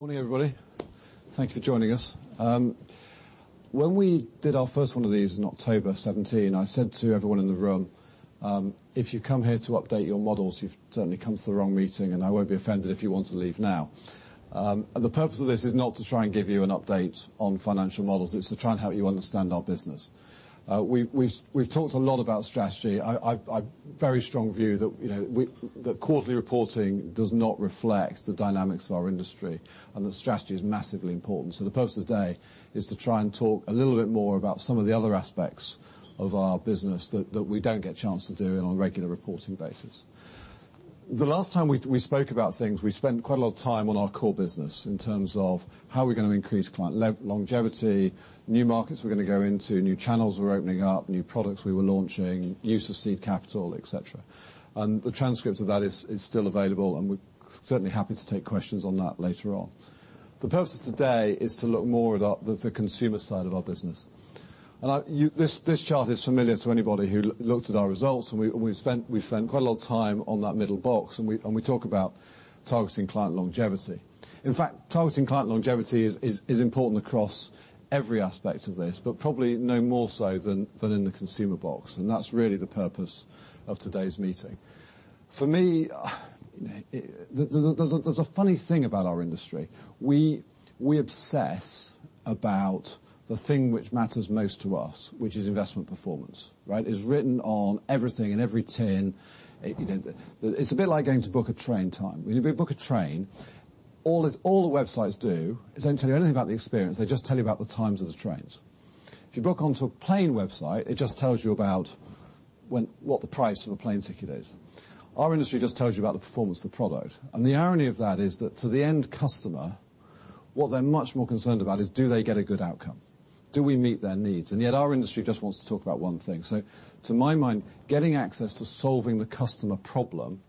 Morning, everybody. Thank you for joining us. When we did our first one of these in October 2017, I said to everyone in the room, "If you've come here to update your models, you've certainly come to the wrong meeting, and I won't be offended if you want to leave now." The purpose of this is not to try and give you an update on financial models. It's to try and help you understand our business. We've talked a lot about strategy. I've very strong view that quarterly reporting does not reflect the dynamics of our industry, and that strategy is massively important. The purpose of today is to try and talk a little bit more about some of the other aspects of our business that we don't get a chance to do it on a regular reporting basis. The last time we spoke about things, we spent quite a lot of time on our core business in terms of how we're going to increase client longevity, new markets we're going to go into, new channels we're opening up, new products we were launching, use of seed capital, et cetera. The transcript of that is still available, and we're certainly happy to take questions on that later on. The purpose of today is to look more at the consumer side of our business. This chart is familiar to anybody who looked at our results, and we've spent quite a lot of time on that middle box, and we talk about targeting client longevity. In fact, targeting client longevity is important across every aspect of this, but probably no more so than in the consumer box, and that's really the purpose of today's meeting. For me, there's a funny thing about our industry. We obsess about the thing which matters most to us, which is investment performance, right? It's written on everything, in every tin. It's a bit like going to book a train time. When you book a train, all the websites do is they don't tell you anything about the experience. They just tell you about the times of the trains. If you book onto a plane website, it just tells you about what the price of a plane ticket is. Our industry just tells you about the performance of the product. The irony of that is that to the end customer, what they're much more concerned about is do they get a good outcome? Do we meet their needs? Yet, our industry just wants to talk about one thing. To my mind, getting access to solving the customer problem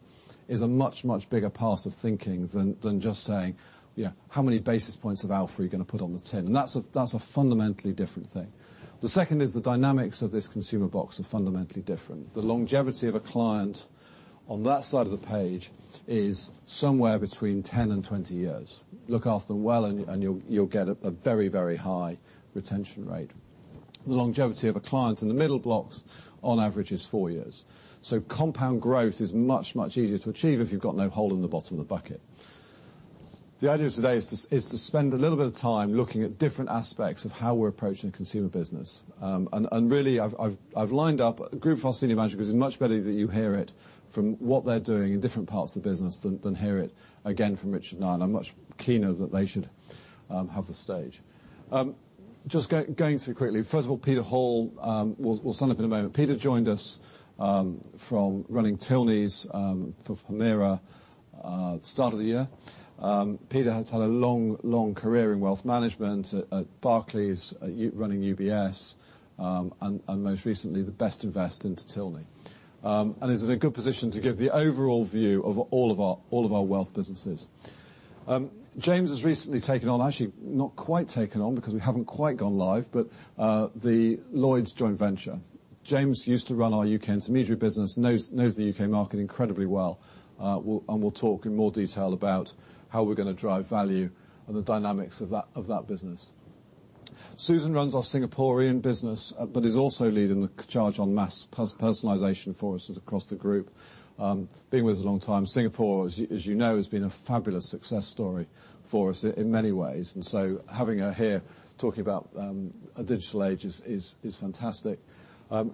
is a much, much bigger part of thinking than just saying, how many basis points of alpha are you going to put on the tin? That's a fundamentally different thing. The second is the dynamics of this consumer box are fundamentally different. The longevity of a client on that side of the page is somewhere between 10 and 20 years. Look after them well and you'll get a very high retention rate. The longevity of a client in the middle blocks on average is four years. Compound growth is much, much easier to achieve if you've got no hole in the bottom of the bucket. The idea of today is to spend a little bit of time looking at different aspects of how we're approaching the consumer business. I've lined up a group of our senior managers, because it's much better that you hear it from what they're doing in different parts of the business than hear it again from Richard and I. I'm much keener that they should have the stage. Just going through quickly, first of all, Peter Hall will sign off in a moment. Peter joined us from running Tilney for Permira at the start of the year. Peter has had a long career in wealth management at Barclays, running UBS, and most recently, the Bestinvest into Tilney, and is in a good position to give the overall view of all of our wealth businesses. James has recently taken on, actually, not quite taken on, because we haven't quite gone live, but the Lloyds joint venture. James used to run our UK intermediary business, knows the UK market incredibly well, and will talk in more detail about how we're going to drive value and the dynamics of that business. Susan runs our Singaporean business, but is also leading the charge on mass personalization for us across the group. Been with us a long time. Singapore, as you know, has been a fabulous success story for us in many ways, so having her here talking about a digital age is fantastic.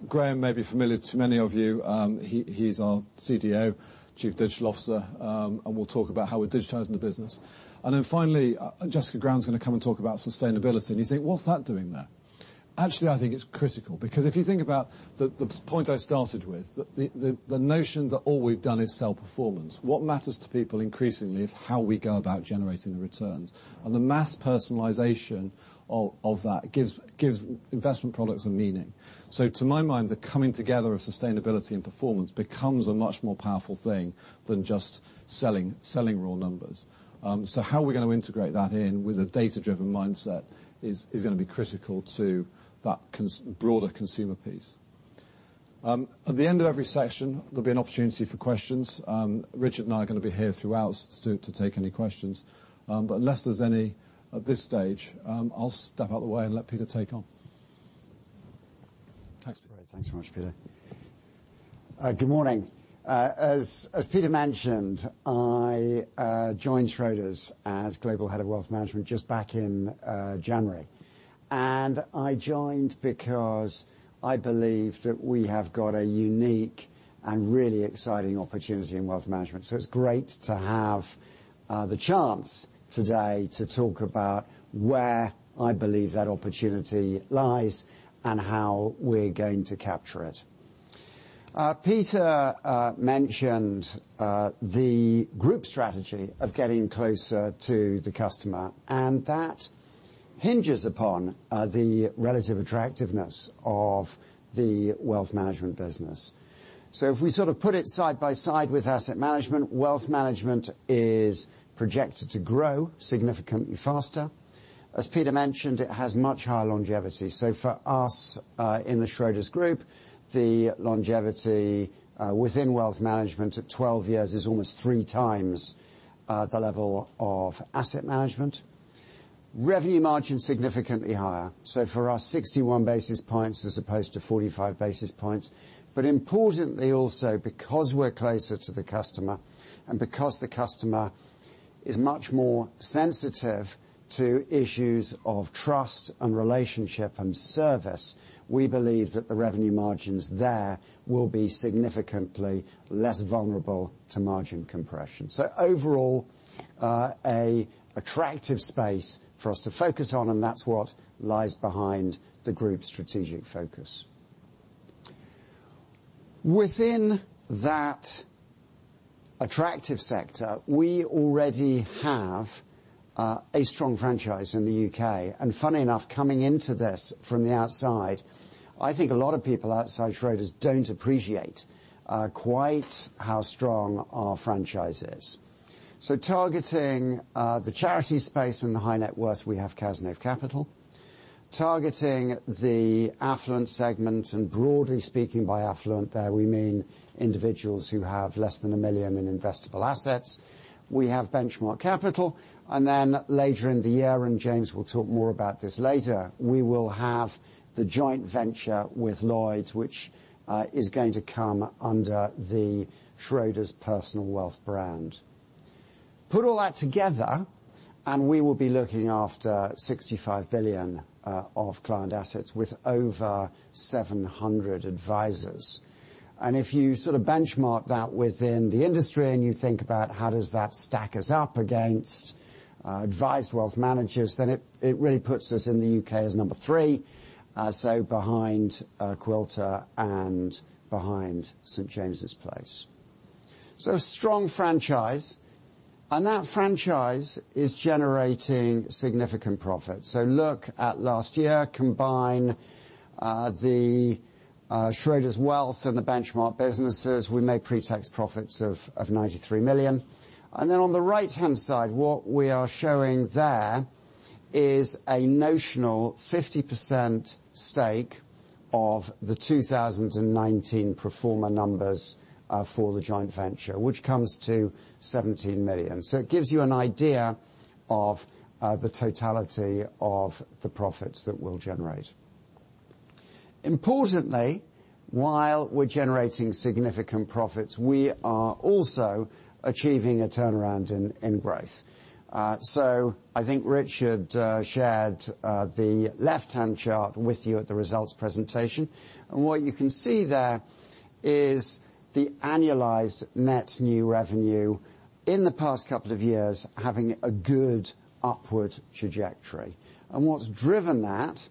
Graham may be familiar to many of you. He's our CDO, chief digital officer, and will talk about how we're digitizing the business. Then finally, Jessica Ground's going to come and talk about sustainability. You think, what's that doing there? Actually, I think it's critical. If you think about the point I started with, the notion that all we've done is sell performance. What matters to people increasingly is how we go about generating the returns. The mass personalization of that gives investment products a meaning. To my mind, the coming together of sustainability and performance becomes a much more powerful thing than just selling raw numbers. How we're going to integrate that in with a data-driven mindset is going to be critical to that broader consumer piece. At the end of every session, there'll be an opportunity for questions. Richard and I are going to be here throughout to take any questions. Unless there's any at this stage, I'll step out the way and let Peter take on. Thanks. Great. Thanks very much, Peter. Good morning. As Peter mentioned, I joined Schroders as global head of wealth management just back in January. I joined because I believe that we have got a unique and really exciting opportunity in wealth management. It's great to have the chance today to talk about where I believe that opportunity lies and how we're going to capture it. Peter mentioned the group strategy of getting closer to the customer, that hinges upon the relative attractiveness of the wealth management business. If we sort of put it side by side with asset management, wealth management is projected to grow significantly faster. As Peter mentioned, it has much higher longevity. For us, in the Schroders Group, the longevity within wealth management at 12 years is almost three times the level of asset management. Revenue margin is significantly higher, for us, 61 basis points as opposed to 45 basis points. Importantly also, because we're closer to the customer, and because the customer is much more sensitive to issues of trust and relationship and service, we believe that the revenue margins there will be significantly less vulnerable to margin compression. Overall, an attractive space for us to focus on, and that's what lies behind the group strategic focus. Within that attractive sector, we already have a strong franchise in the UK Funny enough, coming into this from the outside, I think a lot of people outside Schroders don't appreciate quite how strong our franchise is. Targeting the charity space and the high net worth, we have Cazenove Capital. Targeting the affluent segment, broadly speaking, by affluent there, we mean individuals who have less than 1 million in investable assets, we have Benchmark Capital. Then later in the year, James will talk more about this later, we will have the joint venture with Lloyds, which is going to come under the Schroders Personal Wealth brand. Put all that together, we will be looking after 65 billion of client assets with over 700 advisors. If you sort of benchmark that within the industry, and you think about how does that stack us up against advised wealth managers, then it really puts us in the UK as number 3, behind Quilter and behind St. James's Place. A strong franchise, that franchise is generating significant profit. Look at last year, combine the Schroders Wealth and the Benchmark businesses, we made pre-tax profits of 93 million. Then on the right-hand side, what we are showing there is a notional 50% stake of the 2019 pro forma numbers for the joint venture, which comes to 17 million. It gives you an idea of the totality of the profits that we'll generate. Importantly, while we're generating significant profits, we are also achieving a turnaround in growth. I think Richard shared the left-hand chart with you at the results presentation. What you can see there is the annualized net new revenue in the past couple of years having a good upward trajectory. What's driven that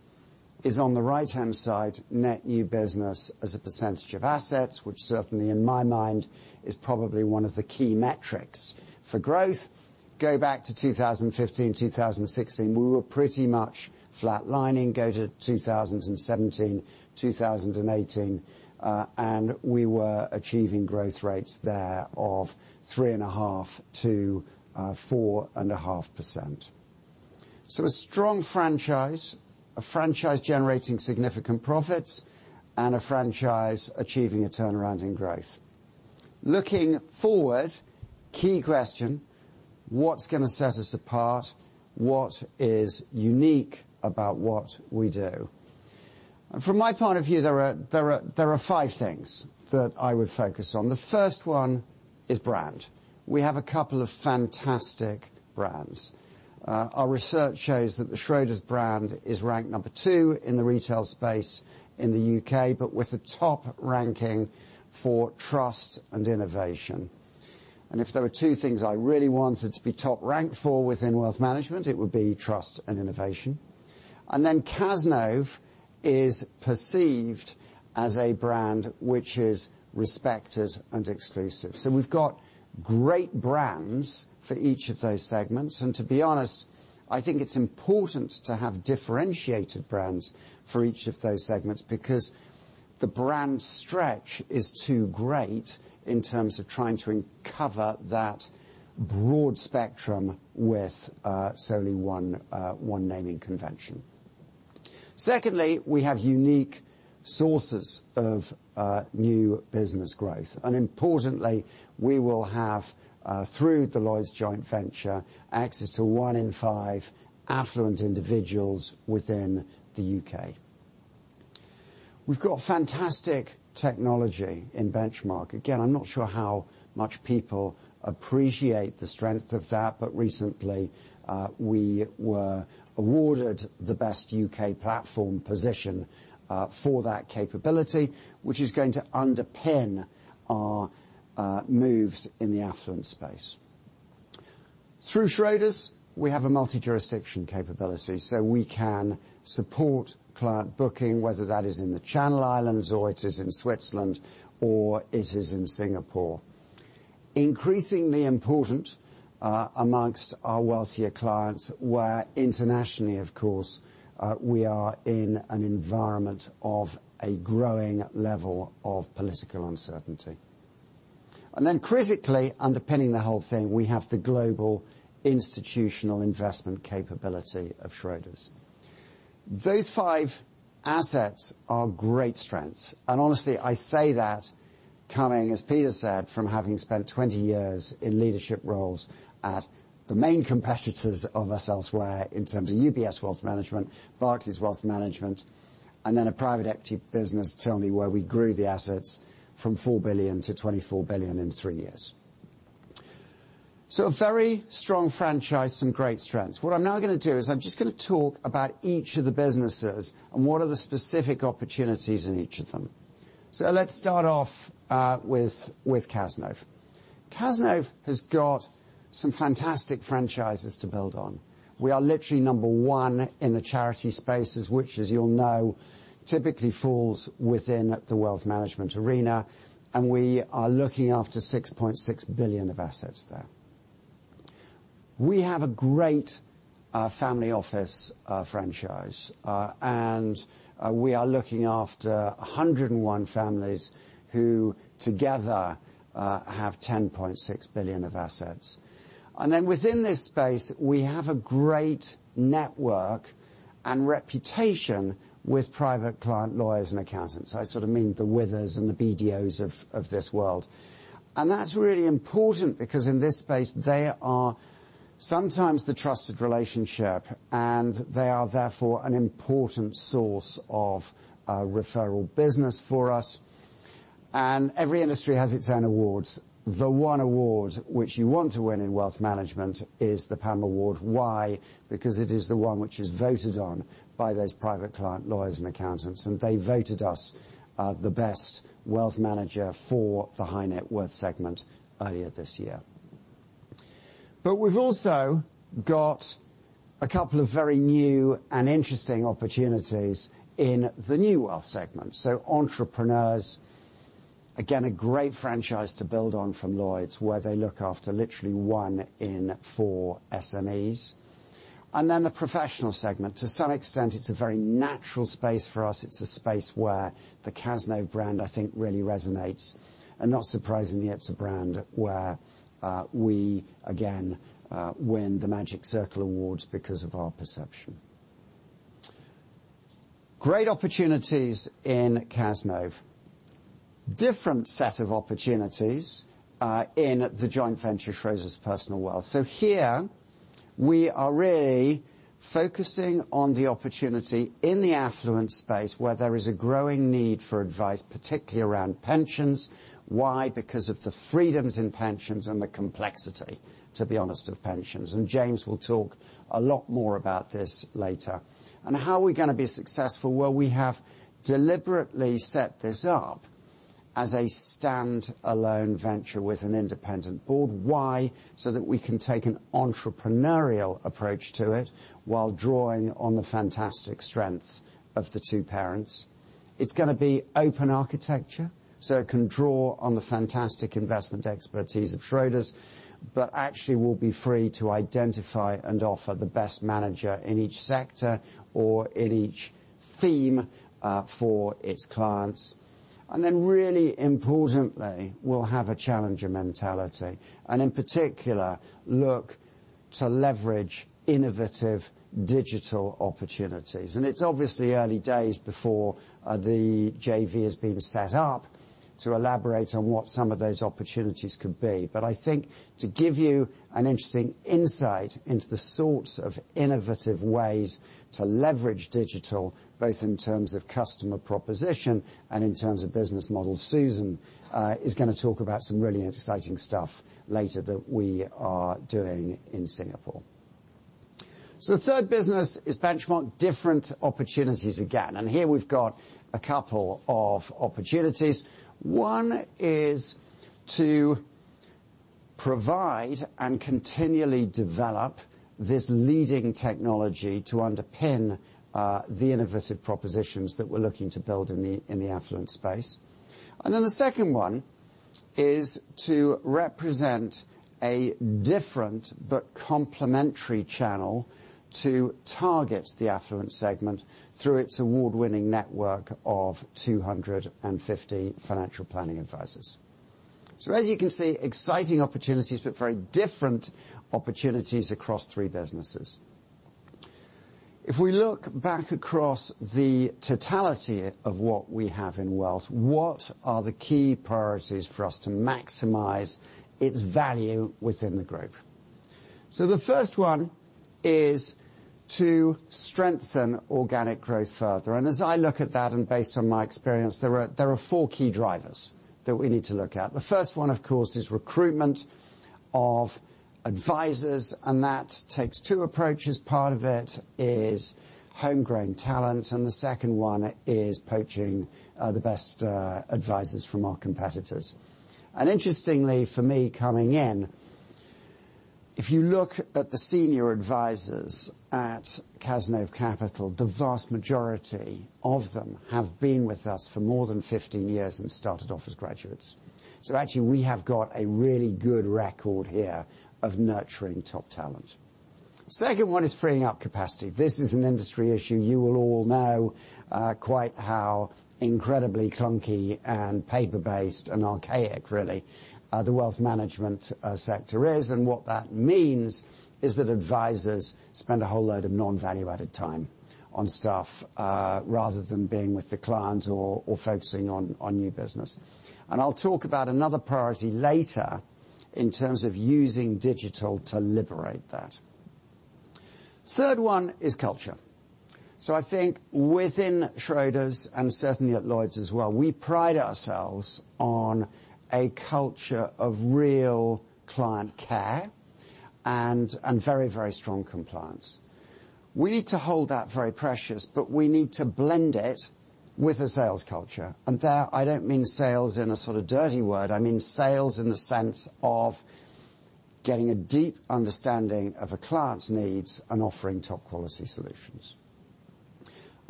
is on the right-hand side, net new business as a percentage of assets, which certainly in my mind is probably 1 of the key metrics for growth. Go back to 2015, 2016, we were pretty much flatlining. Go to 2017, 2018, we were achieving growth rates there of 3.5%-4.5%. A strong franchise, a franchise generating significant profits, a franchise achieving a turnaround in growth. Looking forward, key question, what's going to set us apart? What is unique about what we do? From my point of view, there are five things that I would focus on. The first one is brand. We have a couple of fantastic brands. Our research shows that the Schroders brand is ranked number 2 in the retail space in the UK, but with a top ranking for trust and innovation. If there were two things I really wanted to be top ranked for within wealth management, it would be trust and innovation. Then Cazenove is perceived as a brand which is respected and exclusive. We've got great brands for each of those segments. To be honest, I think it's important to have differentiated brands for each of those segments because the brand stretch is too great in terms of trying to cover that broad spectrum with certainly one naming convention. Secondly, we have unique sources of new business growth. Importantly, we will have, through the Lloyds joint venture, access to one in five affluent individuals within the UK We've got fantastic technology in Benchmark. I'm not sure how much people appreciate the strength of that, but recently we were awarded the best UK platform position for that capability, which is going to underpin our moves in the affluent space. Through Schroders, we have a multi-jurisdiction capability, so we can support client booking, whether that is in the Channel Islands or it is in Switzerland or it is in Singapore. Increasingly important amongst our wealthier clients where internationally, of course, we are in an environment of a growing level of political uncertainty. Critically underpinning the whole thing, we have the global institutional investment capability of Schroders. Those five assets are great strengths. Honestly, I say that coming, as Peter said, from having spent 20 years in leadership roles at the main competitors of ourselves where in terms of UBS Wealth Management, Barclays Wealth Management, and then a private equity business, Tilney, where we grew the assets from 4 billion to 24 billion in three years. A very strong franchise and great strengths. What I'm now going to do is I'm just going to talk about each of the businesses and what are the specific opportunities in each of them. Let's start off with Cazenove. Cazenove has got some fantastic franchises to build on. We are literally number one in the charity spaces, which as you all know, typically falls within the wealth management arena, and we are looking after 6.6 billion of assets there. We have a great family office franchise. We are looking after 101 families who together have 10.6 billion of assets. Within this space, we have a great network and reputation with private client lawyers and accountants. I sort of mean the Withers and the BDOs of this world. That's really important because in this space, they are sometimes the trusted relationship, and they are therefore an important source of referral business for us. Every industry has its own awards. The one award which you want to win in wealth management is the PAM Award. Why? Because it is the one which is voted on by those private client lawyers and accountants, and they voted us the best wealth manager for the high net worth segment earlier this year. We've also got a couple of very new and interesting opportunities in the new wealth segment. Entrepreneurs, again, a great franchise to build on from Lloyds, where they look after literally one in four SMEs. The professional segment. To some extent, it's a very natural space for us. It's a space where the Cazenove brand, I think, really resonates, and not surprisingly, it's a brand where we again, win the Citywealth Magic Circle Awards because of our perception. Great opportunities in Cazenove. Different set of opportunities in the joint venture, Schroders Personal Wealth. Here we are really focusing on the opportunity in the affluent space where there is a growing need for advice, particularly around pensions. Why? Because of the freedoms in pensions and the complexity, to be honest, of pensions. James will talk a lot more about this later. How are we going to be successful? Well, we have deliberately set this up as a stand-alone venture with an independent board. Why? That we can take an entrepreneurial approach to it while drawing on the fantastic strengths of the two parents. It's going to be open architecture, it can draw on the fantastic investment expertise of Schroders, but actually will be free to identify and offer the best manager in each sector or in each theme for its clients. Then really importantly, we'll have a challenger mentality, and in particular, look to leverage innovative digital opportunities. It's obviously early days before the JV has been set up to elaborate on what some of those opportunities could be. I think to give you an interesting insight into the sorts of innovative ways to leverage digital, both in terms of customer proposition and in terms of business model, Susan is going to talk about some really exciting stuff later that we are doing in Singapore. The third business is Benchmark. Different opportunities again. Here we've got a couple of opportunities. One is to provide and continually develop this leading technology to underpin the innovative propositions that we're looking to build in the affluent space. Then the second one is to represent a different but complementary channel to target the affluent segment through its award-winning network of 250 financial planning advisors. As you can see, exciting opportunities, but very different opportunities across three businesses. If we look back across the totality of what we have in wealth, what are the key priorities for us to maximize its value within the group? The first one is to strengthen organic growth further. As I look at that, and based on my experience, there are four key drivers that we need to look at. The first one, of course, is recruitment of advisors, and that takes two approaches. Part of it is homegrown talent, and the second one is poaching the best advisors from our competitors. Interestingly for me coming in, if you look at the senior advisors at Cazenove Capital, the vast majority of them have been with us for more than 15 years and started off as graduates. Actually, we have got a really good record here of nurturing top talent. Second one is freeing up capacity. This is an industry issue. You will all know quite how incredibly clunky and paper-based and archaic really, the wealth management sector is. What that means is that advisors spend a whole load of non-value-added time on stuff, rather than being with the client or focusing on new business. I'll talk about another priority later in terms of using digital to liberate that. Third one is culture. I think within Schroders and certainly at Lloyds as well, we pride ourselves on a culture of real client care and very strong compliance. We need to hold that very precious, but we need to blend it with a sales culture. There, I don't mean sales in a sort of dirty word, I mean sales in the sense of getting a deep understanding of a client's needs and offering top quality solutions.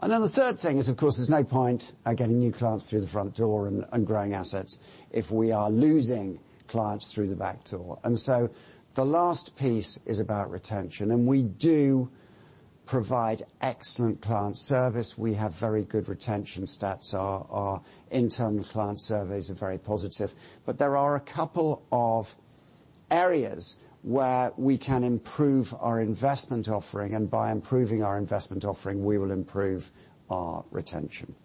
The third thing is, of course, there's no point getting new clients through the front door and growing assets if we are losing clients through the back door. The last piece is about retention, and we do provide excellent client service. We have very good retention stats. Our internal client surveys are very positive. There are a couple of areas where we can improve our investment offering, and by improving our investment offering, we will improve our retention.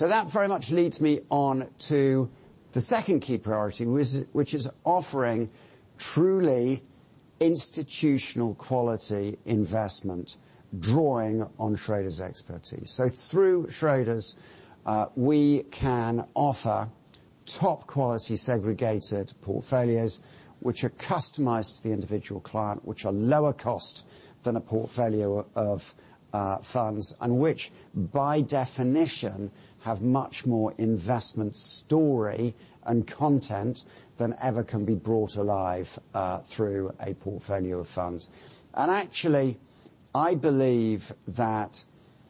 That very much leads me on to the second key priority, which is offering truly institutional quality investment, drawing on Schroders' expertise. Through Schroders, we can offer top quality segregated portfolios which are customized to the individual client, which are lower cost than a portfolio of funds, and which, by definition, have much more investment story and content than ever can be brought alive through a portfolio of funds. I believe that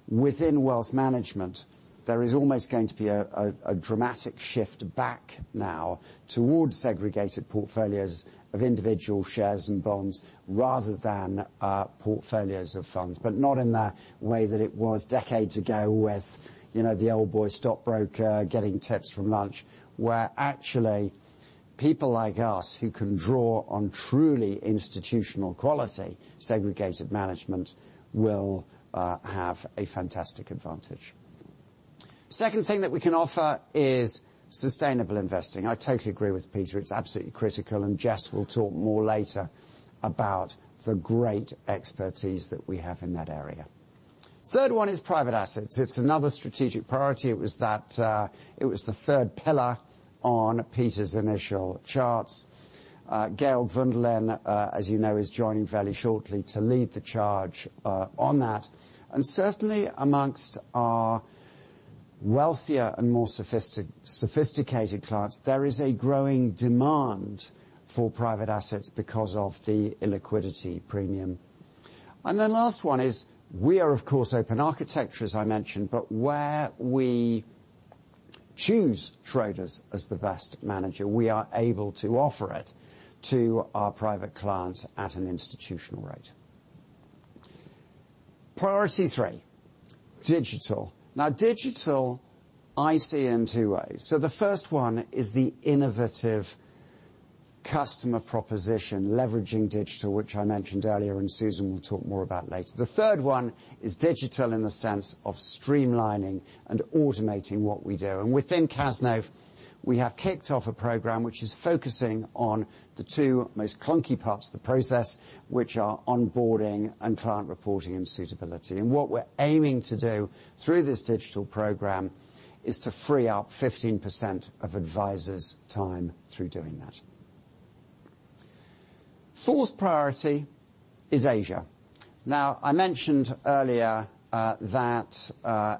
within wealth management, there is almost going to be a dramatic shift back now towards segregated portfolios of individual shares and bonds rather than portfolios of funds, but not in the way that it was decades ago with the old boy stockbroker getting tips from lunch, where actually people like us who can draw on truly institutional quality segregated management will have a fantastic advantage. Second thing that we can offer is sustainable investing. I totally agree with Peter. It's absolutely critical, Jess will talk more later about the great expertise that we have in that area. Third one is private assets. It's another strategic priority. It was the third pillar on Peter's initial charts. Gaël de Vendelen, as you know, is joining very shortly to lead the charge on that. Certainly amongst our wealthier and more sophisticated clients, there is a growing demand for private assets because of the illiquidity premium. The last one is we are, of course, open architecture, as I mentioned, but where we choose Schroders as the best manager, we are able to offer it to our private clients at an institutional rate. Priority three, digital. Digital I see in two ways. The first one is the innovative customer proposition, leveraging digital, which I mentioned earlier and Susan will talk more about later. The third one is digital in the sense of streamlining and automating what we do. Within Cazenove, we have kicked off a program which is focusing on the two most clunky parts of the process, which are onboarding and client reporting and suitability. What we're aiming to do through this digital program is to free up 15% of advisors' time through doing that. Fourth priority is Asia. I mentioned earlier that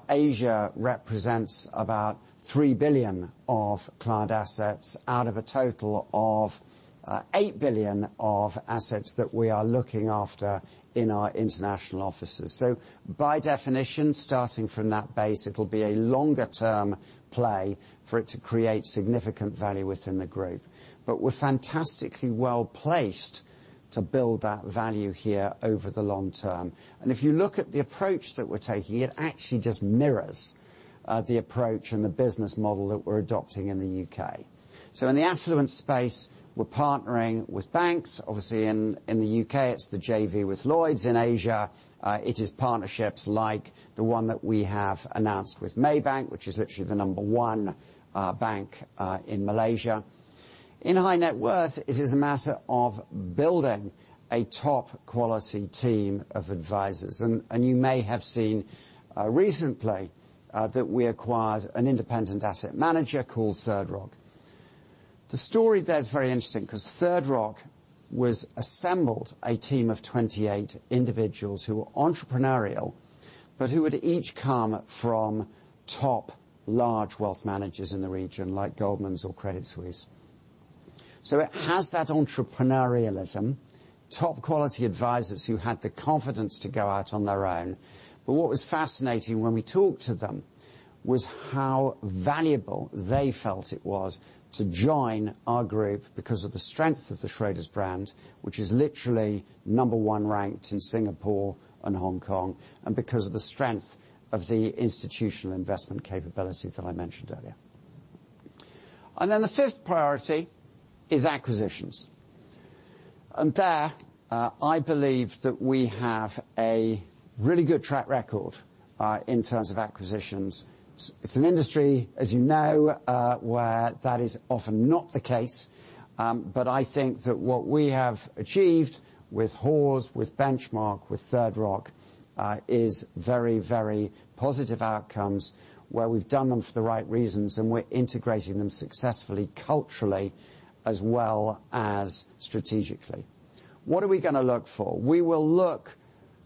Asia represents about 3 billion of client assets out of a total of 8 billion of assets that we are looking after in our international offices. By definition, starting from that base, it'll be a longer term play for it to create significant value within the group. We're fantastically well-placed to build that value here over the long term. If you look at the approach that we're taking, it actually just mirrors the approach and the business model that we're adopting in the UK In the affluent space, we're partnering with banks. Obviously in the UK, it's the JV with Lloyds. In Asia, it is partnerships like the one that we have announced with Maybank, which is literally the number one bank in Malaysia. In high net worth, it is a matter of building a top quality team of advisors. You may have seen recently that we acquired an independent asset manager called Third Rock. The story there is very interesting because Third Rock was assembled a team of 28 individuals who were entrepreneurial, but who would each come from top large wealth managers in the region like Goldman's or Credit Suisse. It has that entrepreneurialism, top quality advisors who had the confidence to go out on their own. What was fascinating when we talked to them was how valuable they felt it was to join our group because of the strength of the Schroders brand, which is literally number one ranked in Singapore and Hong Kong, and because of the strength of the institutional investment capability that I mentioned earlier. Then the fifth priority is acquisitions. There, I believe that we have a really good track record in terms of acquisitions. It's an industry, as you know, where that is often not the case. I think that what we have achieved with Hawes, with Benchmark, with Third Rock is very positive outcomes, where we've done them for the right reasons, and we're integrating them successfully culturally as well as strategically. What are we going to look for? We will look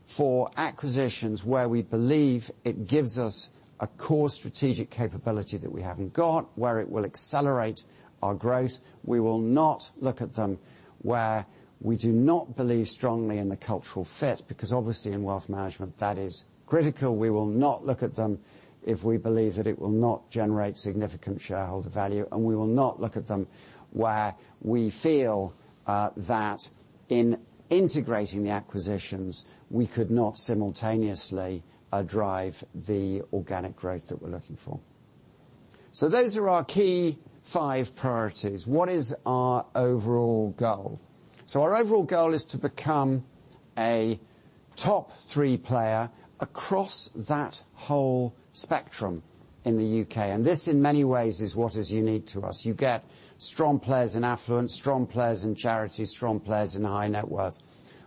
for acquisitions where we believe it gives us a core strategic capability that we haven't got, where it will accelerate our growth. We will not look at them where we do not believe strongly in the cultural fit, because obviously in wealth management that is critical. We will not look at them if we believe that it will not generate significant shareholder value, and we will not look at them where we feel that in integrating the acquisitions, we could not simultaneously drive the organic growth that we're looking for. Those are our key five priorities. What is our overall goal? Our overall goal is to become a top three player across that whole spectrum in the UK This, in many ways, is what is unique to us. You get strong players in affluent, strong players in charities, strong players in high net worth.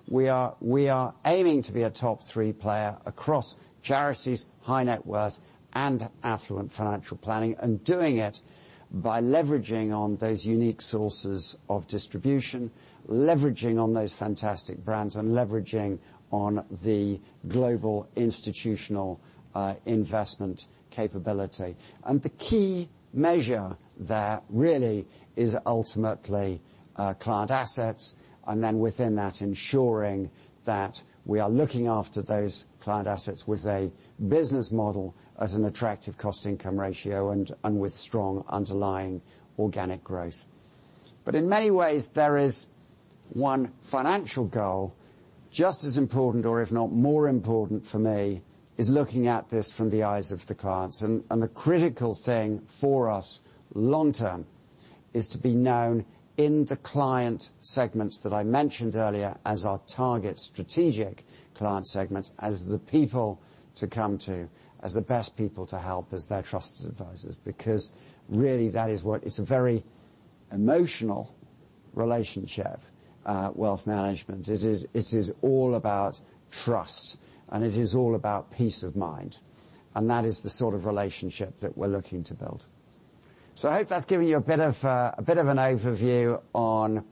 We are aiming to be a top three player across charities, high net worth, and affluent financial planning, and doing it by leveraging on those unique sources of distribution, leveraging on those fantastic brands, and leveraging on the global institutional investment capability. The key measure there really is ultimately client assets, and then within that, ensuring that we are looking after those client assets with a business model as an attractive cost-income ratio and with strong underlying organic growth. In many ways, there is one financial goal, just as important or if not more important for me is looking at this from the eyes of the clients. The critical thing for us long term is to be known in the client segments that I mentioned earlier as our target strategic client segments as the people to come to, as the best people to help as their trusted advisors, because really it's a very emotional relationship, wealth management. It is all about trust and it is all about peace of mind, and that is the sort of relationship that we're looking to build. I hope that's given you a bit of an overview on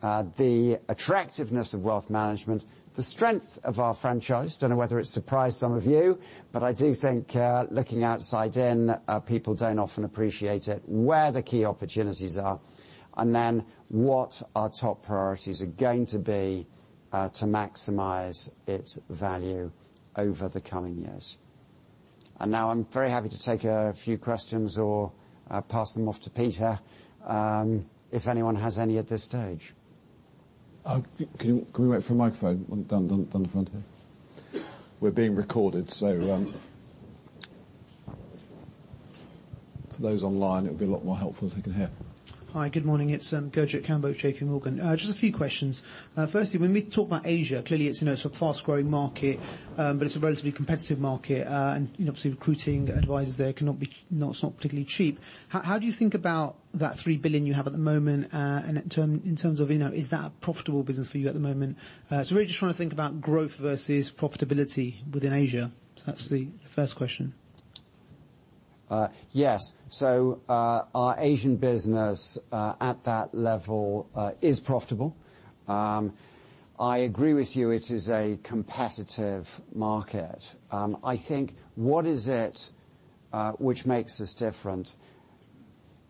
the attractiveness of wealth management, the strength of our franchise. Don't know whether it surprised some of you, but I do think looking outside in, people don't often appreciate it, where the key opportunities are, then what our top priorities are going to be to maximize its value over the coming years. Now I'm very happy to take a few questions or pass them off to Peter if anyone has any at this stage. Can we wait for a microphone down the front here? We're being recorded, so for those online, it would be a lot more helpful if they can hear. Hi. Good morning. It's Gurjit Kambo, J.P. Morgan. Just a few questions. Firstly, when we talk about Asia, clearly it's a fast-growing market, but it's a relatively competitive market. Obviously recruiting advisors there it's not particularly cheap. How do you think about that 3 billion you have at the moment in terms of is that a profitable business for you at the moment? Really just trying to think about growth versus profitability within Asia. That's the first question. Our Asian business at that level is profitable. I agree with you, it is a competitive market. I think what is it which makes us different?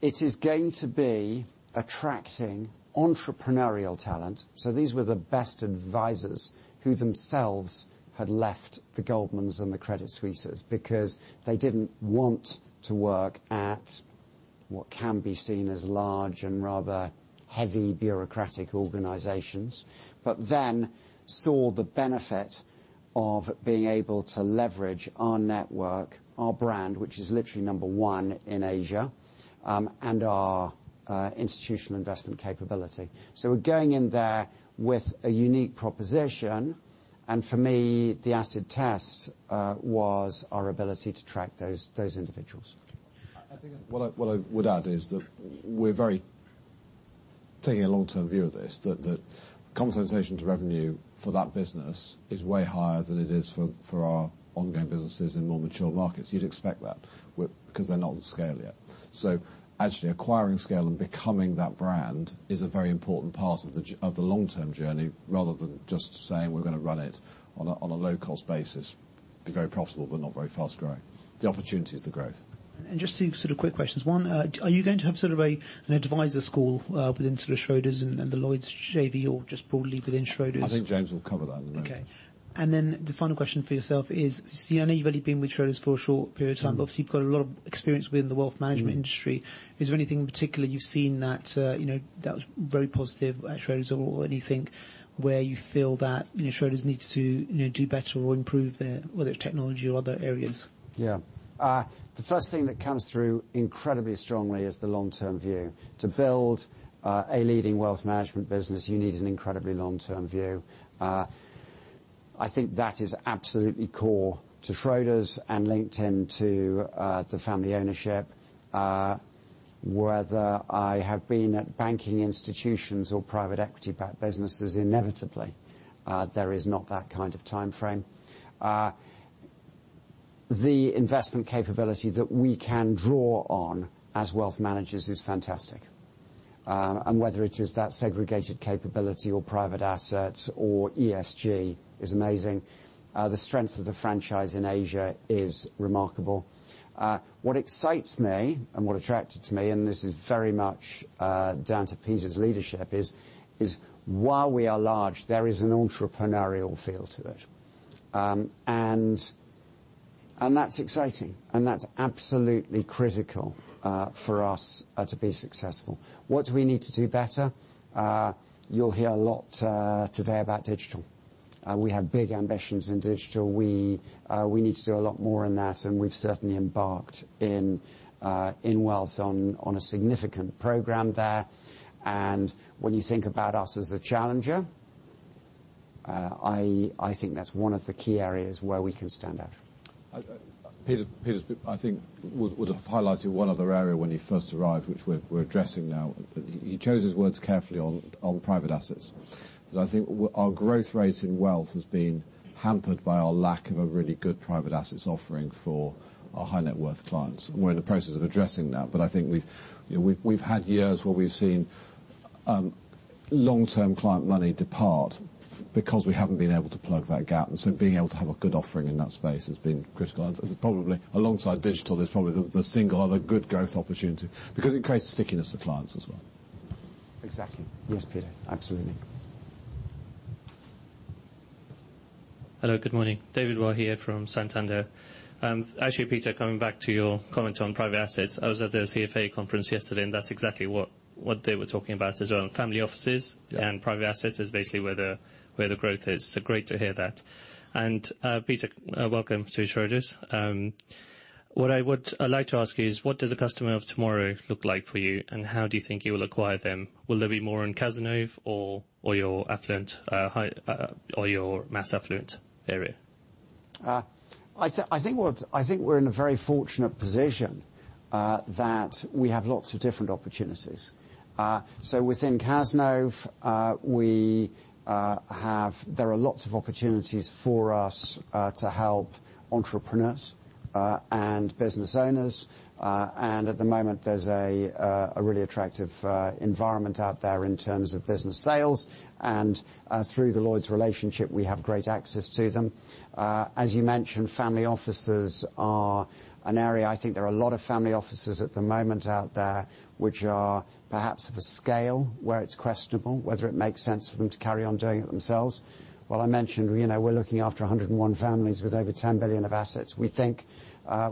It is going to be attracting entrepreneurial talent. These were the best advisors who themselves had left the Goldman's and the Credit Suisse because they didn't want to work at what can be seen as large and rather heavy bureaucratic organizations, saw the benefit of being able to leverage our network, our brand, which is literally number one in Asia, and our institutional investment capability. We're going in there with a unique proposition, and for me, the acid test was our ability to track those individuals. I think what I would add is that we're taking a long-term view of this, that compensation to revenue for that business is way higher than it is for our ongoing businesses in more mature markets. You'd expect that because they're not at scale yet. Actually acquiring scale and becoming that brand is a very important part of the long-term journey rather than just saying we're going to run it on a low-cost basis. It'd be very profitable, but not very fast-growing. The opportunity is the growth. Just two quick questions. One, are you going to have an advisor school within Schroders and the Lloyds JV, or just broadly within Schroders? I think James will cover that. Okay. The final question for yourself is, I know you've only been with Schroders for a short period of time, but obviously you've got a lot of experience within the wealth management industry. Is there anything in particular you've seen that was very positive at Schroders, or anything where you feel that Schroders needs to do better or improve, whether it's technology or other areas? Yeah. The first thing that comes through incredibly strongly is the long-term view. To build a leading wealth management business, you need an incredibly long-term view. I think that is absolutely core to Schroders and linked into the family ownership. Whether I have been at banking institutions or private equity-backed businesses, inevitably, there is not that kind of timeframe. The investment capability that we can draw on as wealth managers is fantastic. Whether it is that segregated capability or private assets or ESG is amazing. The strength of the franchise in Asia is remarkable. What excites me and what attracted to me, and this is very much down to Peter's leadership, is while we are large, there is an entrepreneurial feel to it. That's exciting, and that's absolutely critical for us to be successful. What do we need to do better? You'll hear a lot today about digital. We have big ambitions in digital. We need to do a lot more in that, and we've certainly embarked in Wealth on a significant program there. When you think about us as a challenger, I think that's one of the key areas where we can stand out. Peter, I think would have highlighted one other area when he first arrived, which we're addressing now. He chose his words carefully on private assets. Because I think our growth rate in wealth has been hampered by our lack of a really good private assets offering for our high-net-worth clients. We're in the process of addressing that, but I think we've had years where we've seen long-term client money depart because we haven't been able to plug that gap. So being able to have a good offering in that space has been critical. Probably alongside digital, is probably the single other good growth opportunity, because it creates a stickiness to clients as well. Exactly. Yes, Peter, absolutely. Hello, good morning. David Roy here from Santander. Actually, Peter, coming back to your comment on private assets, I was at the CFA conference yesterday. That's exactly what they were talking about as well. Family offices and private assets is basically where the growth is. Great to hear that. Peter, welcome to Schroders. What I would like to ask you is, what does a customer of tomorrow look like for you, and how do you think you will acquire them? Will there be more on Cazenove or your mass affluent area? I think we're in a very fortunate position that we have lots of different opportunities. Within Cazenove, there are lots of opportunities for us to help entrepreneurs and business owners. At the moment, there's a really attractive environment out there in terms of business sales. Through the Lloyds relationship, we have great access to them. As you mentioned, family offices are an area, I think there are a lot of family offices at the moment out there, which are perhaps of a scale where it's questionable whether it makes sense for them to carry on doing it themselves. Well, I mentioned we're looking after 101 families with over 10 billion of assets. We think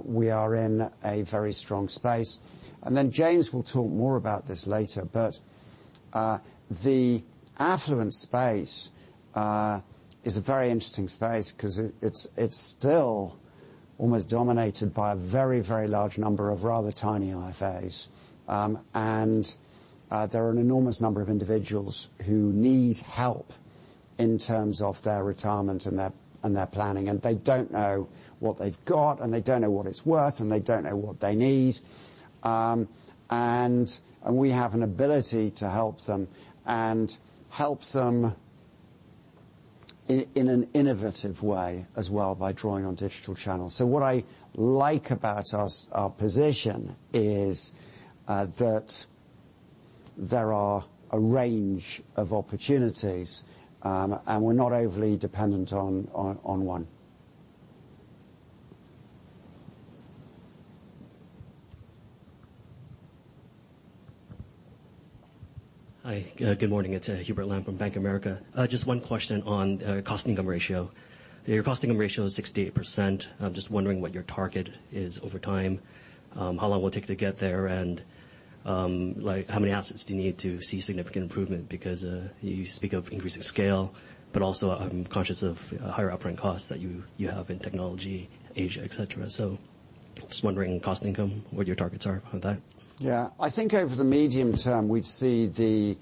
we are in a very strong space. James will talk more about this later, but the affluent space is a very interesting space because it's still almost dominated by a very large number of rather tiny IFAs. There are an enormous number of individuals who need help in terms of their retirement and their planning, and they don't know what they've got, and they don't know what it's worth, and they don't know what they need. We have an ability to help them and help them in an innovative way as well by drawing on digital channels. What I like about our position is that there are a range of opportunities, and we're not overly dependent on one. Hi, good morning. It's Hubert Lam from Bank of America. Just one question on cost-income ratio. Your cost-income ratio is 68%. I'm just wondering what your target is over time. How long will it take to get there, and how many assets do you need to see significant improvement? You speak of increasing scale, but also I'm conscious of higher operating costs that you have in technology, Asia, et cetera. Just wondering cost income, what your targets are with that. I think over the medium term, we'd see the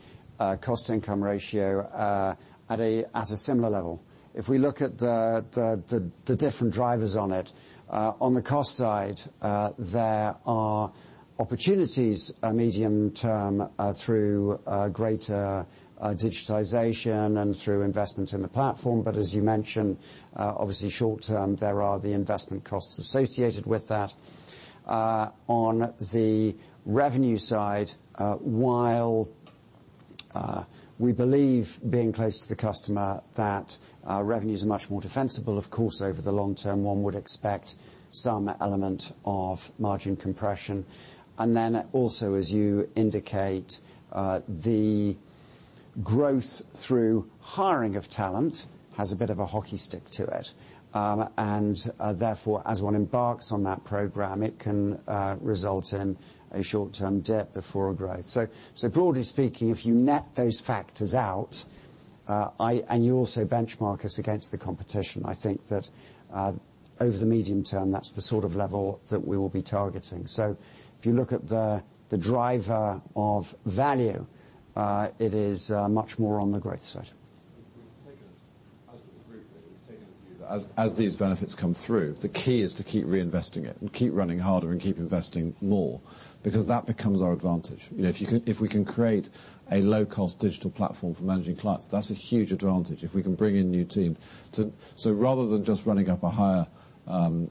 cost-income ratio at a similar level. If we look at the different drivers on it, on the cost side, there are opportunities medium term through greater digitization and through investment in the platform. As you mentioned, obviously short term, there are the investment costs associated with that. On the revenue side, while we believe being close to the customer, that our revenues are much more defensible. Of course, over the long term, one would expect some element of margin compression. Then also as you indicate, the growth through hiring of talent has a bit of a hockey stick to it. Therefore, as one embarks on that program, it can result in a short-term dip before a growth. Broadly speaking, if you net those factors out, and you also benchmark us against the competition, I think that, over the medium term, that's the sort of level that we will be targeting. If you look at the driver of value, it is much more on the growth side. I would agree with that. As these benefits come through, the key is to keep reinvesting it and keep running harder and keep investing more because that becomes our advantage. If we can create a low-cost digital platform for managing clients, that's a huge advantage if we can bring in a new team. Rather than just running up a higher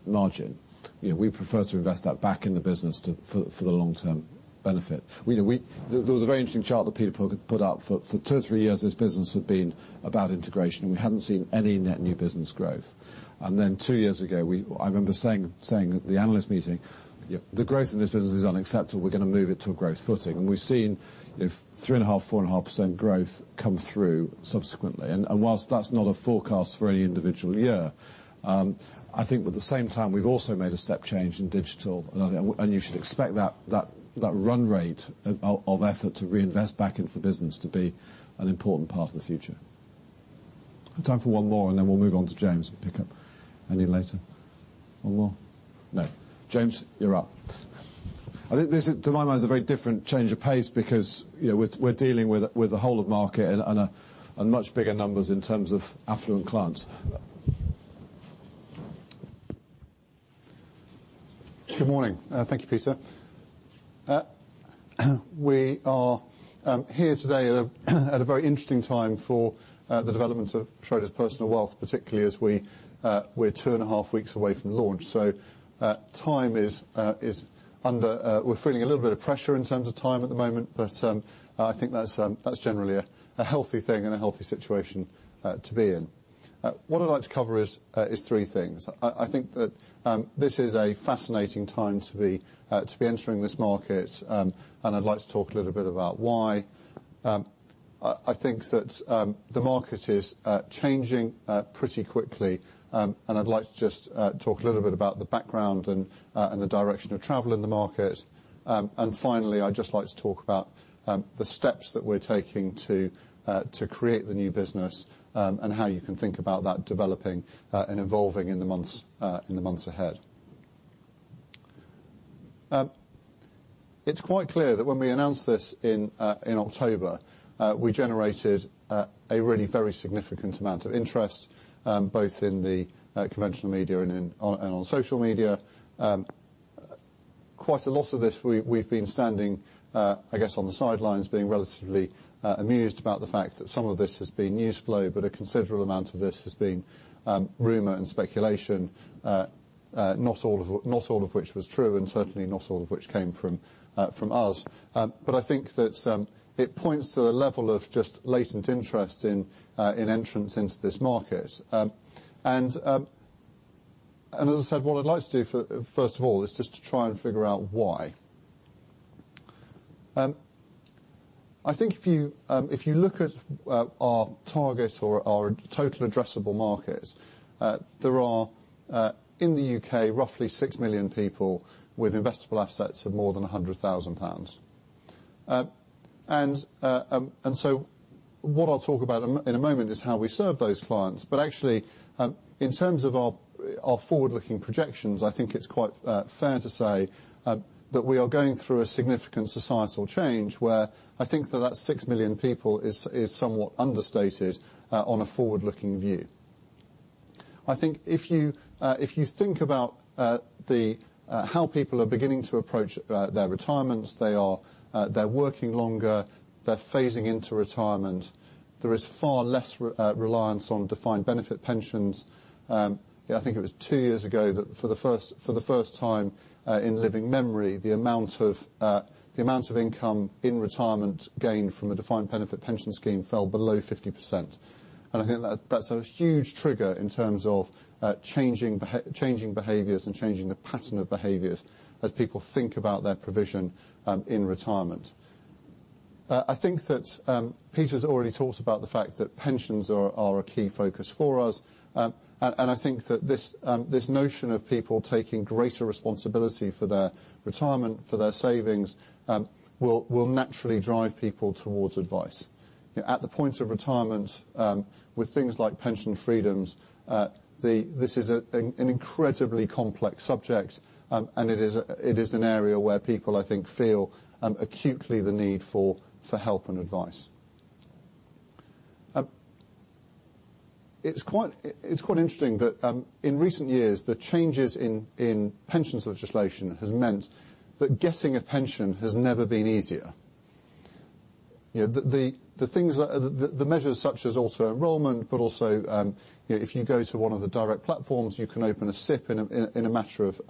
margin, we prefer to invest that back in the business for the long-term benefit. There was a very interesting chart that Peter put up. For two or three years, this business had been about integration. We hadn't seen any net new business growth. Then two years ago, I remember saying at the analyst meeting, the growth in this business is unacceptable. We're going to move it to a growth footing. We've seen 3.5%, 4.5% growth come through subsequently. Whilst that's not a forecast for any individual year, I think at the same time, we've also made a step change in digital, you should expect that run rate of effort to reinvest back into the business to be an important part of the future. Time for one more, then we'll move on to James and pick up any later. One more? No. James, you're up. I think this, to my mind, is a very different change of pace because we're dealing with the whole of market and much bigger numbers in terms of affluent clients. Good morning. Thank you, Peter. We are here today at a very interesting time for the development of Schroders Personal Wealth, particularly as we're two and a half weeks away from launch. We're feeling a little bit of pressure in terms of time at the moment, I think that's generally a healthy thing and a healthy situation to be in. What I'd like to cover is three things. I think that this is a fascinating time to be entering this market, I'd like to talk a little bit about why. I think that the market is changing pretty quickly, I'd like to just talk a little bit about the background and the direction of travel in the market. Finally, I'd just like to talk about the steps that we're taking to create the new business and how you can think about that developing and evolving in the months ahead. It's quite clear that when we announced this in October, we generated a really very significant amount of interest, both in the conventional media and on social media. Quite a lot of this, we've been standing, I guess, on the sidelines, being relatively amused about the fact that some of this has been news flow, a considerable amount of this has been rumor and speculation, not all of which was true, certainly not all of which came from us. I think that it points to the level of just latent interest in entrance into this market. As I said, what I'd like to do, first of all, is just to try and figure out why. I think if you look at our target or our total addressable market, there are, in the UK, roughly 6 million people with investable assets of more than 100,000 pounds. What I'll talk about in a moment is how we serve those clients. Actually, in terms of our forward-looking projections, I think it's quite fair to say that we are going through a significant societal change where I think that 6 million people is somewhat understated on a forward-looking view. I think if you think about how people are beginning to approach their retirements, they're working longer, they're phasing into retirement. There is far less reliance on defined benefit pensions. I think it was 2 years ago that for the first time in living memory, the amount of income in retirement gained from a defined benefit pension scheme fell below 50%. I think that's a huge trigger in terms of changing behaviors and changing the pattern of behaviors as people think about their provision in retirement. I think that Peter's already talked about the fact that pensions are a key focus for us. I think that this notion of people taking greater responsibility for their retirement, for their savings, will naturally drive people towards advice. At the point of retirement, with things like Pension Freedoms, this is an incredibly complex subject. It is an area where people, I think, feel acutely the need for help and advice. It's quite interesting that in recent years, the changes in pensions legislation has meant that getting a pension has never been easier. The measures such as auto-enrollment, but also, if you go to one of the direct platforms, you can open a SIPP in a matter of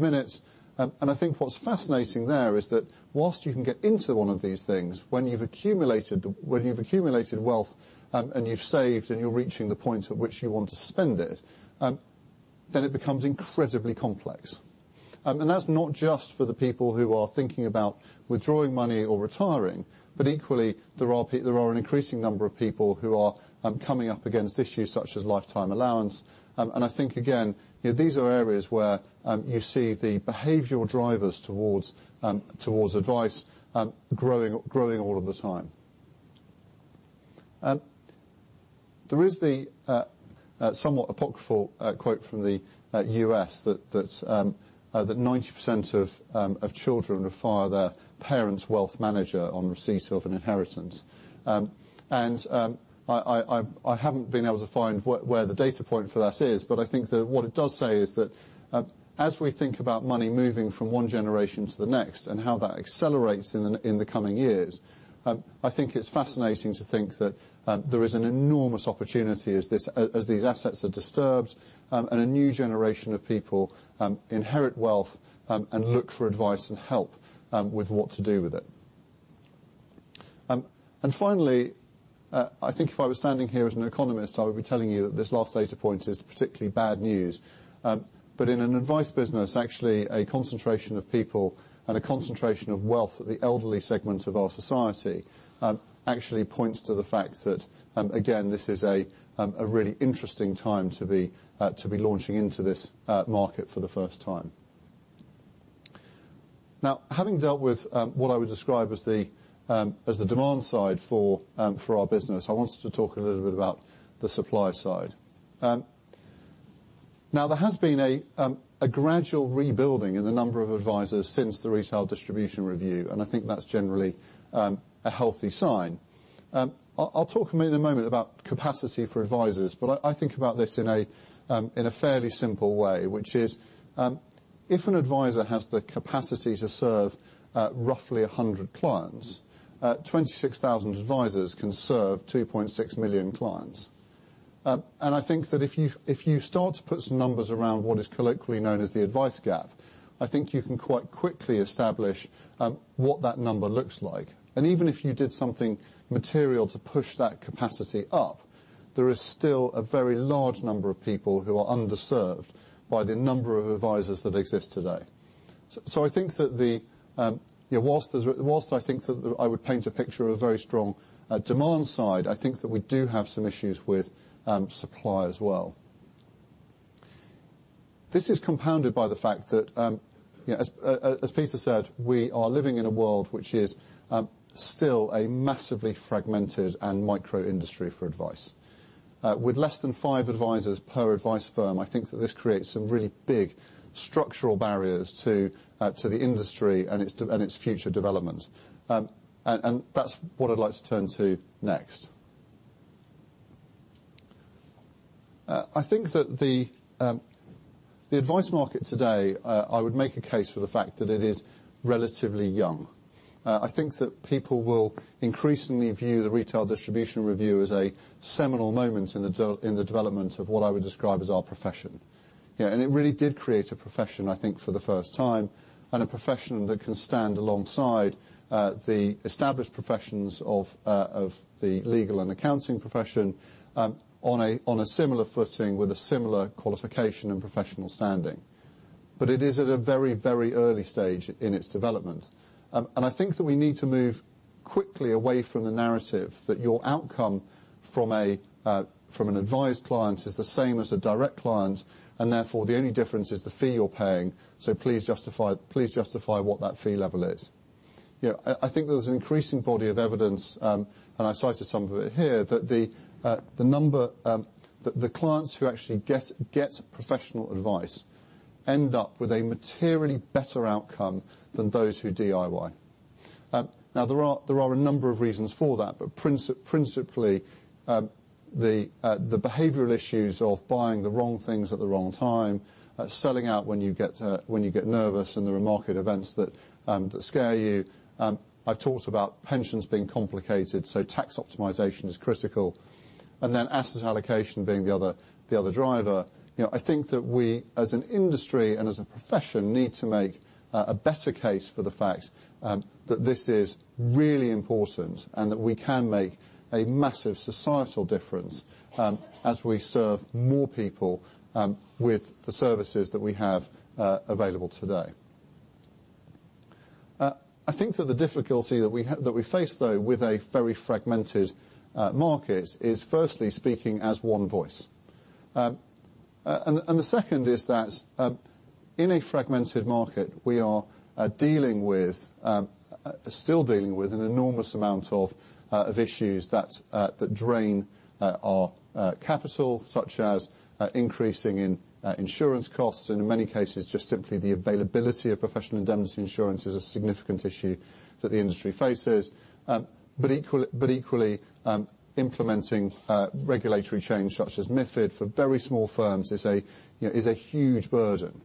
minutes. I think what's fascinating there is that whilst you can get into one of these things, when you've accumulated wealth and you've saved and you're reaching the point at which you want to spend it, then it becomes incredibly complex. That's not just for the people who are thinking about withdrawing money or retiring, but equally, there are an increasing number of people who are coming up against issues such as Lifetime Allowance. I think, again, these are areas where you see the behavioral drivers towards advice growing all of the time. There is the somewhat apocryphal quote from the U.S. that 90% of children fire their parents' wealth manager on receipt of an inheritance. I haven't been able to find where the data point for that is, but I think that what it does say is that as we think about money moving from one generation to the next and how that accelerates in the coming years, I think it's fascinating to think that there is an enormous opportunity as these assets are disturbed and a new generation of people inherit wealth and look for advice and help with what to do with it. Finally, I think if I were standing here as an economist, I would be telling you this last data point is particularly bad news. In an advice business, actually, a concentration of people and a concentration of wealth at the elderly segment of our society actually points to the fact that, again, this is a really interesting time to be launching into this market for the first time. Having dealt with what I would describe as the demand side for our business, I wanted to talk a little bit about the supply side. There has been a gradual rebuilding in the number of advisors since the Retail Distribution Review, I think that's generally a healthy sign. I'll talk in a moment about capacity for advisors, but I think about this in a fairly simple way, which is, if an advisor has the capacity to serve roughly 100 clients, 26,000 advisors can serve 2.6 million clients. I think that if you start to put some numbers around what is colloquially known as the advice gap, I think you can quite quickly establish what that number looks like. Even if you did something material to push that capacity up, there is still a very large number of people who are underserved by the number of advisors that exist today. I think that whilst I think that I would paint a picture of a very strong demand side, I think that we do have some issues with supply as well. This is compounded by the fact that, as Peter said, we are living in a world which is still a massively fragmented and micro industry for advice. With less than five advisors per advice firm, I think that this creates some really big structural barriers to the industry and its future development. That's what I'd like to turn to next. I think that the advice market today, I would make a case for the fact that it is relatively young. I think that people will increasingly view the Retail Distribution Review as a seminal moment in the development of what I would describe as our profession. It really did create a profession, I think, for the first time, and a profession that can stand alongside the established professions of the legal and accounting profession on a similar footing with a similar qualification and professional standing. It is at a very early stage in its development. I think that we need to move quickly away from the narrative that your outcome from an advised client is the same as a direct client, and therefore, the only difference is the fee you're paying, so please justify what that fee level is. I think there's an increasing body of evidence, and I cited some of it here, that the clients who actually get professional advice end up with a materially better outcome than those who DIY. Now, there are a number of reasons for that, but principally, the behavioral issues of buying the wrong things at the wrong time, selling out when you get nervous and there are market events that scare you. I've talked about pensions being complicated, so tax optimization is critical, and then asset allocation being the other driver. I think that we, as an industry and as a profession, need to make a better case for the fact that this is really important and that we can make a massive societal difference as we serve more people with the services that we have available today. I think that the difficulty that we face, though, with a very fragmented market is firstly speaking as one voice. The second is that in a fragmented market, we are still dealing with an enormous amount of issues that drain our capital, such as increasing insurance costs, and in many cases, just simply the availability of professional indemnity insurance is a significant issue that the industry faces. Equally, implementing regulatory change such as MiFID for very small firms is a huge burden.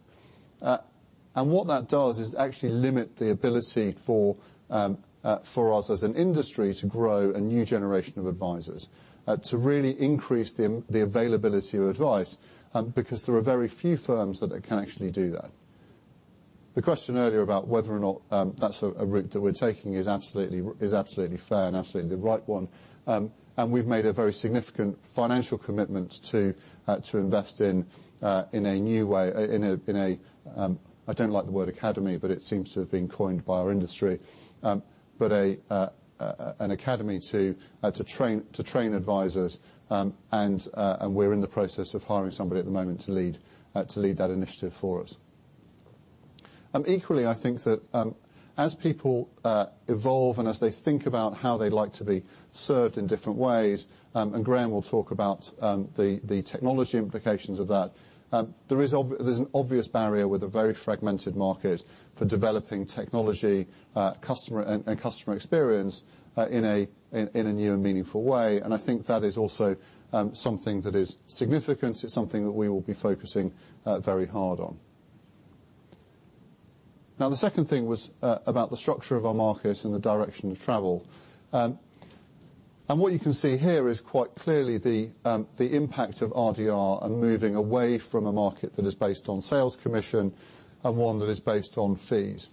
What that does is actually limit the ability for us as an industry to grow a new generation of advisors, to really increase the availability of advice, because there are very few firms that can actually do that. The question earlier about whether or not that's a route that we're taking is absolutely fair and absolutely the right one. We've made a very significant financial commitment to invest in a new way, in a, I don't like the word academy, but it seems to have been coined by our industry. An academy to train advisors, and we're in the process of hiring somebody at the moment to lead that initiative for us. Equally, I think that as people evolve and as they think about how they'd like to be served in different ways, Graham will talk about the technology implications of that. There's an obvious barrier with a very fragmented market for developing technology and customer experience in a new and meaningful way. I think that is also something that is significant. It's something that we will be focusing very hard on. The second thing was about the structure of our market and the direction of travel. What you can see here is quite clearly the impact of RDR and moving away from a market that is based on sales commission and one that is based on fees.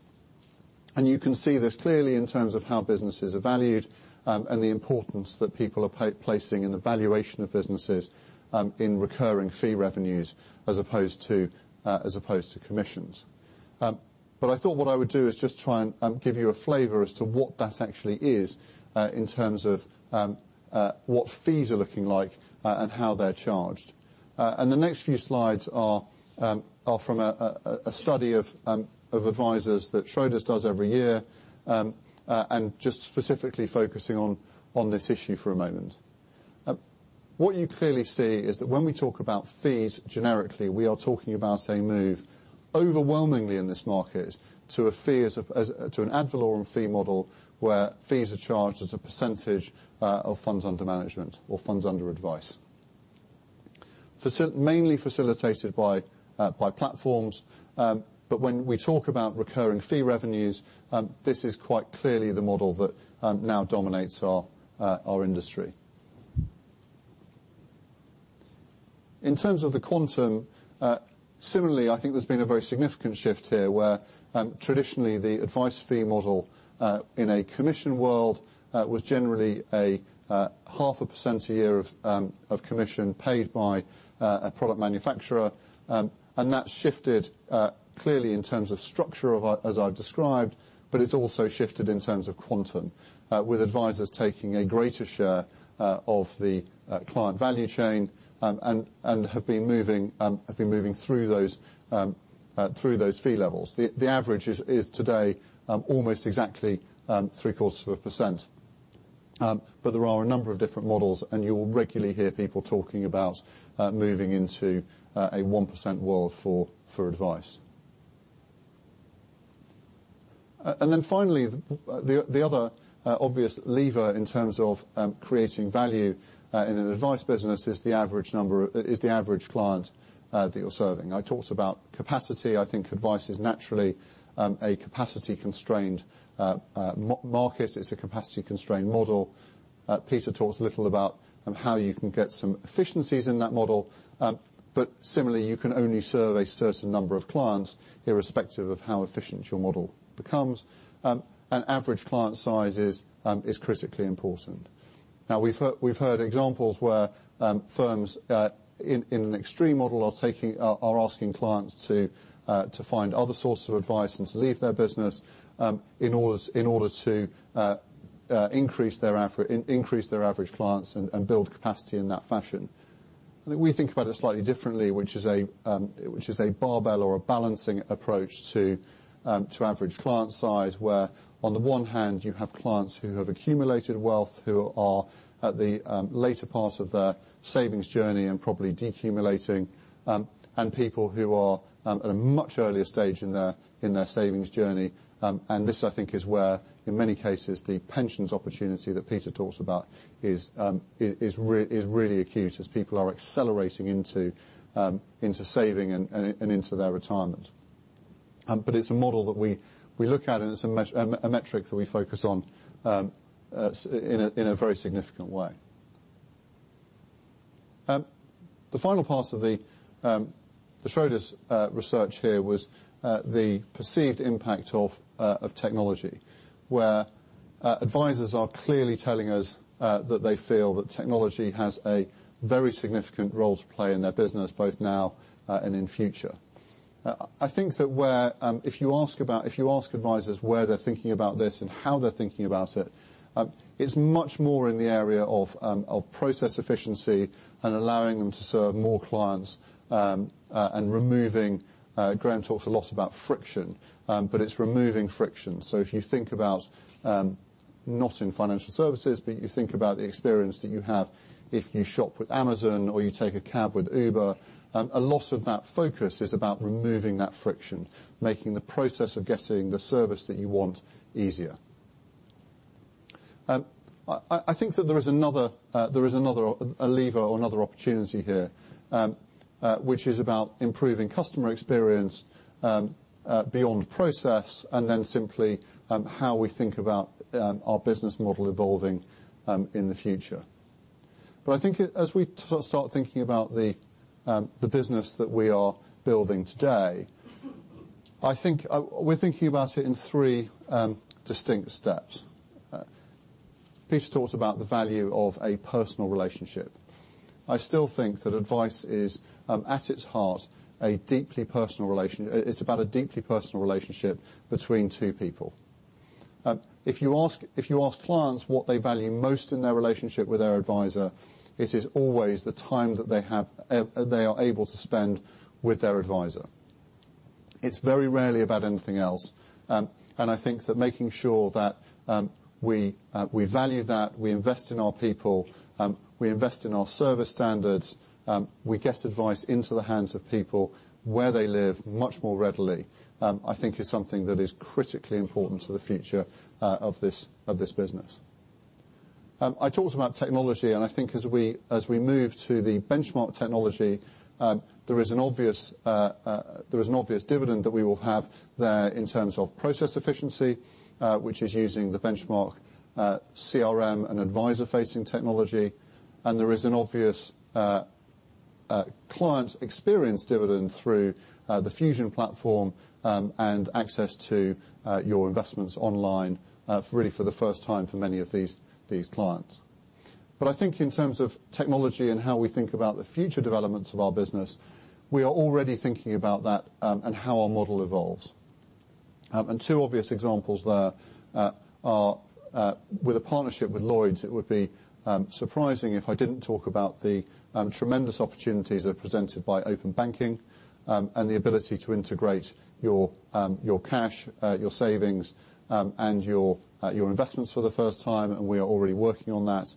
You can see this clearly in terms of how businesses are valued and the importance that people are placing in the valuation of businesses, in recurring fee revenues as opposed to commissions. I thought what I would do is just try and give you a flavor as to what that actually is, in terms of what fees are looking like and how they're charged. The next few slides are from a study of advisors that Schroders does every year, and just specifically focusing on this issue for a moment. What you clearly see is that when we talk about fees, generically, we are talking about a move overwhelmingly in this market to an ad valorem fee model, where fees are charged as a percentage of funds under management or funds under advice. Mainly facilitated by platforms. When we talk about recurring fee revenues, this is quite clearly the model that now dominates our industry. In terms of the quantum, similarly, I think there's been a very significant shift here where traditionally the advice fee model, in a commission world, was generally a half a percent a year of commission paid by a product manufacturer. That shifted clearly in terms of structure, as I've described, but it's also shifted in terms of quantum. With advisors taking a greater share of the client value chain and have been moving through those fee levels. The average is today almost exactly three-quarters of a percent. There are a number of different models, and you'll regularly hear people talking about moving into a 1% world for advice. Finally, the other obvious lever in terms of creating value in an advice business is the average client that you're serving. I talked about capacity. Advice is naturally a capacity-constrained market. It's a capacity-constrained model. Peter talked a little about how you can get some efficiencies in that model. Similarly, you can only serve a certain number of clients, irrespective of how efficient your model becomes. Average client size is critically important. We've heard examples where firms, in an extreme model, are asking clients to find other sources of advice and to leave their business, in order to increase their average clients and build capacity in that fashion. We think about it slightly differently, which is a barbell or a balancing approach to average client size, where on the one hand, you have clients who have accumulated wealth, who are at the later part of their savings journey and probably decumulating, and people who are at a much earlier stage in their savings journey. This is where, in many cases, the pensions opportunity that Peter talked about is really acute, as people are accelerating into saving and into their retirement. It's a model that we look at and it's a metric that we focus on in a very significant way. The final part of the Schroders research here was the perceived impact of technology, where advisors are clearly telling us that they feel that technology has a very significant role to play in their business, both now and in future. If you ask advisors where they're thinking about this and how they're thinking about it's much more in the area of process efficiency and allowing them to serve more clients, removing Graham talks a lot about friction. It's removing friction. If you think about, not in financial services, but you think about the experience that you have if you shop with Amazon or you take a cab with Uber, a lot of that focus is about removing that friction, making the process of getting the service that you want easier. There is another lever or another opportunity here, which is about improving customer experience beyond process, simply how we think about our business model evolving in the future. As we start thinking about the business that we are building today, we're thinking about it in three distinct steps. Peter talked about the value of a personal relationship. Still think that advice is, at its heart, it's about a deeply personal relationship between two people. If you ask clients what they value most in their relationship with their advisor, it is always the time that they are able to spend with their advisor. It's very rarely about anything else. Making sure that we value that, we invest in our people, we invest in our service standards, we get advice into the hands of people where they live much more readily, is something that is critically important to the future of this business. I talked about technology. I think as we move to the Benchmark Capital technology, there is an obvious dividend that we will have there in terms of process efficiency, which is using the Benchmark Capital CRM and advisor-facing technology, and there is an obvious client experience dividend through the Fusion Wealth platform and access to your investments online, really for the first time for many of these clients. I think in terms of technology and how we think about the future developments of our business, we are already thinking about that and how our model evolves. Two obvious examples there are with a partnership with Lloyds Banking Group, it would be surprising if I didn't talk about the tremendous opportunities that are presented by open banking, and the ability to integrate your cash, your savings, and your investments for the first time. We are already working on that.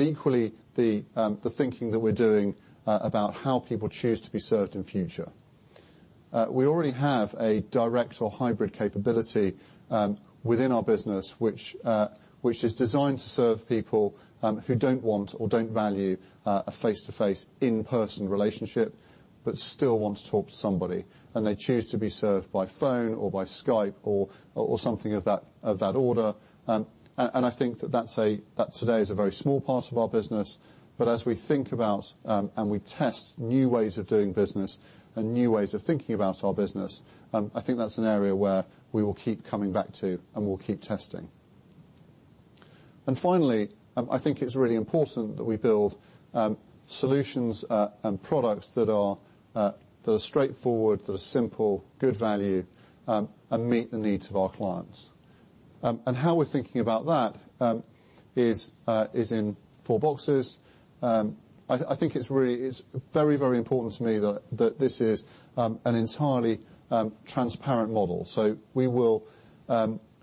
Equally, the thinking that we're doing about how people choose to be served in future. We already have a direct or hybrid capability within our business, which is designed to serve people who don't want or don't value a face-to-face in-person relationship, but still want to talk to somebody. They choose to be served by phone or by Skype or something of that order. I think that today is a very small part of our business, but as we think about and we test new ways of doing business and new ways of thinking about our business, I think that's an area where we will keep coming back to and we'll keep testing. Finally, I think it's really important that we build solutions and products that are straightforward, that are simple, good value, and meet the needs of our clients. How we're thinking about that is in four boxes. I think it's very important to me that this is an entirely transparent model.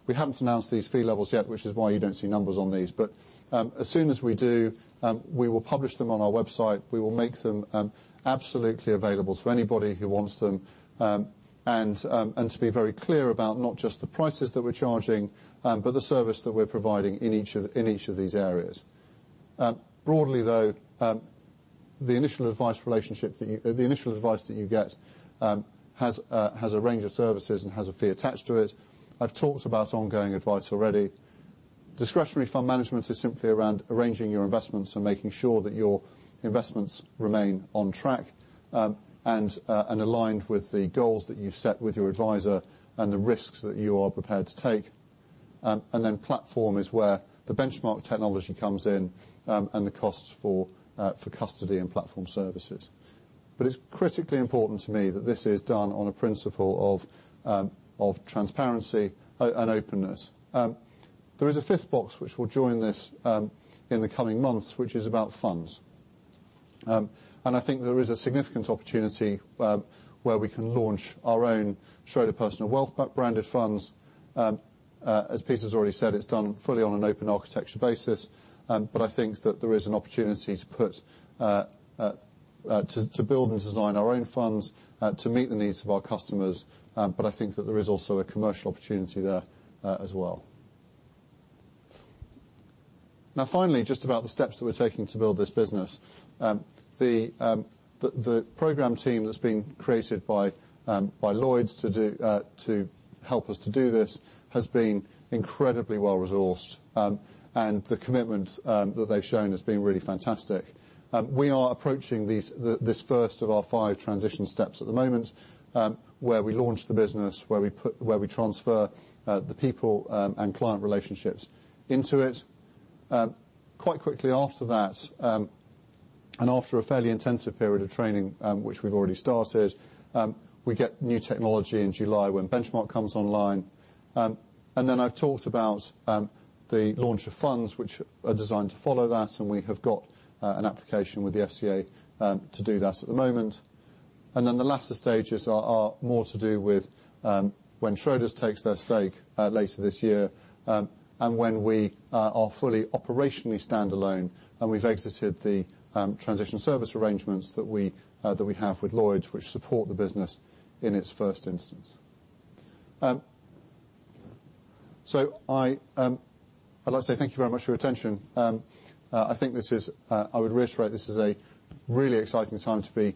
We haven't announced these fee levels yet, which is why you don't see numbers on these. As soon as we do, we will publish them on our website. We will make them absolutely available to anybody who wants them, and to be very clear about not just the prices that we're charging, but the service that we're providing in each of these areas. Broadly, though, the initial advice that you get has a range of services and has a fee attached to it. I've talked about ongoing advice already. Discretionary fund management is simply around arranging your investments and making sure that your investments remain on track, and are aligned with the goals that you've set with your advisor and the risks that you are prepared to take. Then platform is where the Benchmark Capital technology comes in, and the costs for custody and platform services. It's critically important to me that this is done on a principle of transparency and openness. There is a fifth box which will join this in the coming months, which is about funds. I think there is a significant opportunity where we can launch our own Schroders Personal Wealth branded funds. As Peter's already said, it's done fully on an open architecture basis. I think that there is an opportunity to build and design our own funds to meet the needs of our customers. I think that there is also a commercial opportunity there as well. Finally, just about the steps that we're taking to build this business. The program team that's been created by Lloyds to help us to do this has been incredibly well-resourced. The commitment that they've shown has been really fantastic. We are approaching this first of our 5 transition steps at the moment, where we launch the business, where we transfer the people and client relationships into it. Quite quickly after that, after a fairly intensive period of training, which we've already started, we get new technology in July when Benchmark comes online. Then I've talked about the launch of funds which are designed to follow that, and we have got an application with the FCA to do that at the moment. Then the latter stages are more to do with when Schroders takes their stake later this year, when we are fully operationally standalone and we've exited the transition service arrangements that we have with Lloyds which support the business in its first instance. I'd like to say thank you very much for your attention. I would reiterate, this is a really exciting time to be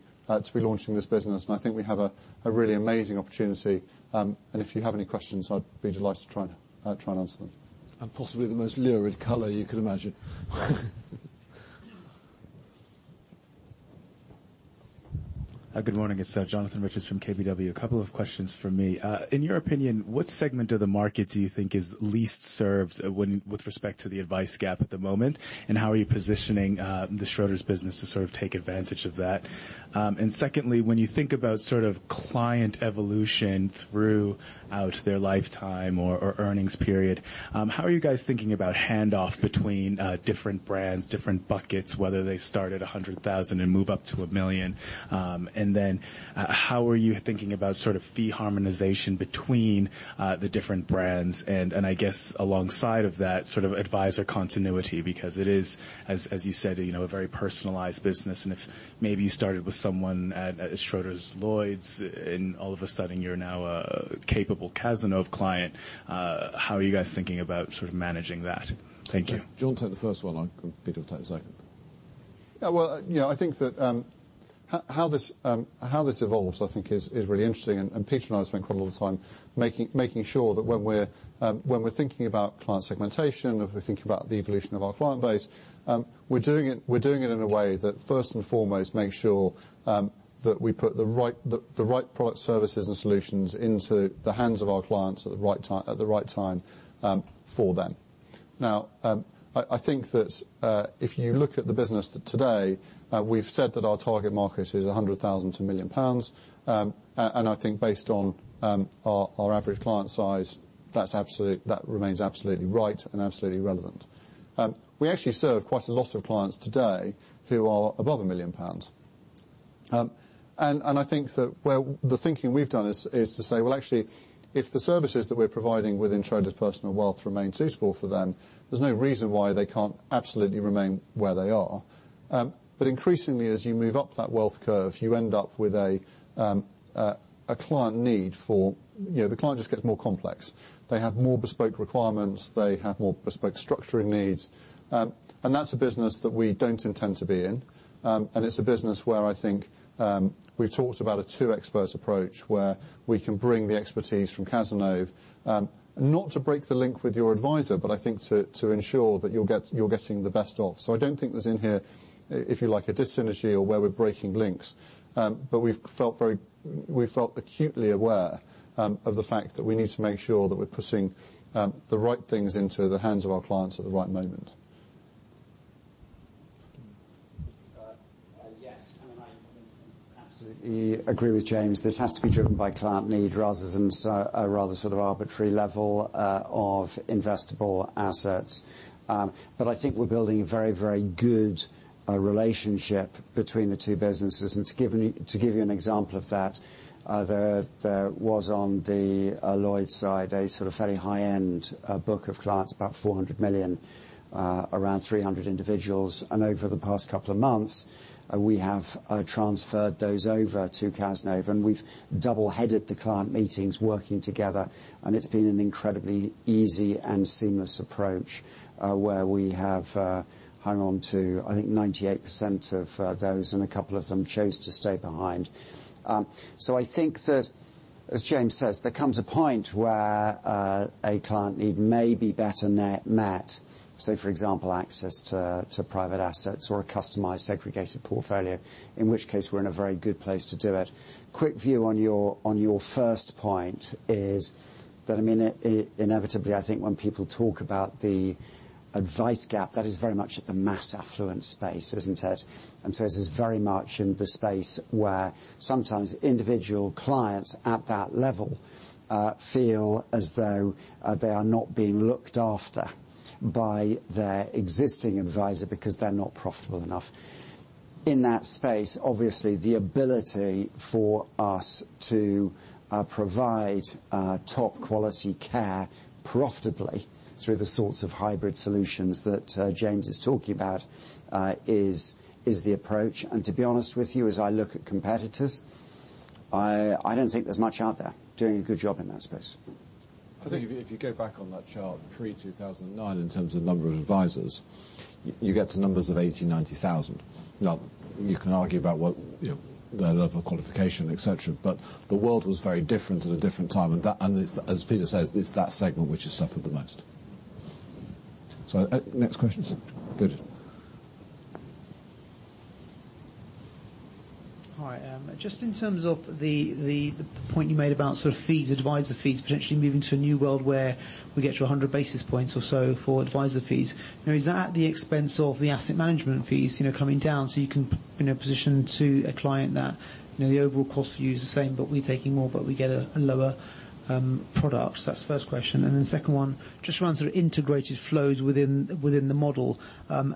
launching this business, and I think we have a really amazing opportunity. If you have any questions, I'd be delighted to try and answer them. Possibly the most lurid color you could imagine. Good morning. It's Jonathan Richards from KBW. A couple of questions from me. In your opinion, what segment of the market do you think is least served with respect to the advice gap at the moment, and how are you positioning the Schroders business to take advantage of that? Secondly, when you think about client evolution throughout their lifetime or earnings period, how are you guys thinking about handoff between different brands, different buckets, whether they start at 100,000 and move up to 1 million? Then how are you thinking about fee harmonization between the different brands and, I guess alongside of that, advisor continuity? Because it is, as you said, a very personalized business, and if maybe you started with someone at Schroders-Lloyds and all of a sudden you're now a capable Cazenove client, how are you guys thinking about managing that? Thank you. Do you want to take the first one and Peter will take the second? Yeah, how this evolves I think is really interesting, and Peter and I spend quite a lot of time making sure that when we're thinking about client segmentation, if we're thinking about the evolution of our client base, we're doing it in a way that first and foremost makes sure that we put the right product, services, and solutions into the hands of our clients at the right time for them. I think that if you look at the business today, we've said that our target market is 100,000-1 million pounds. I think based on our average client size, that remains absolutely right and absolutely relevant. We actually serve quite a lot of clients today who are above 1 million pounds. I think that the thinking we've done is to say, well, actually, if the services that we're providing within Schroders Personal Wealth remain suitable for them, there's no reason why they can't absolutely remain where they are. Increasingly, as you move up that wealth curve, the client just gets more complex. They have more bespoke requirements, they have more bespoke structuring needs. That's a business that we don't intend to be in. It's a business where I think we've talked about a two-expert approach, where we can bring the expertise from Cazenove, not to break the link with your advisor, but I think to ensure that you're getting the best of. I don't think there's in here, if you like, a dis-synergy or where we're breaking links. We've felt acutely aware of the fact that we need to make sure that we're putting the right things into the hands of our clients at the right moment. Yes, I absolutely agree with James. This has to be driven by client need rather than a rather arbitrary level of investable assets. I think we're building a very good relationship between the two businesses. To give you an example of that, there was on the Lloyds side, a sort of fairly high-end book of clients, about 400 million, around 300 individuals. Over the past couple of months, we have transferred those over to Cazenove, and we've double-headed the client meetings working together, and it's been an incredibly easy and seamless approach, where we have hung on to, I think, 98% of those, and a couple of them chose to stay behind. I think that, as James says, there comes a point where a client need may be better met, say, for example, access to private assets or a customized segregated portfolio, in which case we're in a very good place to do it. Quick view on your first point is that, inevitably, I think when people talk about the advice gap, that is very much at the mass affluent space, isn't it? It is very much in the space where sometimes individual clients at that level feel as though they are not being looked after by their existing advisor because they're not profitable enough. In that space, obviously, the ability for us to provide top-quality care profitably through the sorts of hybrid solutions that James is talking about is the approach. To be honest with you, as I look at competitors, I don't think there's much out there doing a good job in that space. I think if you go back on that chart pre-2009 in terms of number of advisors, you get to numbers of 80,000, 90,000. You can argue about their level of qualification, et cetera, but the world was very different at a different time. As Peter says, it's that segment which has suffered the most. Next questions. Good. Hi. Just in terms of the point you made about fees, advisor fees, potentially moving to a new world where we get to 100 basis points or so for advisor fees. Is that at the expense of the asset management fees coming down so you can position to a client that the overall cost for you is the same, but we're taking more, but we get a lower product? That's the first question. Second one, just around integrated flows within the model.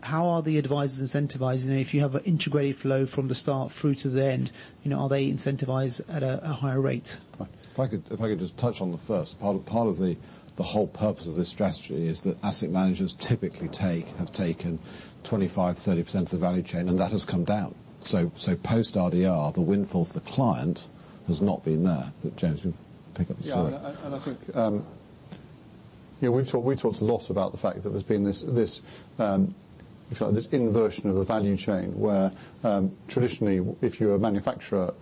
How are the advisors incentivized? If you have an integrated flow from the start through to the end, are they incentivized at a higher rate? If I could just touch on the first. Part of the whole purpose of this strategy is that asset managers typically have taken 25%, 30% of the value chain, and that has come down. Post RDR, the windfall to the client has not been there. James, you pick up the second. We've talked a lot about the fact that there's been this inversion of the value chain, where traditionally, if you're a manufacturer,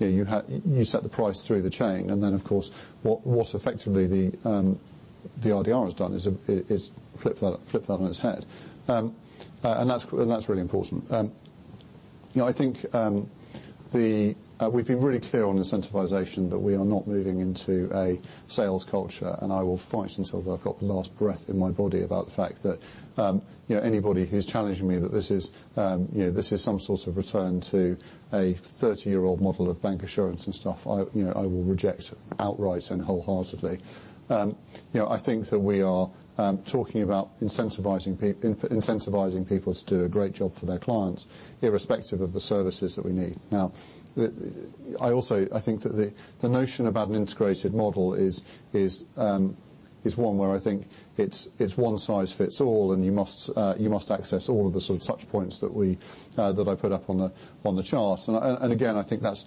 you set the price through the chain. Of course, what effectively the RDR has done, is flipped that on its head. That's really important. I think we've been really clear on incentivization that we are not moving into a sales culture, and I will fight until I've got the last breath in my body about the fact that anybody who's challenging me, that this is some sort of return to a 30-year-old model of bank assurance and stuff, I will reject outright and wholeheartedly. I think that we are talking about incentivizing people to do a great job for their clients, irrespective of the services that we need. Now, I think that the notion about an integrated model is one where I think it's one size fits all, and you must access all of the sort of touch points that I put up on the chart. Again, I think that's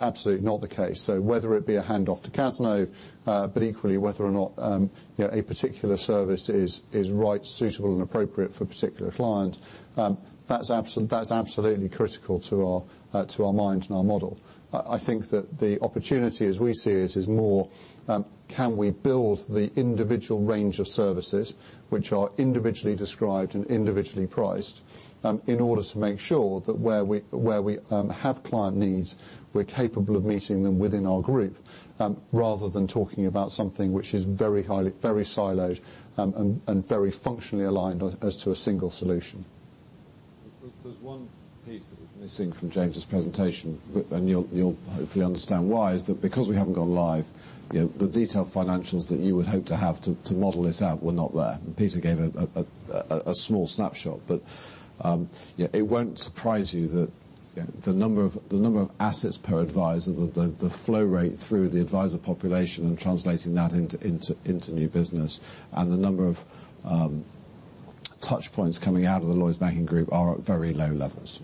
absolutely not the case. Whether it be a handoff to Cazenove, but equally, whether or not a particular service is right, suitable, and appropriate for a particular client, that's absolutely critical to our mind and our model. I think that the opportunity as we see it is more, can we build the individual range of services which are individually described and individually priced in order to make sure that where we have client needs, we're capable of meeting them within our group, rather than talking about something which is very siloed and very functionally aligned as to a single solution. There's one piece that is missing from James's presentation, you'll hopefully understand why, is that because we haven't gone live, the detailed financials that you would hope to have to model this out were not there. Peter gave a small snapshot. It won't surprise you that the number of assets per adviser, the flow rate through the adviser population and translating that into new business, and the number of touchpoints coming out of the Lloyds Banking Group are at very low levels.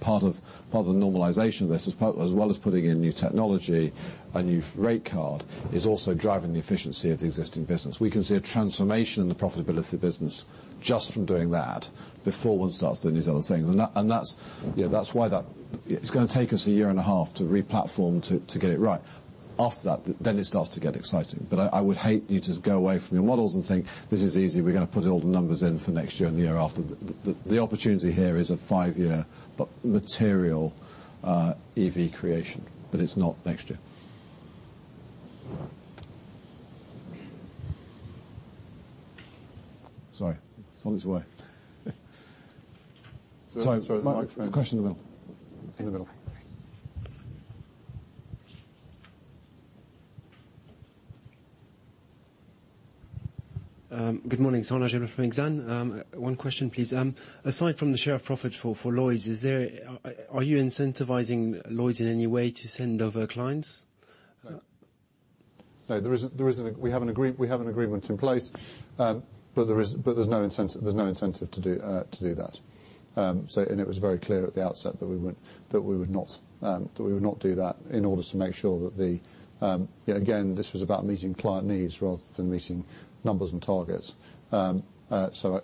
Part of the normalization of this, as well as putting in new technology, a new rate card, is also driving the efficiency of the existing business. We can see a transformation in the profitability of the business just from doing that before one starts doing these other things. That's why it's going to take us a year and a half to re-platform to get it right. After that, it starts to get exciting. I would hate you to go away from your models and think, this is easy, we're going to put all the numbers in for next year and the year after. The opportunity here is a five-year material EV creation, it's not next year. Sorry. Thought it was away. Sorry. Sorry. The microphone. Question in the middle. In the middle. Good morning. Sana Jebali from Exane. One question, please. Aside from the share of profit for Lloyds, are you incentivizing Lloyds in any way to send over clients? No, we have an agreement in place. There's no incentive to do that. It was very clear at the outset that we would not do that in order to make sure that, again, this was about meeting client needs rather than meeting numbers and targets. There's no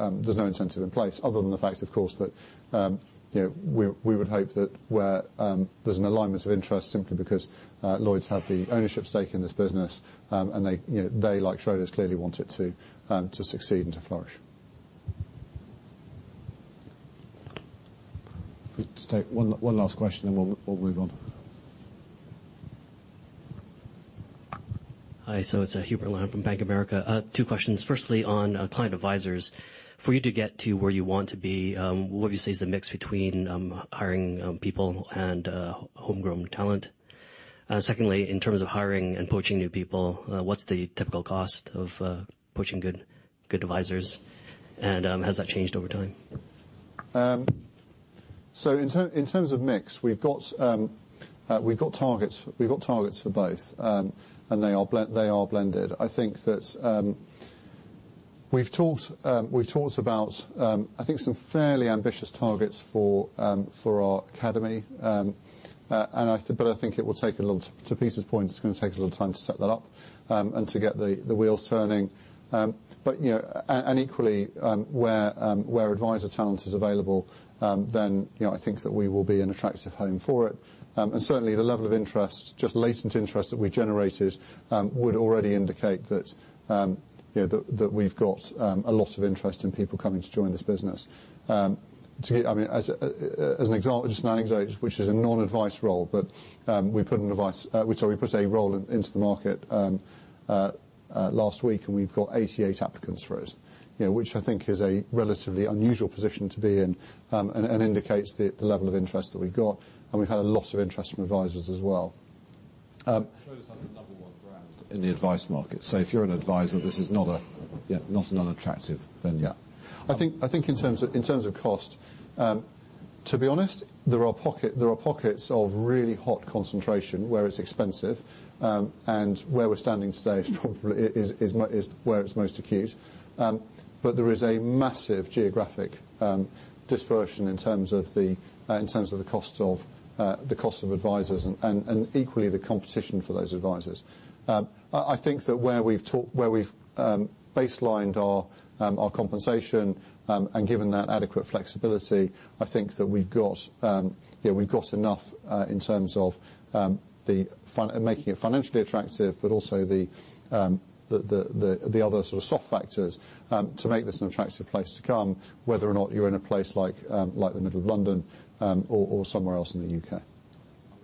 incentive in place other than the fact, of course, that we would hope that where there's an alignment of interest simply because Lloyds have the ownership stake in this business, and they, like Schroders, clearly want it to succeed and to flourish. If we just take one last question, then we'll move on. Hi, it's Hubert Lam from Bank of America. Two questions. Firstly, on client advisers. For you to get to where you want to be, what would you say is the mix between hiring people and homegrown talent? Secondly, in terms of hiring and poaching new people, what's the typical cost of poaching good advisers, and has that changed over time? In terms of mix, we've got targets for both, and they are blended. I think that we've talked about some fairly ambitious targets for our academy. I think it will take a little, to Peter's point, it's going to take a little time to set that up, and to get the wheels turning. Equally, where adviser talent is available, I think that we will be an attractive home for it. Certainly, the level of interest, just latent interest that we generated, would already indicate that we've got a lot of interest in people coming to join this business. As an example, which is a non-advice role, but we put a role into the market last week, and we've got 88 applicants for it. Which I think is a relatively unusual position to be in, and indicates the level of interest that we've got, and we've had a lot of interest from advisers as well. Schroders has a level 1 brand in the advice market. If you're an adviser, this is not an unattractive venue. I think in terms of cost. To be honest, there are pockets of really hot concentration where it's expensive. Where we're standing today is probably where it's most acute. There is a massive geographic dispersion in terms of the cost of advisors, and equally, the competition for those advisors. I think that where we've baselined our compensation and given that adequate flexibility, I think that we've got enough in terms of making it financially attractive, but also the other sort of soft factors to make this an attractive place to come, whether or not you're in a place like the middle of London or somewhere else in the UK I'm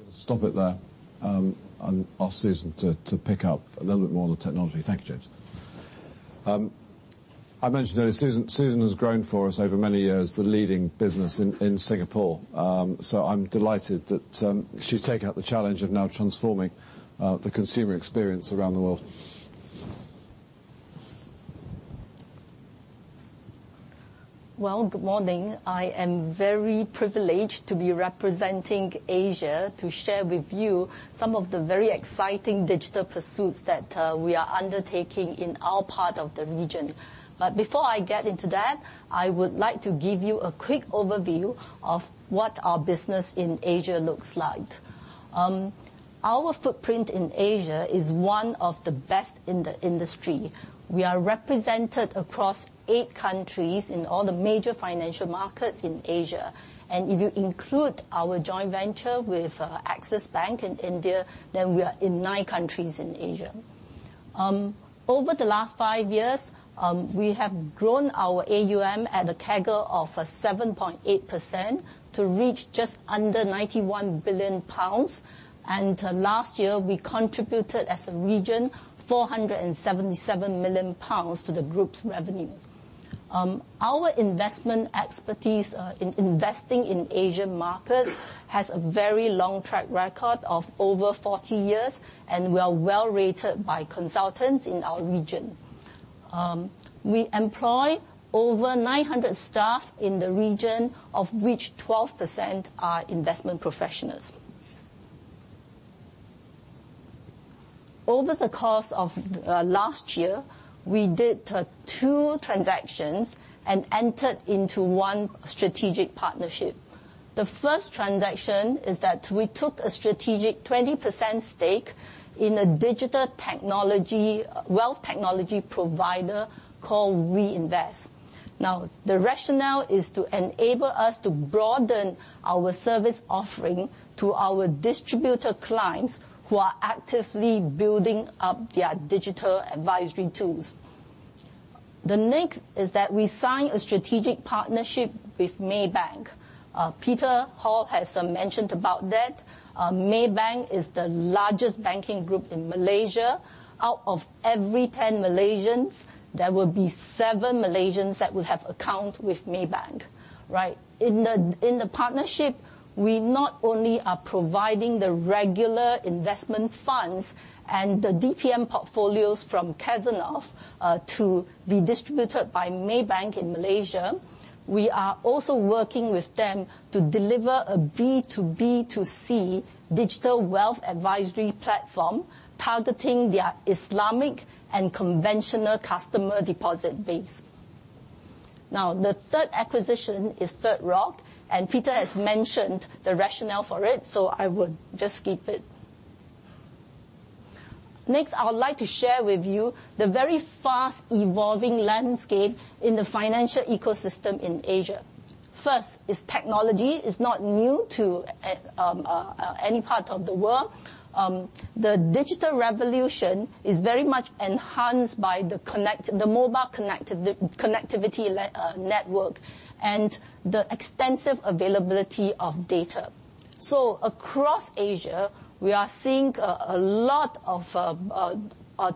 going to stop it there and ask Susan to pick up a little bit more on the technology. Thank you, James. I mentioned earlier, Susan has grown for us over many years, the leading business in Singapore. I'm delighted that she's taken up the challenge of now transforming the consumer experience around the world. Well, good morning. I am very privileged to be representing Asia to share with you some of the very exciting digital pursuits that we are undertaking in our part of the region. Before I get into that, I would like to give you a quick overview of what our business in Asia looks like. Our footprint in Asia is one of the best in the industry. We are represented across 8 countries in all the major financial markets in Asia. If you include our joint venture with Axis Bank in India, then we are in 9 countries in Asia. Over the last 5 years, we have grown our AUM at a CAGR of 7.8% to reach just under 91 billion pounds. Last year, we contributed, as a region, 477 million pounds to the group's revenues. Our investment expertise in investing in Asian markets has a very long track record of over 40 years. We are well-rated by consultants in our region. We employ over 900 staff in the region, of which 12% are investment professionals. Over the course of last year, we did 2 transactions and entered into 1 strategic partnership. The first transaction is that we took a strategic 20% stake in a digital wealth technology provider called WeInvest. The rationale is to enable us to broaden our service offering to our distributor clients who are actively building up their digital advisory tools. The next is that we signed a strategic partnership with Maybank. Peter Hall has mentioned about that. Maybank is the largest banking group in Malaysia. Out of every 10 Malaysians, there will be 7 Malaysians that would have account with Maybank. Right? In the partnership, we not only are providing the regular investment funds and the DPM portfolios from Cazenove to be distributed by Maybank in Malaysia, we are also working with them to deliver a B2B2C digital wealth advisory platform targeting their Islamic and conventional customer deposit base. The third acquisition is Thirdrock Group, and Peter has mentioned the rationale for it, so I would just skip it. I would like to share with you the very fast evolving landscape in the financial ecosystem in Asia. First is technology, is not new to any part of the world. The digital revolution is very much enhanced by the mobile connectivity network and the extensive availability of data. Across Asia, we are seeing a lot of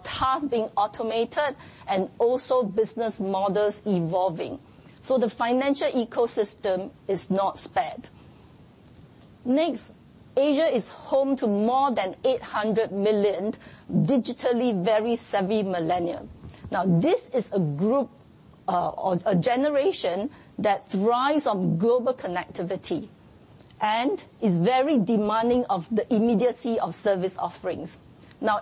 tasks being automated and also business models evolving. The financial ecosystem is not spared. Asia is home to more than 800 million digitally very savvy millennials. This is a group or a generation that thrives on global connectivity and is very demanding of the immediacy of service offerings.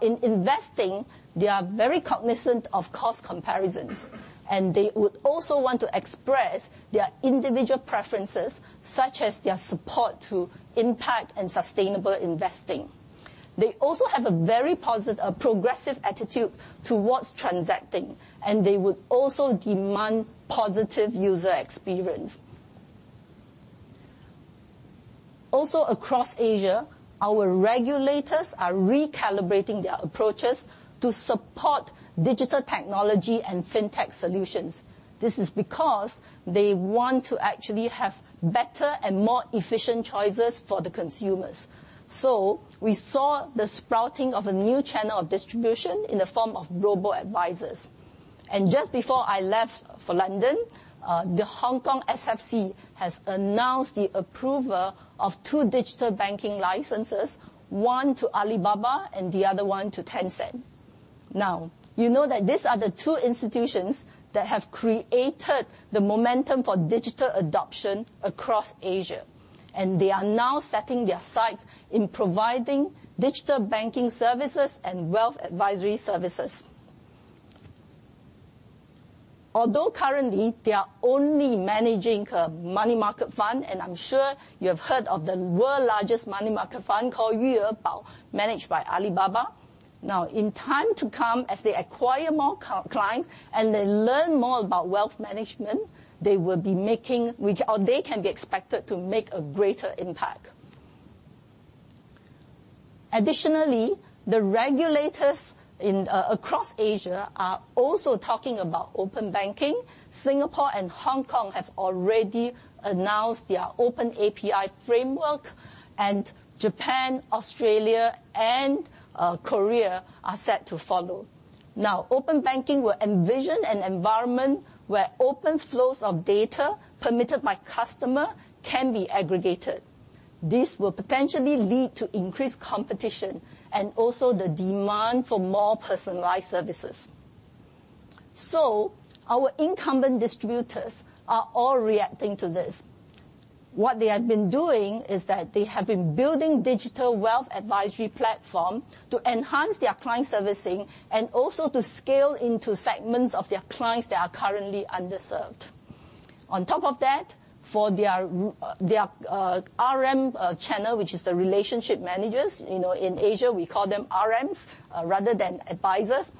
In investing, they are very cognizant of cost comparisons, and they would also want to express their individual preferences, such as their support to impact and sustainable investing. They also have a very progressive attitude towards transacting, and they would also demand positive user experience. Across Asia, our regulators are recalibrating their approaches to support digital technology and fintech solutions. This is because they want to actually have better and more efficient choices for the consumers. We saw the sprouting of a new channel of distribution in the form of robo-advisors. Just before I left for London, the Hong Kong SFC has announced the approval of two digital banking licenses, one to Alibaba and the other one to Tencent. You know that these are the two institutions that have created the momentum for digital adoption across Asia, and they are now setting their sights in providing digital banking services and wealth advisory services. Although currently, they are only managing a money market fund, and I am sure you have heard of the world largest money market fund called Yu'e Bao, managed by Alibaba. In time to come, as they acquire more clients and they learn more about wealth management, they can be expected to make a greater impact. The regulators across Asia are also talking about open banking. Singapore and Hong Kong have already announced their open API framework, and Japan, Australia, and Korea are set to follow. Open banking will envision an environment where open flows of data permitted by customer can be aggregated. This will potentially lead to increased competition and also the demand for more personalized services. Our incumbent distributors are all reacting to this. What they have been doing is that they have been building digital wealth advisory platform to enhance their client servicing and also to scale into segments of their clients that are currently underserved. On top of that, for their RM channel, which is the relationship managers, in Asia, we call them RMs rather than advisors.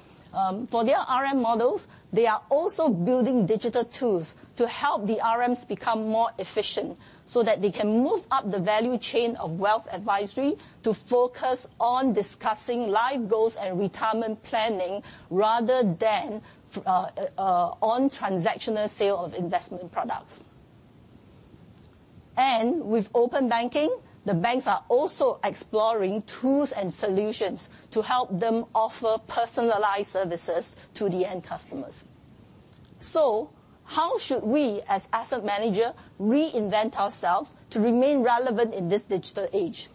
For their RM models, they are also building digital tools to help the RMs become more efficient so that they can move up the value chain of wealth advisory to focus on discussing life goals and retirement planning rather than on transactional sale of investment products. With open banking, the banks are also exploring tools and solutions to help them offer personalized services to the end customers. How should we, as asset manager, reinvent ourselves to remain relevant in this digital age?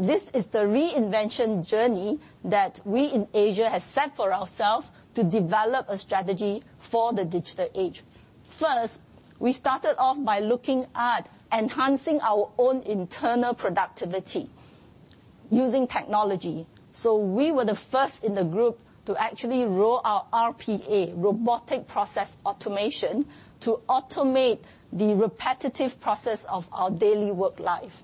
This is the reinvention journey that we in Asia have set for ourselves to develop a strategy for the digital age. First, we started off by looking at enhancing our own internal productivity using technology. We were the first in the group to actually roll out RPA, robotic process automation, to automate the repetitive process of our daily work life.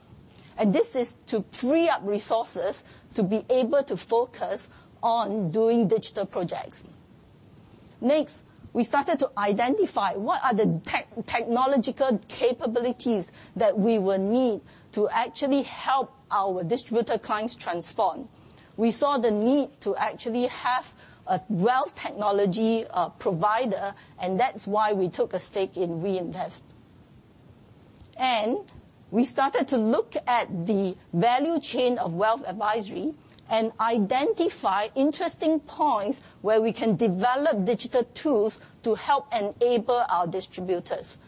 This is to free up resources to be able to focus on doing digital projects. Next, we started to identify what are the technological capabilities that we will need to actually help our distributor clients transform. We saw the need to actually have a wealth technology provider, and that's why we took a stake in WeInvest. We started to look at the value chain of wealth advisory and identify interesting points where we can develop digital tools to help enable our distributors.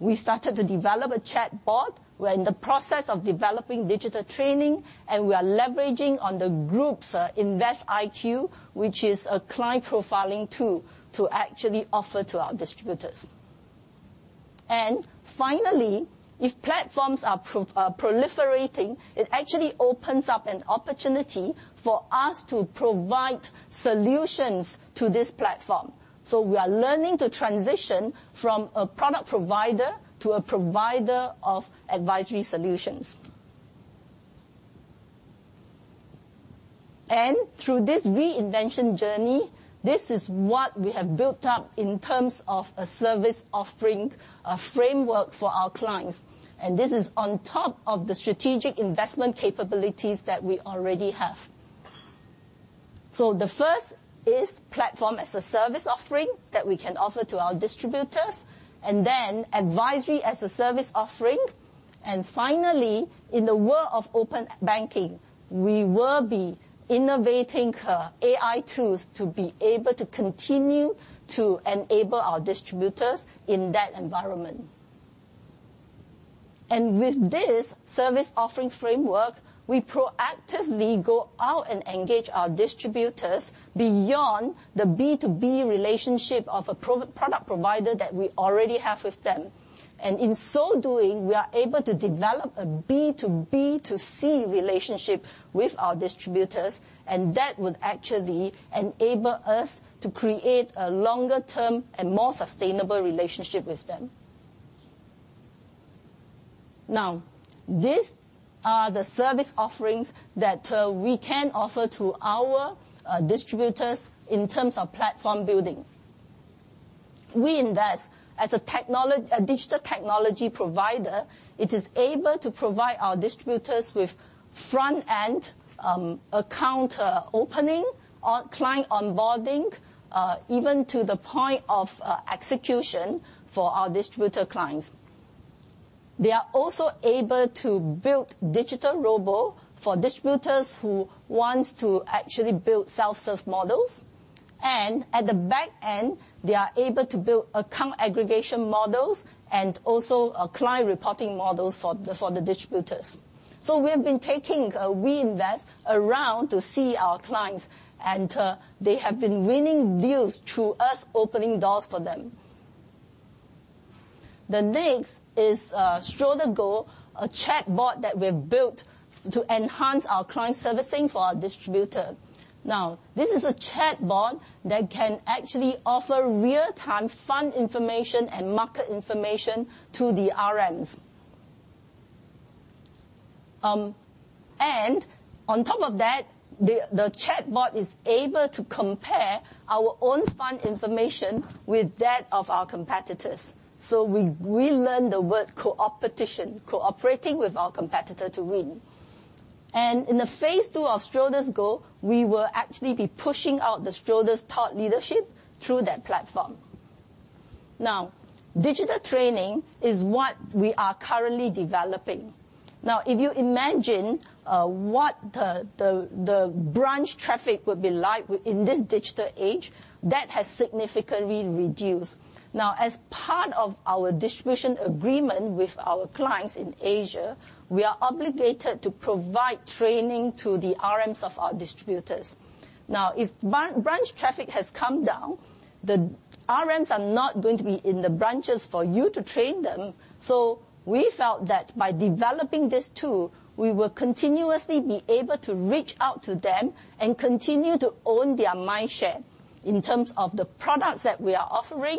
We started to develop a chatbot. We're in the process of developing digital training, and we are leveraging on the group's InvestIQ, which is a client profiling tool to actually offer to our distributors. Finally, if platforms are proliferating, it actually opens up an opportunity for us to provide solutions to this platform. We are learning to transition from a product provider to a provider of advisory solutions. Through this reinvention journey, this is what we have built up in terms of a service offering, a framework for our clients. This is on top of the strategic investment capabilities that we already have. The first is platform as a service offering that we can offer to our distributors, and then advisory as a service offering. Finally, in the world of open banking, we will be innovating AI tools to be able to continue to enable our distributors in that environment. With this service offering framework, we proactively go out and engage our distributors beyond the B2B relationship of a product provider that we already have with them. In so doing, we are able to develop a B2B2C relationship with our distributors, and that would actually enable us to create a longer term and more sustainable relationship with them. These are the service offerings that we can offer to our distributors in terms of platform building. WeInvest, as a digital technology provider, it is able to provide our distributors with front-end account opening, client onboarding, even to the point of execution for our distributor clients. They are also able to build digital robo for distributors who want to actually build self-serve models. At the back end, they are able to build account aggregation models and also client reporting models for the distributors. We have been taking WeInvest around to see our clients, and they have been winning deals through us opening doors for them. The next is Schroders GO, a chatbot that we've built to enhance our client servicing for our distributor. This is a chatbot that can actually offer real-time fund information and market information to the RMs. On top of that, the chatbot is able to compare our own fund information with that of our competitors. We learn the word co-opetition, cooperating with our competitor to win. In the phase 2 of Schroders GO, we will actually be pushing out the Schroders thought leadership through that platform. Digital training is what we are currently developing. If you imagine what the branch traffic would be like in this digital age, that has significantly reduced. As part of our distribution agreement with our clients in Asia, we are obligated to provide training to the RMs of our distributors. If branch traffic has come down, the RMs are not going to be in the branches for you to train them. We felt that by developing this tool, we will continuously be able to reach out to them and continue to own their mind share in terms of the products that we are offering,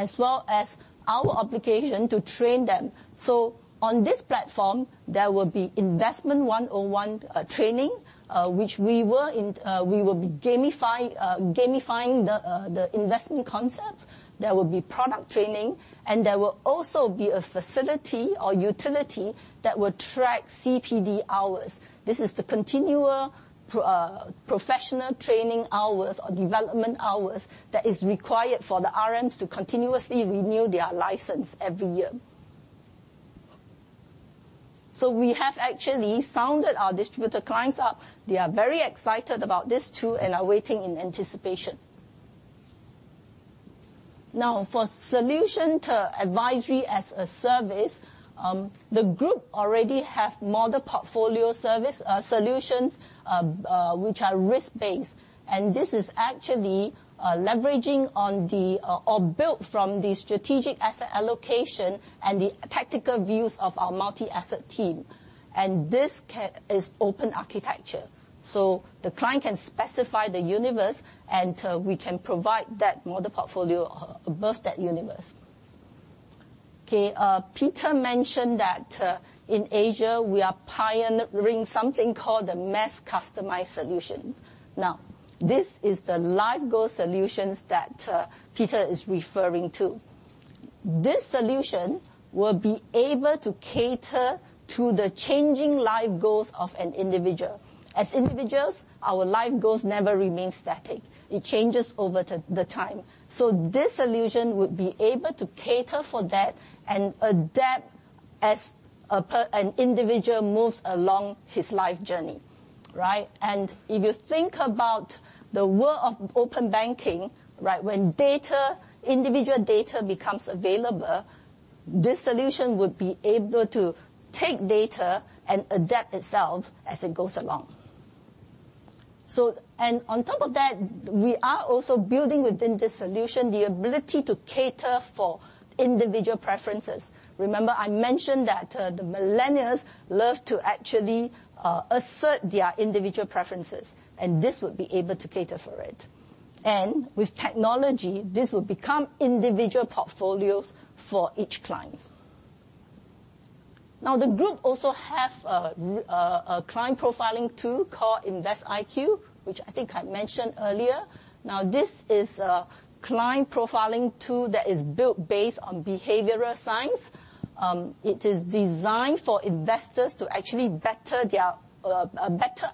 as well as our obligation to train them. On this platform, there will be Investment 101 training, which we will be gamifying the investment concept. There will be product training, and there will also be a facility or utility that will track CPD hours. This is the continual professional training hours or development hours that is required for the RMs to continuously renew their license every year. We have actually sounded our distributor clients out. They are very excited about this too, and are waiting in anticipation. For solution to advisory as a service, the group already have model portfolio service solutions, which are risk-based. This is actually leveraging or built from the strategic asset allocation and the tactical views of our multi-asset team. This is open architecture, so the client can specify the universe, and we can provide that model portfolio across that universe. Okay. Peter mentioned that in Asia, we are pioneering something called the Mass Customized Solutions. This is the life goal solutions that Peter is referring to. This solution will be able to cater to the changing life goals of an individual. As individuals, our life goals never remain static. It changes over the time. This solution would be able to cater for that and adapt as an individual moves along his life journey. Right? If you think about the world of open banking, when individual data becomes available, this solution would be able to take data and adapt itself as it goes along. On top of that, we are also building within this solution, the ability to cater for individual preferences. Remember, I mentioned that the millennials love to actually assert their individual preferences, and this would be able to cater for it. With technology, this would become individual portfolios for each client. The group also have a client profiling tool called InvestIQ, which I think I mentioned earlier. This is a client profiling tool that is built based on behavioral science. It is designed for investors to actually better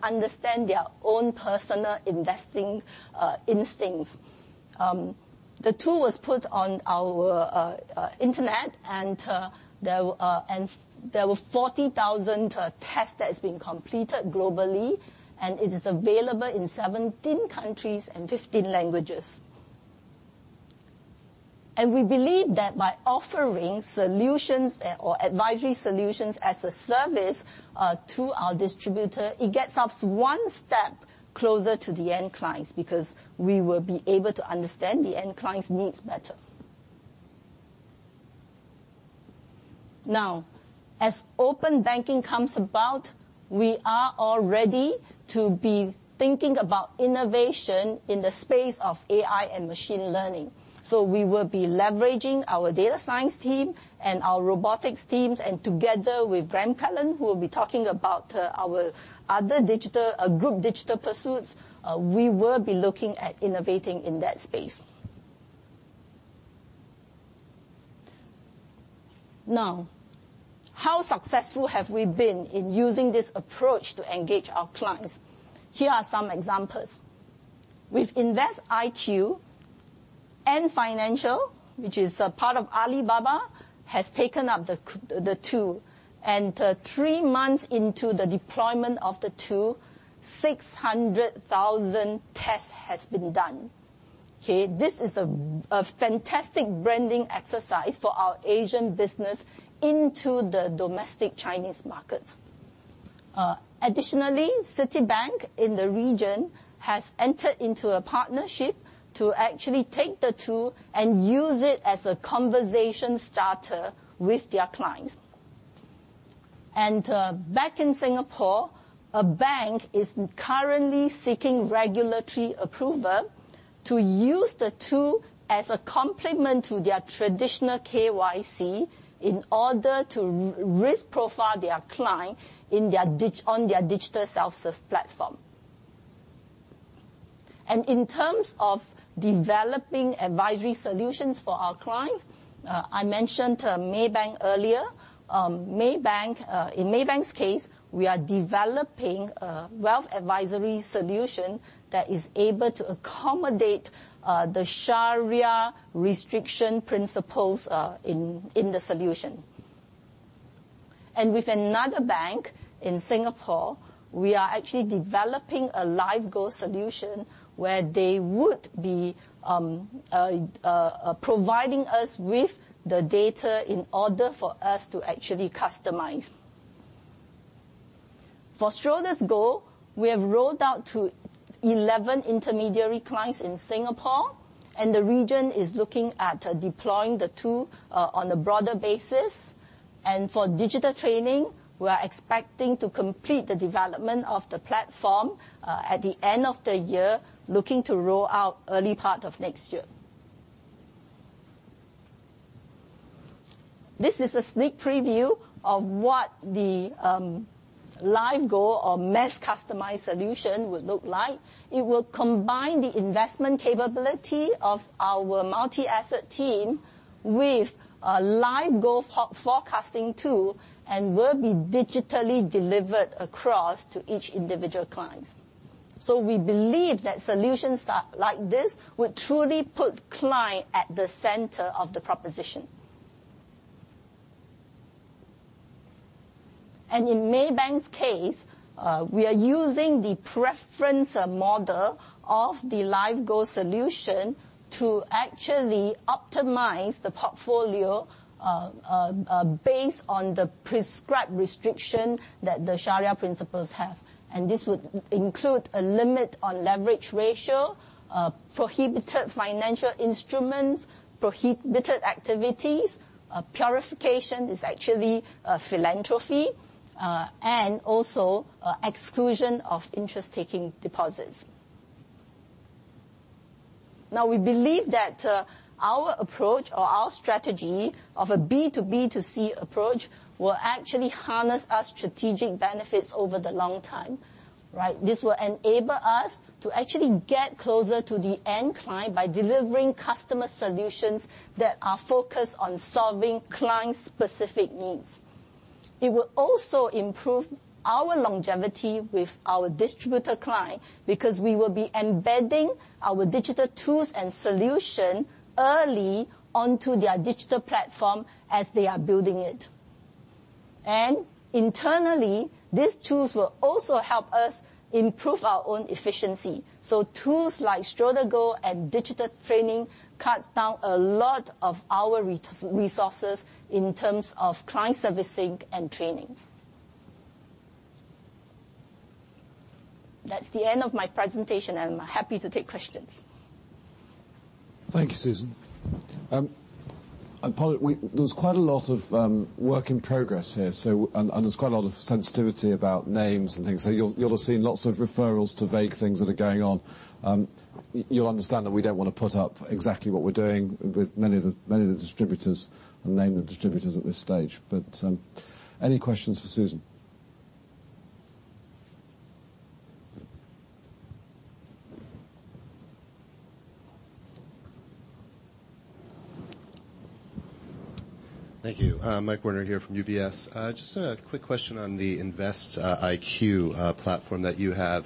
understand their own personal investing instincts. The tool was put on our internet, and there were 40,000 tests that has been completed globally, and it is available in 17 countries and 15 languages. We believe that by offering solutions or advisory solutions as a service to our distributor, it gets us one step closer to the end clients, because we will be able to understand the end clients' needs better. As open banking comes about, we are all ready to be thinking about innovation in the space of AI and machine learning. We will be leveraging our data science team and our robotics teams, and together with Graham Kellen, who will be talking about our other group digital pursuits, we will be looking at innovating in that space. Now, how successful have we been in using this approach to engage our clients? Here are some examples. With InvestIQ Ant Financial, which is a part of Alibaba, has taken up the tool. Three months into the deployment of the tool, 600,000 tests has been done. Okay. This is a fantastic branding exercise for our Asian business into the domestic Chinese markets. Additionally, Citibank in the region has entered into a partnership to actually take the tool and use it as a conversation starter with their clients. Back in Singapore, a bank is currently seeking regulatory approval to use the tool as a complement to their traditional KYC in order to risk profile their client on their digital self-serve platform. In terms of developing advisory solutions for our clients, I mentioned Maybank earlier. In Maybank's case, we are developing a wealth advisory solution that is able to accommodate the Sharia restriction principles in the solution. With another bank in Singapore, we are actually developing a live goal solution where they would be providing us with the data in order for us to actually customize. For Schroders GO, we have rolled out to 11 intermediary clients in Singapore, and the region is looking at deploying the tool on a broader basis. For digital training, we are expecting to complete the development of the platform at the end of the year, looking to roll out early part of next year. This is a sneak preview of what the live goal or Mass Customized Solutions would look like. It will combine the investment capability of our multi-asset team with a live goal forecasting tool and will be digitally delivered across to each individual client. We believe that solutions like this would truly put client at the center of the proposition. In Maybank's case, we are using the preference model of the live goal solution to actually optimize the portfolio based on the prescribed restriction that the Sharia principles have. This would include a limit on leverage ratio, prohibited financial instruments, prohibited activities, purification is actually philanthropy, and also exclusion of interest taking deposits. Now we believe that our approach or our strategy of a B2B2C approach will actually harness us strategic benefits over the long time. Right? This will enable us to actually get closer to the end client by delivering customer solutions that are focused on solving client-specific needs. It will also improve our longevity with our distributor client because we will be embedding our digital tools and solution early onto their digital platform as they are building it. Internally, these tools will also help us improve our own efficiency. Tools like Schroders GO and digital training cuts down a lot of our resources in terms of client servicing and training. That's the end of my presentation. I'm happy to take questions. Thank you, Susan. There's quite a lot of work in progress here, and there's quite a lot of sensitivity about names and things. You'll have seen lots of referrals to vague things that are going on. You'll understand that we don't want to put up exactly what we're doing with many of the distributors and name the distributors at this stage. Any questions for Susan? Thank you. Michael Werner here from UBS. Just a quick question on the InvestIQ platform that you have.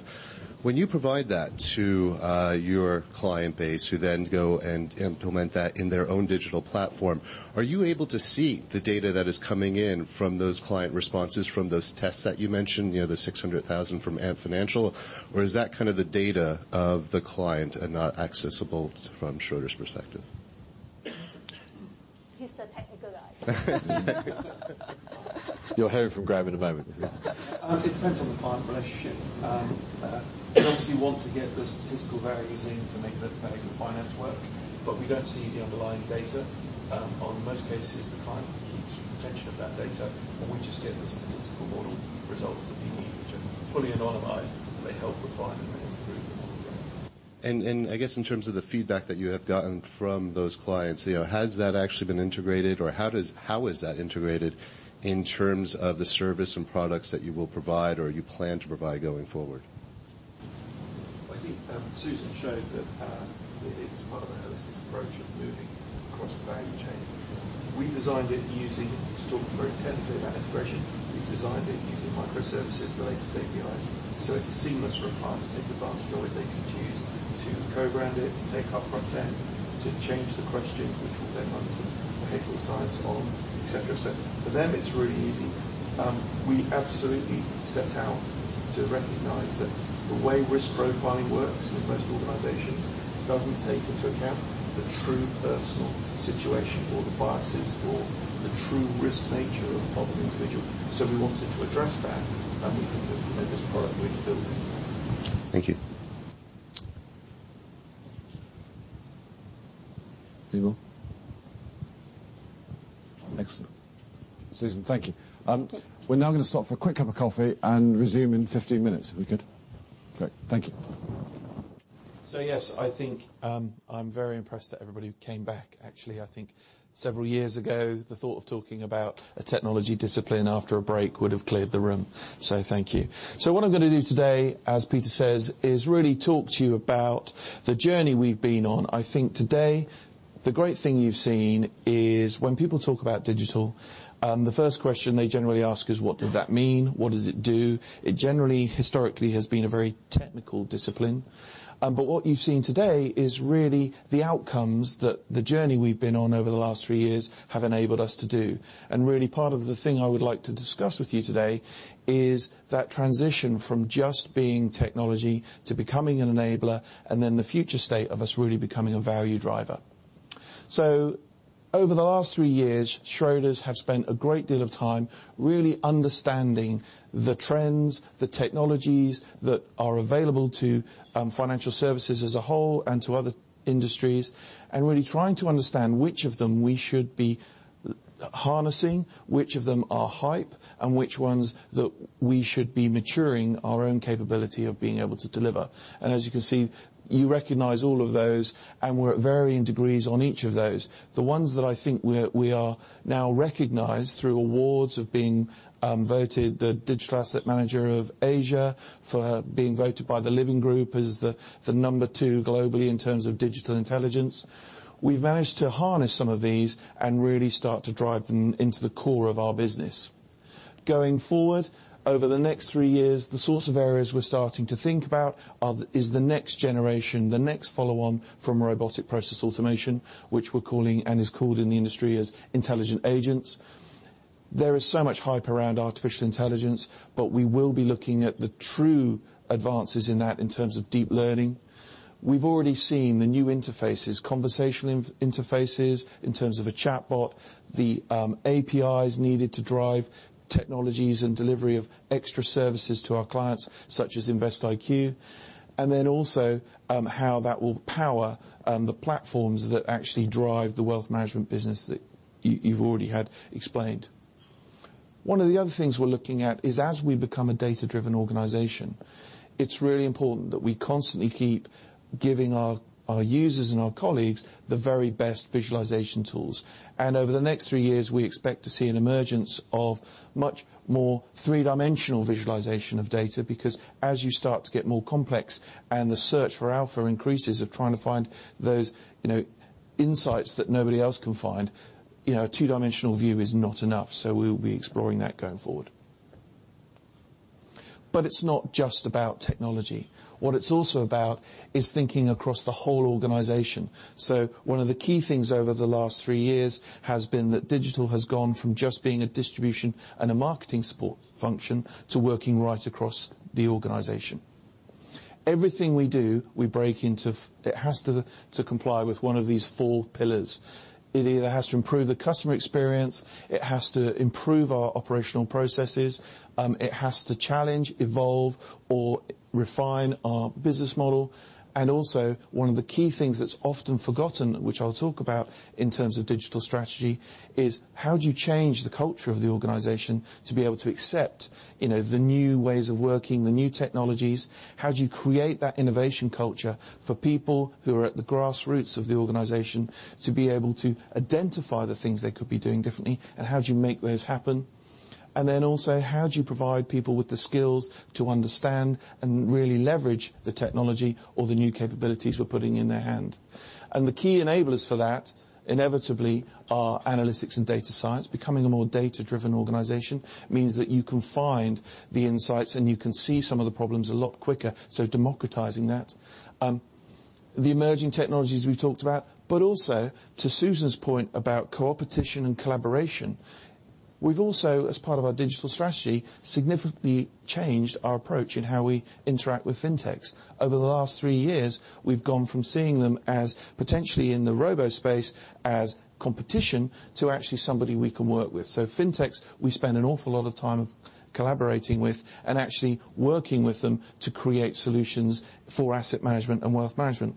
When you provide that to your client base, who then go and implement that in their own digital platform, are you able to see the data that is coming in from those client responses, from those tests that you mentioned, the 600,000 from Ant Financial, or is that kind of the data of the client and not accessible from Schroders' perspective? He's the technical guy. You'll hear from Graham in a moment, yeah. It depends on the client relationship. We obviously want to get the statistical values in to make the finance work. We don't see the underlying data. On most cases, the client keeps retention of that data, and we just get the statistical model results that we need, which are fully anonymized. They help the client make improvements. I guess in terms of the feedback that you have gotten from those clients, has that actually been integrated or how is that integrated in terms of the service and products that you will provide or you plan to provide going forward? I think Susan showed that it's part of an holistic approach. Across the value chain. We designed it using, to talk very technically about integration, we've designed it using microservices, the latest APIs. It's seamless for a client to take advantage of it. They can choose to co-brand it, take our front end, to change the questions, which we'll then run some behavioral science on, et cetera. For them, it's really easy. We absolutely set out to recognize that the way risk profiling works with most organizations doesn't take into account the true personal situation, or the biases, or the true risk nature of an individual. We wanted to address that, and we think that with this product, we've built it. Thank you. Anyone? Excellent. Susan, thank you. Thank you. We're now going to stop for a quick cup of coffee and resume in 15 minutes, if we could. Great. Thank you. Yes, I think I'm very impressed that everybody came back, actually. I think several years ago, the thought of talking about a technology discipline after a break would have cleared the room. Thank you. What I'm going to do today, as Peter says, is really talk to you about the journey we've been on. I think today, the great thing you've seen is when people talk about digital, the first question they generally ask is: what does that mean? What does it do? It generally, historically, has been a very technical discipline. What you've seen today is really the outcomes that the journey we've been on over the last 3 years have enabled us to do. Really, part of the thing I would like to discuss with you today is that transition from just being technology to becoming an enabler, then the future state of us really becoming a value driver. Over the last 3 years, Schroders have spent a great deal of time really understanding the trends, the technologies that are available to financial services as a whole and to other industries, and really trying to understand which of them we should be harnessing, which of them are hype, and which ones that we should be maturing our own capability of being able to deliver. As you can see, you recognize all of those, and we're at varying degrees on each of those. The ones that I think we are now recognized through awards of being voted the Digital Asset Manager of Asia, for being voted by the Living Group as the number 2 globally in terms of digital intelligence. We've managed to harness some of these and really start to drive them into the core of our business. Going forward, over the next 3 years, the sort of areas we're starting to think about is the next generation, the next follow-on from robotic process automation, which we're calling, and is called in the industry, as intelligent agents. There is so much hype around artificial intelligence, we will be looking at the true advances in that in terms of deep learning. We've already seen the new interfaces, conversational interfaces in terms of a chatbot, the APIs needed to drive technologies and delivery of extra services to our clients, such as InvestIQ. Also, how that will power the platforms that actually drive the wealth management business that you've already had explained. One of the other things we're looking at is, as we become a data-driven organization, it's really important that we constantly keep giving our users and our colleagues the very best visualization tools. Over the next 3 years, we expect to see an emergence of much more 3-dimensional visualization of data, because as you start to get more complex and the search for alpha increases of trying to find those insights that nobody else can find, a 2-dimensional view is not enough. We'll be exploring that going forward. It's not just about technology. What it's also about is thinking across the whole organization. One of the key things over the last 3 years has been that digital has gone from just being a distribution and a marketing support function to working right across the organization. Everything we do, it has to comply with one of these 4 pillars. It either has to improve the customer experience, it has to improve our operational processes, it has to challenge, evolve, or refine our business model. Also, one of the key things that's often forgotten, which I'll talk about in terms of digital strategy, is how do you change the culture of the organization to be able to accept the new ways of working, the new technologies? How do you create that innovation culture for people who are at the grassroots of the organization to be able to identify the things they could be doing differently, and how do you make those happen? Also, how do you provide people with the skills to understand and really leverage the technology or the new capabilities we're putting in their hand? The key enablers for that, inevitably, are analytics and data science. Becoming a more data-driven organization means that you can find the insights and you can see some of the problems a lot quicker, so democratizing that. The emerging technologies we've talked about, but also, to Susan's point about competition and collaboration, we've also, as part of our digital strategy, significantly changed our approach in how we interact with fintechs. Over the last 3 years, we've gone from seeing them as potentially in the robo-advisor space as competition, to actually somebody we can work with. Fintechs, we spend an awful lot of time collaborating with and actually working with them to create solutions for asset management and wealth management.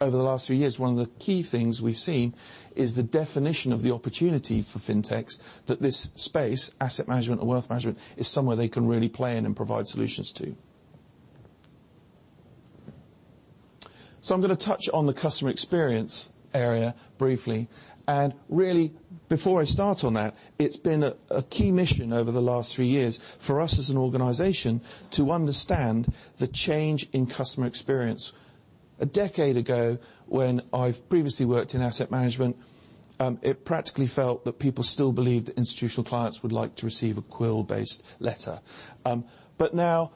Over the last 3 years, one of the key things we've seen is the definition of the opportunity for fintechs that this space, asset management or wealth management, is somewhere they can really play in and provide solutions to. I'm going to touch on the customer experience area briefly. Really, before I start on that, it's been a key mission over the last 3 years for us as an organization to understand the change in customer experience. A decade ago, when I've previously worked in asset management, it practically felt that people still believed that institutional clients would like to receive a quill-based letter. Now,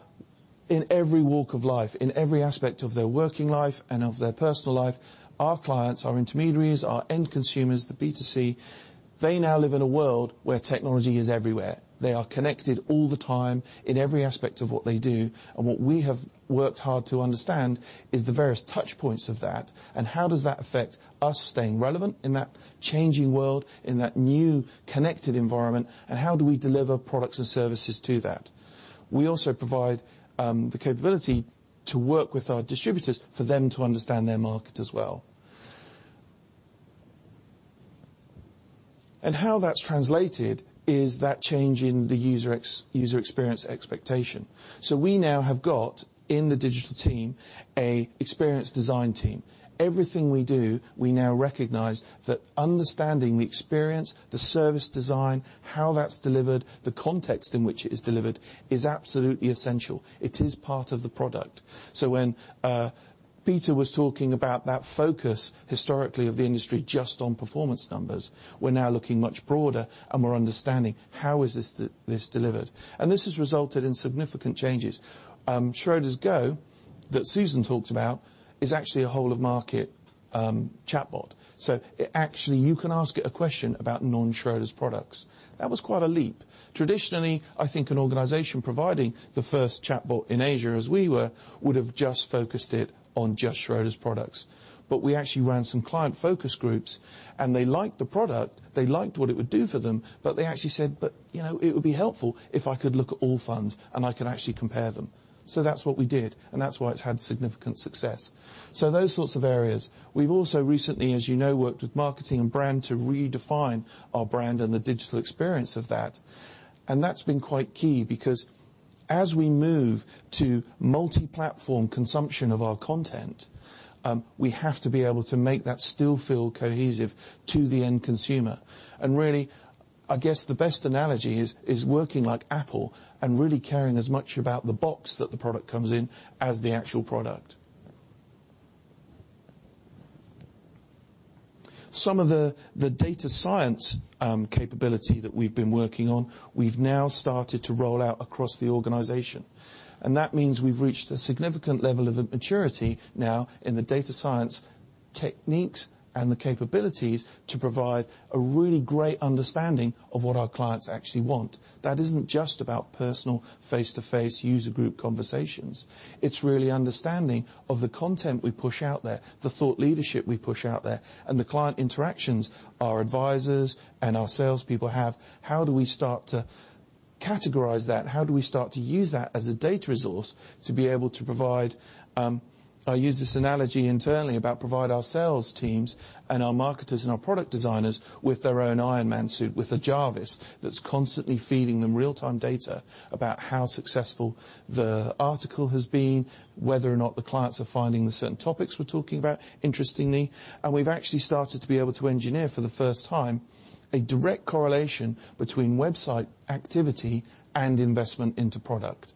in every walk of life, in every aspect of their working life and of their personal life, our clients, our intermediaries, our end consumers, the B2C, they now live in a world where technology is everywhere. They are connected all the time in every aspect of what they do, and what we have worked hard to understand is the various touch points of that and how does that affect us staying relevant in that changing world, in that new connected environment, and how do we deliver products and services to that. We also provide the capability to work with our distributors for them to understand their market as well. How that's translated is that change in the user experience expectation. We now have got, in the digital team, a experience design team. Everything we do, we now recognize that understanding the experience, the service design, how that's delivered, the context in which it is delivered, is absolutely essential. It is part of the product. When Peter was talking about that focus historically of the industry just on performance numbers, we're now looking much broader, and we're understanding how is this delivered. This has resulted in significant changes. Schroders GO, that Susan talked about, is actually a whole of market chatbot. Actually, you can ask it a question about non-Schroders products. That was quite a leap. Traditionally, I think an organization providing the first chatbot in Asia, as we were, would've just focused it on just Schroders products. We actually ran some client focus groups, and they liked the product, they liked what it would do for them, but they actually said, "It would be helpful if I could look at all funds and I could actually compare them." That's what we did, and that's why it's had significant success. Those sorts of areas. We've also recently, as you know, worked with marketing and brand to redefine our brand and the digital experience of that, and that's been quite key because as we move to multi-platform consumption of our content, we have to be able to make that still feel cohesive to the end consumer. Really, I guess the best analogy is working like Apple and really caring as much about the box that the product comes in as the actual product. Some of the data science capability that we've been working on, we've now started to roll out across the organization, and that means we've reached a significant level of maturity now in the data science techniques and the capabilities to provide a really great understanding of what our clients actually want. That isn't just about personal, face-to-face user group conversations. It's really understanding of the content we push out there, the thought leadership we push out there, and the client interactions our advisors and our salespeople have. How do we start to categorize that? How do we start to use that as a data resource to be able to provide, I use this analogy internally about provide our sales teams and our marketers and our product designers with their own Iron Man suit, with a Jarvis that's constantly feeding them real-time data about how successful the article has been, whether or not the clients are finding the certain topics we're talking about interestingly. We've actually started to be able to engineer, for the first time, a direct correlation between website activity and investment into product.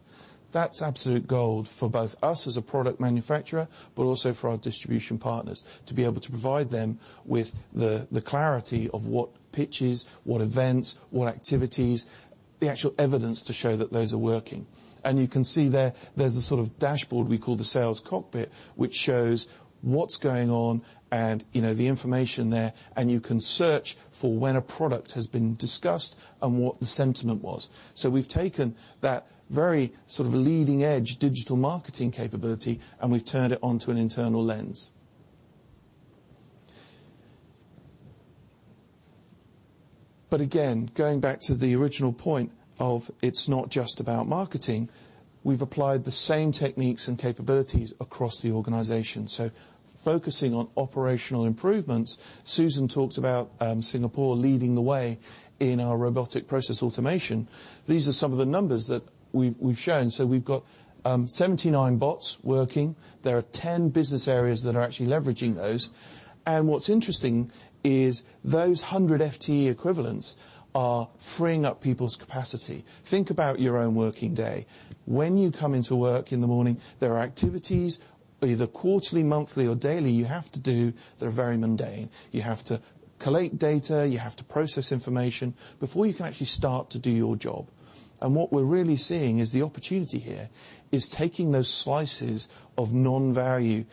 That's absolute gold for both us as a product manufacturer, but also for our distribution partners, to be able to provide them with the clarity of what pitches, what events, what activities, the actual evidence to show that those are working. You can see there's a sort of dashboard we call the sales cockpit, which shows what's going on and the information there, and you can search for when a product has been discussed and what the sentiment was. We've taken that very sort of leading edge digital marketing capability, and we've turned it onto an internal lens. Again, going back to the original point of it's not just about marketing, we've applied the same techniques and capabilities across the organization. Focusing on operational improvements, Susan talked about Singapore leading the way in our robotic process automation. We've got 79 bots working. There are 10 business areas that are actually leveraging those. What's interesting is those 100 FTE equivalents are freeing up people's capacity. Think about your own working day. When you come into work in the morning, there are activities, either quarterly, monthly, or daily, you have to do that are very mundane. You have to collate data, you have to process information before you can actually start to do your job. What we're really seeing is the opportunity here is taking those slices of non-value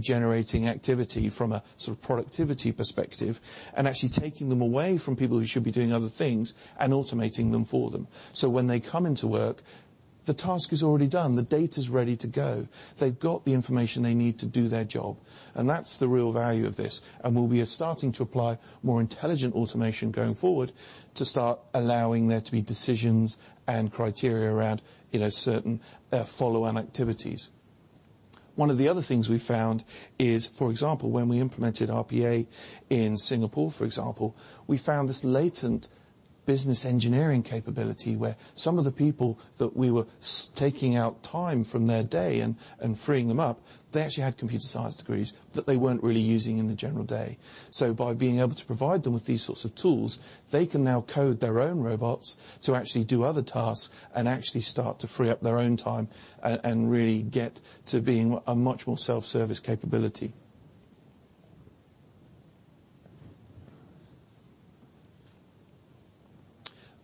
generating activity from a sort of productivity perspective and actually taking them away from people who should be doing other things and automating them for them. When they come into work, the task is already done. The data's ready to go. They've got the information they need to do their job, and that's the real value of this. We'll be starting to apply more intelligent automation going forward to start allowing there to be decisions and criteria around certain follow-on activities. One of the other things we found is, for example, when we implemented RPA in Singapore, for example, we found this latent business engineering capability where some of the people that we were taking out time from their day and freeing them up, they actually had computer science degrees that they weren't really using in the general day. By being able to provide them with these sorts of tools, they can now code their own robots to actually do other tasks and actually start to free up their own time and really get to being a much more self-service capability.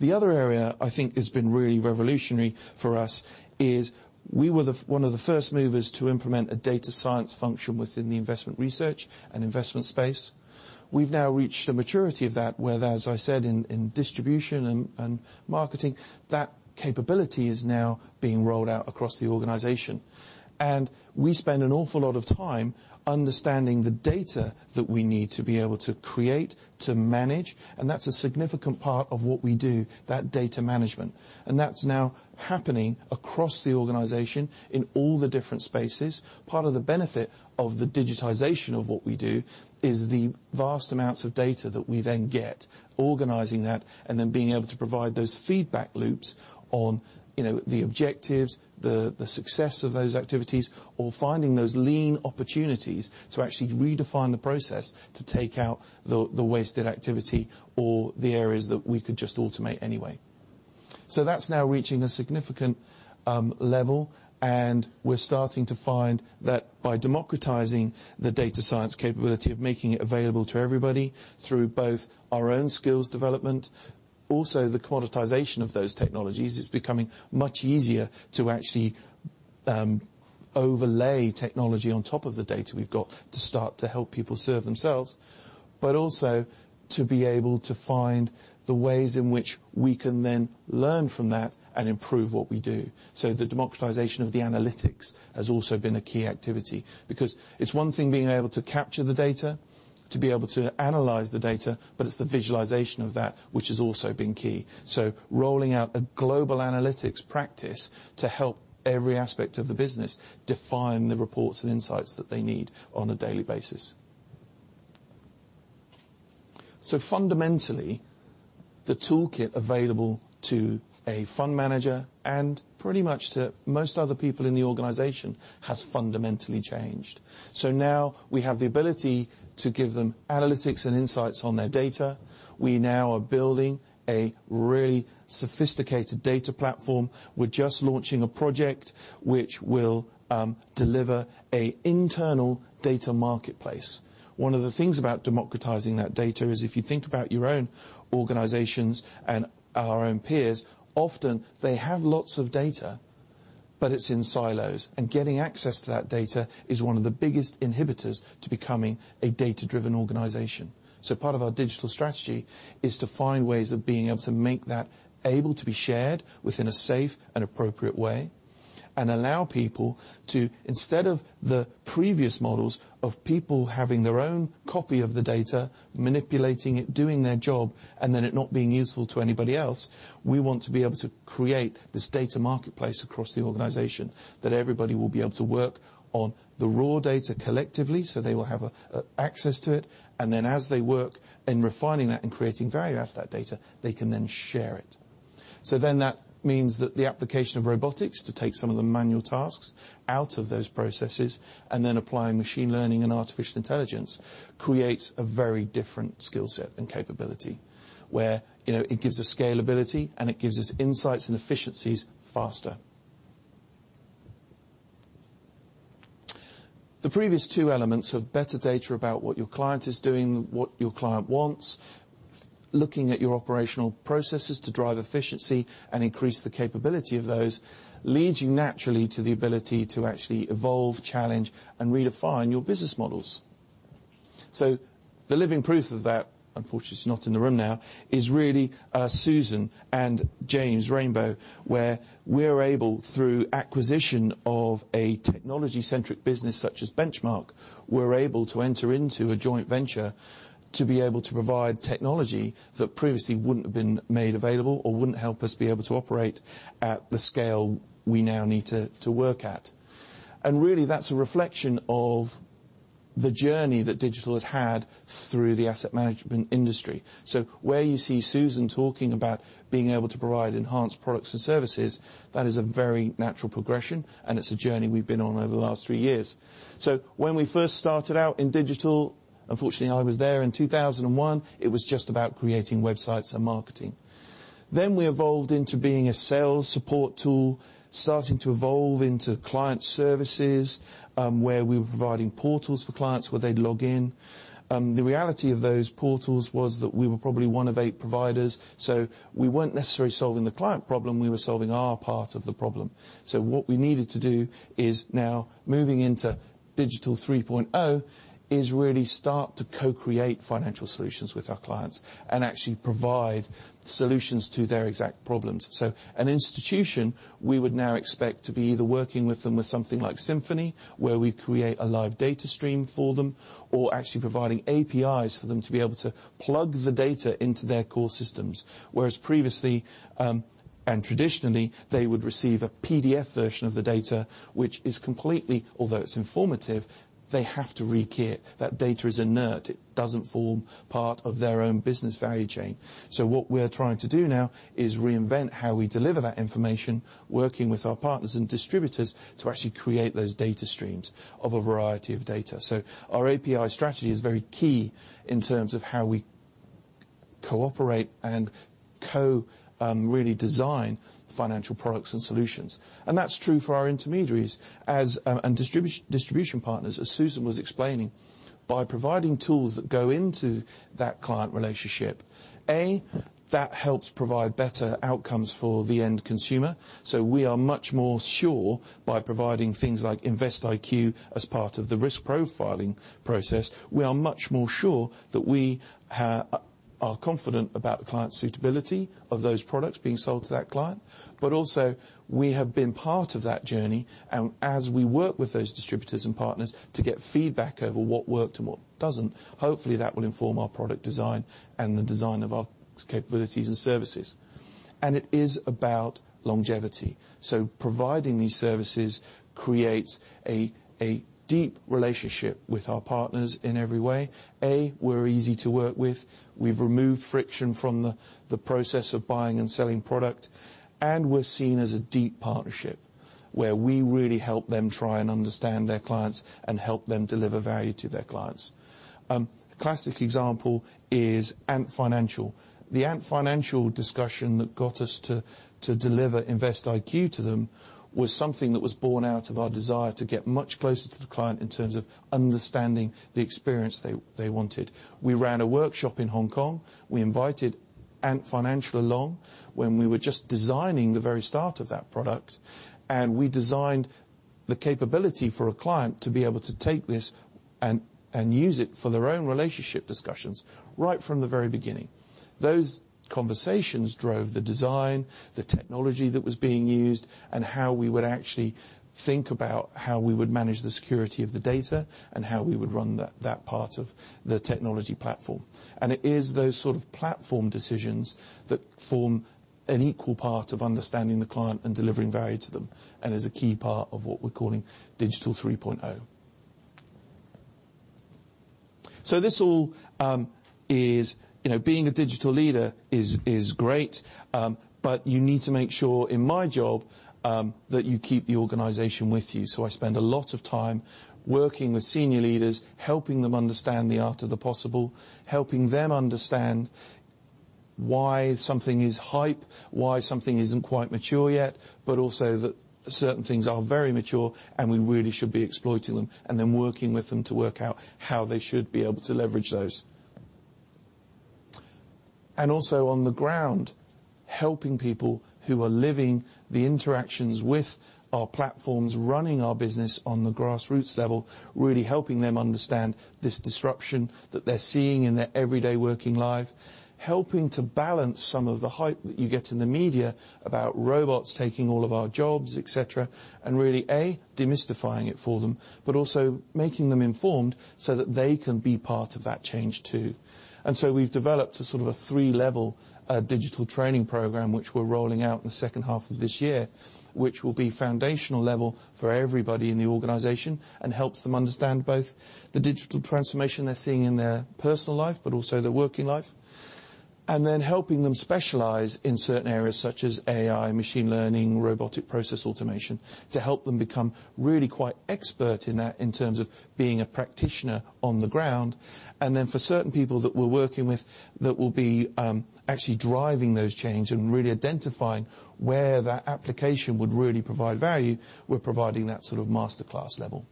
The other area I think has been really revolutionary for us is we were one of the first movers to implement a data science function within the investment research and investment space. We've now reached a maturity of that where, as I said, in distribution and marketing, that capability is now being rolled out across the organization. We spend an awful lot of time understanding the data that we need to be able to create, to manage, and that's a significant part of what we do, that data management. That's now happening across the organization in all the different spaces. Part of the benefit of the digitization of what we do is the vast amounts of data that we then get, organizing that, and then being able to provide those feedback loops on the objectives, the success of those activities, or finding those lean opportunities to actually redefine the process to take out the wasted activity or the areas that we could just automate anyway. That's now reaching a significant level, and we're starting to find that by democratizing the data science capability of making it available to everybody through both our own skills development, also the commoditization of those technologies, it's becoming much easier to actually overlay technology on top of the data we've got to start to help people serve themselves. Also to be able to find the ways in which we can then learn from that and improve what we do. The democratization of the analytics has also been a key activity, because it's one thing being able to capture the data, to be able to analyze the data, but it's the visualization of that which has also been key. Rolling out a global analytics practice to help every aspect of the business define the reports and insights that they need on a daily basis. Fundamentally, the toolkit available to a fund manager and pretty much to most other people in the organization has fundamentally changed. Now we have the ability to give them analytics and insights on their data. We now are building a really sophisticated data platform. We're just launching a project which will deliver an internal data marketplace. One of the things about democratizing that data is if you think about your own organizations and our own peers, often they have lots of data, but it's in silos, and getting access to that data is one of the biggest inhibitors to becoming a data-driven organization. Part of our digital strategy is to find ways of being able to make that able to be shared within a safe and appropriate way and allow people to, instead of the previous models of people having their own copy of the data, manipulating it, doing their job, and then it not being useful to anybody else, we want to be able to create this data marketplace across the organization that everybody will be able to work on the raw data collectively, so they will have access to it. As they work in refining that and creating value out of that data, they can then share it. That means that the application of robotics to take some of the manual tasks out of those processes, and then applying machine learning and artificial intelligence, creates a very different skill set and capability, where it gives us scalability and it gives us insights and efficiencies faster. The previous two elements of better data about what your client is doing, what your client wants, looking at your operational processes to drive efficiency and increase the capability of those, leads you naturally to the ability to actually evolve, challenge, and redefine your business models. The living proof of that, unfortunately she's not in the room now, is really Susan and James Rainbow, where we're able, through acquisition of a technology-centric business such as Benchmark, we're able to enter into a joint venture to be able to provide technology that previously wouldn't have been made available or wouldn't help us be able to operate at the scale we now need to work at. Really, that's a reflection of the journey that digital has had through the asset management industry. Where you see Susan talking about being able to provide enhanced products and services, that is a very natural progression, and it's a journey we've been on over the last three years. When we first started out in digital, unfortunately, I was there in 2001, it was just about creating websites and marketing. We evolved into being a sales support tool, starting to evolve into client services, where we were providing portals for clients where they'd log in. The reality of those portals was that we were probably one of eight providers. We weren't necessarily solving the client problem, we were solving our part of the problem. What we needed to do is now moving into Digital 3.0, is really start to co-create financial solutions with our clients and actually provide solutions to their exact problems. An institution, we would now expect to be either working with them with something like Symphony, where we create a live data stream for them, or actually providing APIs for them to be able to plug the data into their core systems. Whereas previously, and traditionally, they would receive a PDF version of the data, which is completely, although it's informative, they have to rekey it. That data is inert. It doesn't form part of their own business value chain. What we're trying to do now is reinvent how we deliver that information, working with our partners and distributors, to actually create those data streams of a variety of data. Our API strategy is very key in terms of how we cooperate and co-design financial products and solutions. That's true for our intermediaries and distribution partners, as Susan was explaining, by providing tools that go into that client relationship, A, that helps provide better outcomes for the end consumer. We are much more sure, by providing things like InvestIQ as part of the risk profiling process, we are much more sure that we are confident about the client suitability of those products being sold to that client. Also, we have been part of that journey. As we work with those distributors and partners to get feedback over what worked and what doesn't, hopefully, that will inform our product design and the design of our capabilities and services. It is about longevity. Providing these services creates a deep relationship with our partners in every way. A, we're easy to work with. We've removed friction from the process of buying and selling product. We're seen as a deep partnership, where we really help them try and understand their clients and help them deliver value to their clients. A classic example is Ant Financial. The Ant Financial discussion that got us to deliver InvestIQ to them was something that was born out of our desire to get much closer to the client in terms of understanding the experience they wanted. We ran a workshop in Hong Kong. We invited Ant Financial along when we were just designing the very start of that product, and we designed the capability for a client to be able to take this and use it for their own relationship discussions right from the very beginning. Those conversations drove the design, the technology that was being used, and how we would actually think about how we would manage the security of the data, and how we would run that part of the technology platform. It is those sort of platform decisions that form an equal part of understanding the client and delivering value to them, and is a key part of what we're calling Digital 3.0. Being a digital leader is great, but you need to make sure, in my job, that you keep the organization with you. I spend a lot of time working with senior leaders, helping them understand the art of the possible. Helping them understand why something is hype, why something isn't quite mature yet, but also that certain things are very mature and we really should be exploiting them, and then working with them to work out how they should be able to leverage those. Also on the ground, helping people who are living the interactions with our platforms, running our business on the grassroots level, really helping them understand this disruption that they're seeing in their everyday working life. Helping to balance some of the hype that you get in the media about robots taking all of our jobs, et cetera, and really, A, demystifying it for them, but also making them informed so that they can be part of that change, too. We've developed a sort of a 3-level digital training program, which we're rolling out in the second half of this year, which will be foundational level for everybody in the organization, and helps them understand both the digital transformation they're seeing in their personal life but also their working life. Helping them specialize in certain areas, such as AI, machine learning, robotic process automation, to help them become really quite expert in that in terms of being a practitioner on the ground. For certain people that we're working with that will be actually driving those change and really identifying where that application would really provide value, we're providing that sort of master class level.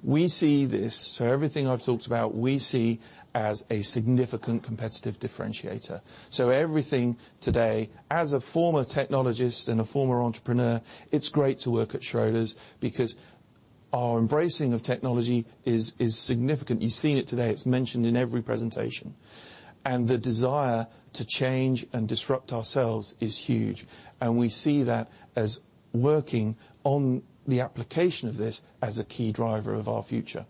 We see this, everything I've talked about, we see as a significant competitive differentiator. Everything today, as a former technologist and a former entrepreneur, it's great to work at Schroders because our embracing of technology is significant. You've seen it today. It's mentioned in every presentation. The desire to change and disrupt ourselves is huge. We see that as working on the application of this as a key driver of our future.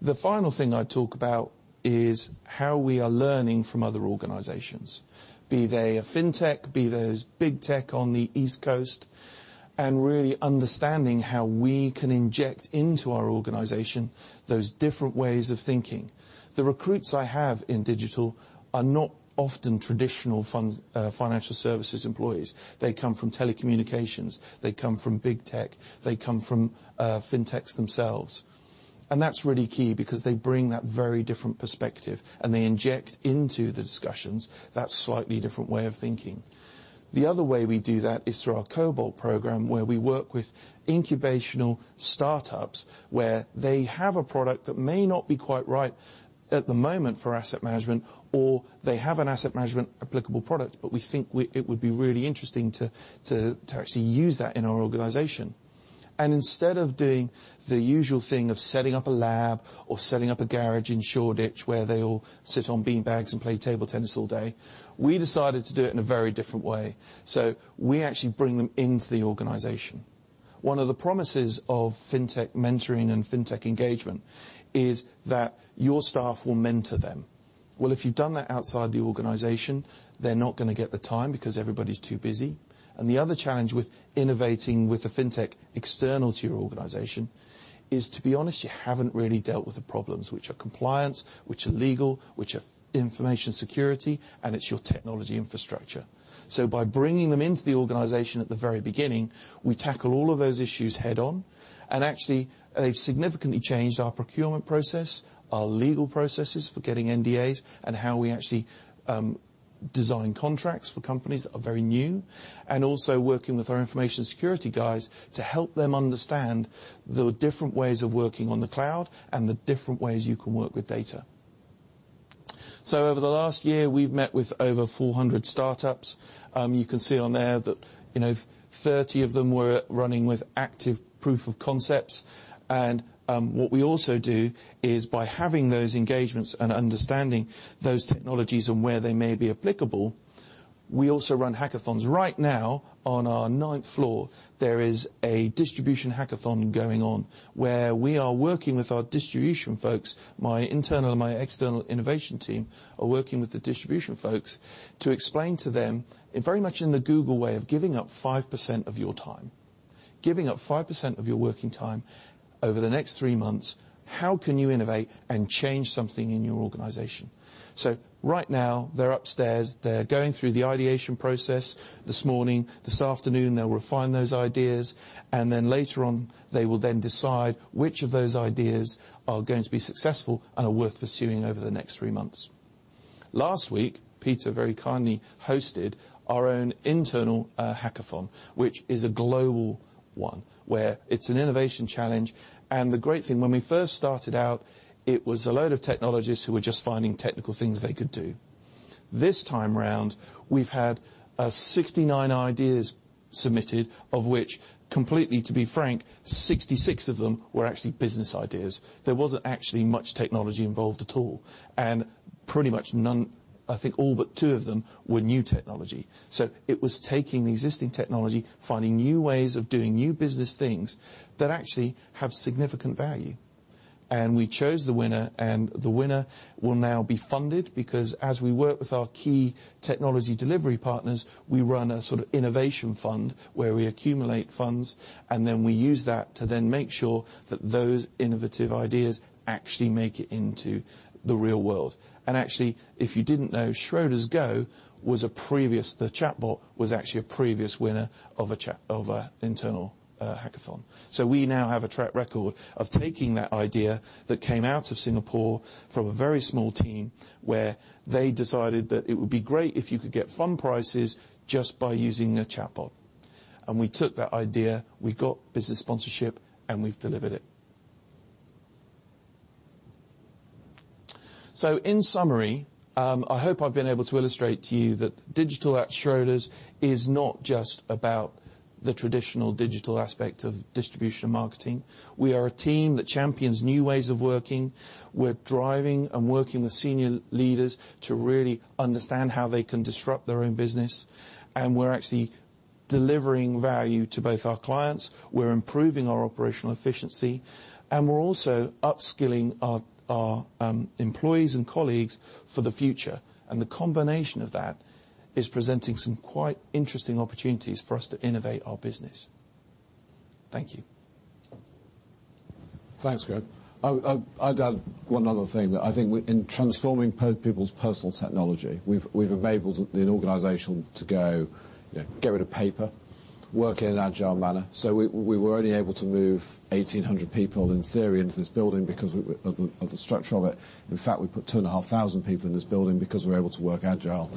The final thing I'd talk about is how we are learning from other organizations, be they a fintech, be those big tech on the East Coast, really understanding how we can inject into our organization those different ways of thinking. The recruits I have in digital are not often traditional financial services employees. They come from telecommunications. They come from big tech. They come from fintechs themselves. That's really key, because they bring that very different perspective, and they inject into the discussions that slightly different way of thinking. The other way we do that is through our Cobalt program, where we work with incubational startups where they have a product that may not be quite right at the moment for asset management, or they have an asset management applicable product, but we think it would be really interesting to actually use that in our organization. Instead of doing the usual thing of setting up a lab or setting up a garage in Shoreditch where they all sit on beanbags and play table tennis all day, we decided to do it in a very different way. We actually bring them into the organization. One of the promises of fintech mentoring and fintech engagement is that your staff will mentor them. Well, if you've done that outside the organization, they're not going to get the time because everybody's too busy. The other challenge with innovating with a fintech external to your organization is, to be honest, you haven't really dealt with the problems, which are compliance, which are legal, which are information security, and it's your technology infrastructure. By bringing them into the organization at the very beginning, we tackle all of those issues head-on, and actually, they've significantly changed our procurement process, our legal processes for getting NDAs, and how we actually Design contracts for companies that are very new, and also working with our information security guys to help them understand the different ways of working on the cloud and the different ways you can work with data. Over the last year, we've met with over 400 startups. You can see on there that 30 of them were running with active proof of concepts. What we also do is by having those engagements and understanding those technologies and where they may be applicable, we also run hackathons. Right now, on our ninth floor, there is a distribution hackathon going on, where we are working with our distribution folks, my internal and my external innovation team are working with the distribution folks to explain to them, very much in the Google way of giving up 5% of your time. Giving up 5% of your working time over the next three months, how can you innovate and change something in your organization? Right now, they're upstairs, they're going through the ideation process this morning. This afternoon, they'll refine those ideas, and later on, they will decide which of those ideas are going to be successful and are worth pursuing over the next three months. Last week, Peter very kindly hosted our own internal hackathon, which is a global one, where it's an innovation challenge. The great thing, when we first started out, it was a load of technologists who were just finding technical things they could do. This time around, we've had 69 ideas submitted, of which completely, to be frank, 66 of them were actually business ideas. There wasn't actually much technology involved at all, and pretty much none, I think all but two of them were new technology. It was taking the existing technology, finding new ways of doing new business things that actually have significant value. We chose the winner, and the winner will now be funded, because as we work with our key technology delivery partners, we run a sort of innovation fund where we accumulate funds, and then we use that to make sure that those innovative ideas actually make it into the real world. Actually, if you didn't know, Schroders GO, the chatbot, was actually a previous winner of internal hackathon. We now have a track record of taking that idea that came out of Singapore from a very small team, where they decided that it would be great if you could get fund prices just by using a chatbot. We took that idea, we got business sponsorship, and we've delivered it. In summary, I hope I've been able to illustrate to you that digital at Schroders is not just about the traditional digital aspect of distribution and marketing. We are a team that champions new ways of working, we're driving and working with senior leaders to really understand how they can disrupt their own business. We're actually delivering value to both our clients, we're improving our operational efficiency, and we're also upskilling our employees and colleagues for the future. The combination of that is presenting some quite interesting opportunities for us to innovate our business. Thank you. Thanks, Graham. I'd add one other thing, that I think in transforming people's personal technology, we've enabled the organization to get rid of paper, work in an agile manner. We were only able to move 1,800 people, in theory, into this building because of the structure of it. In fact, we put 2,500 people in this building because we're able to work agile.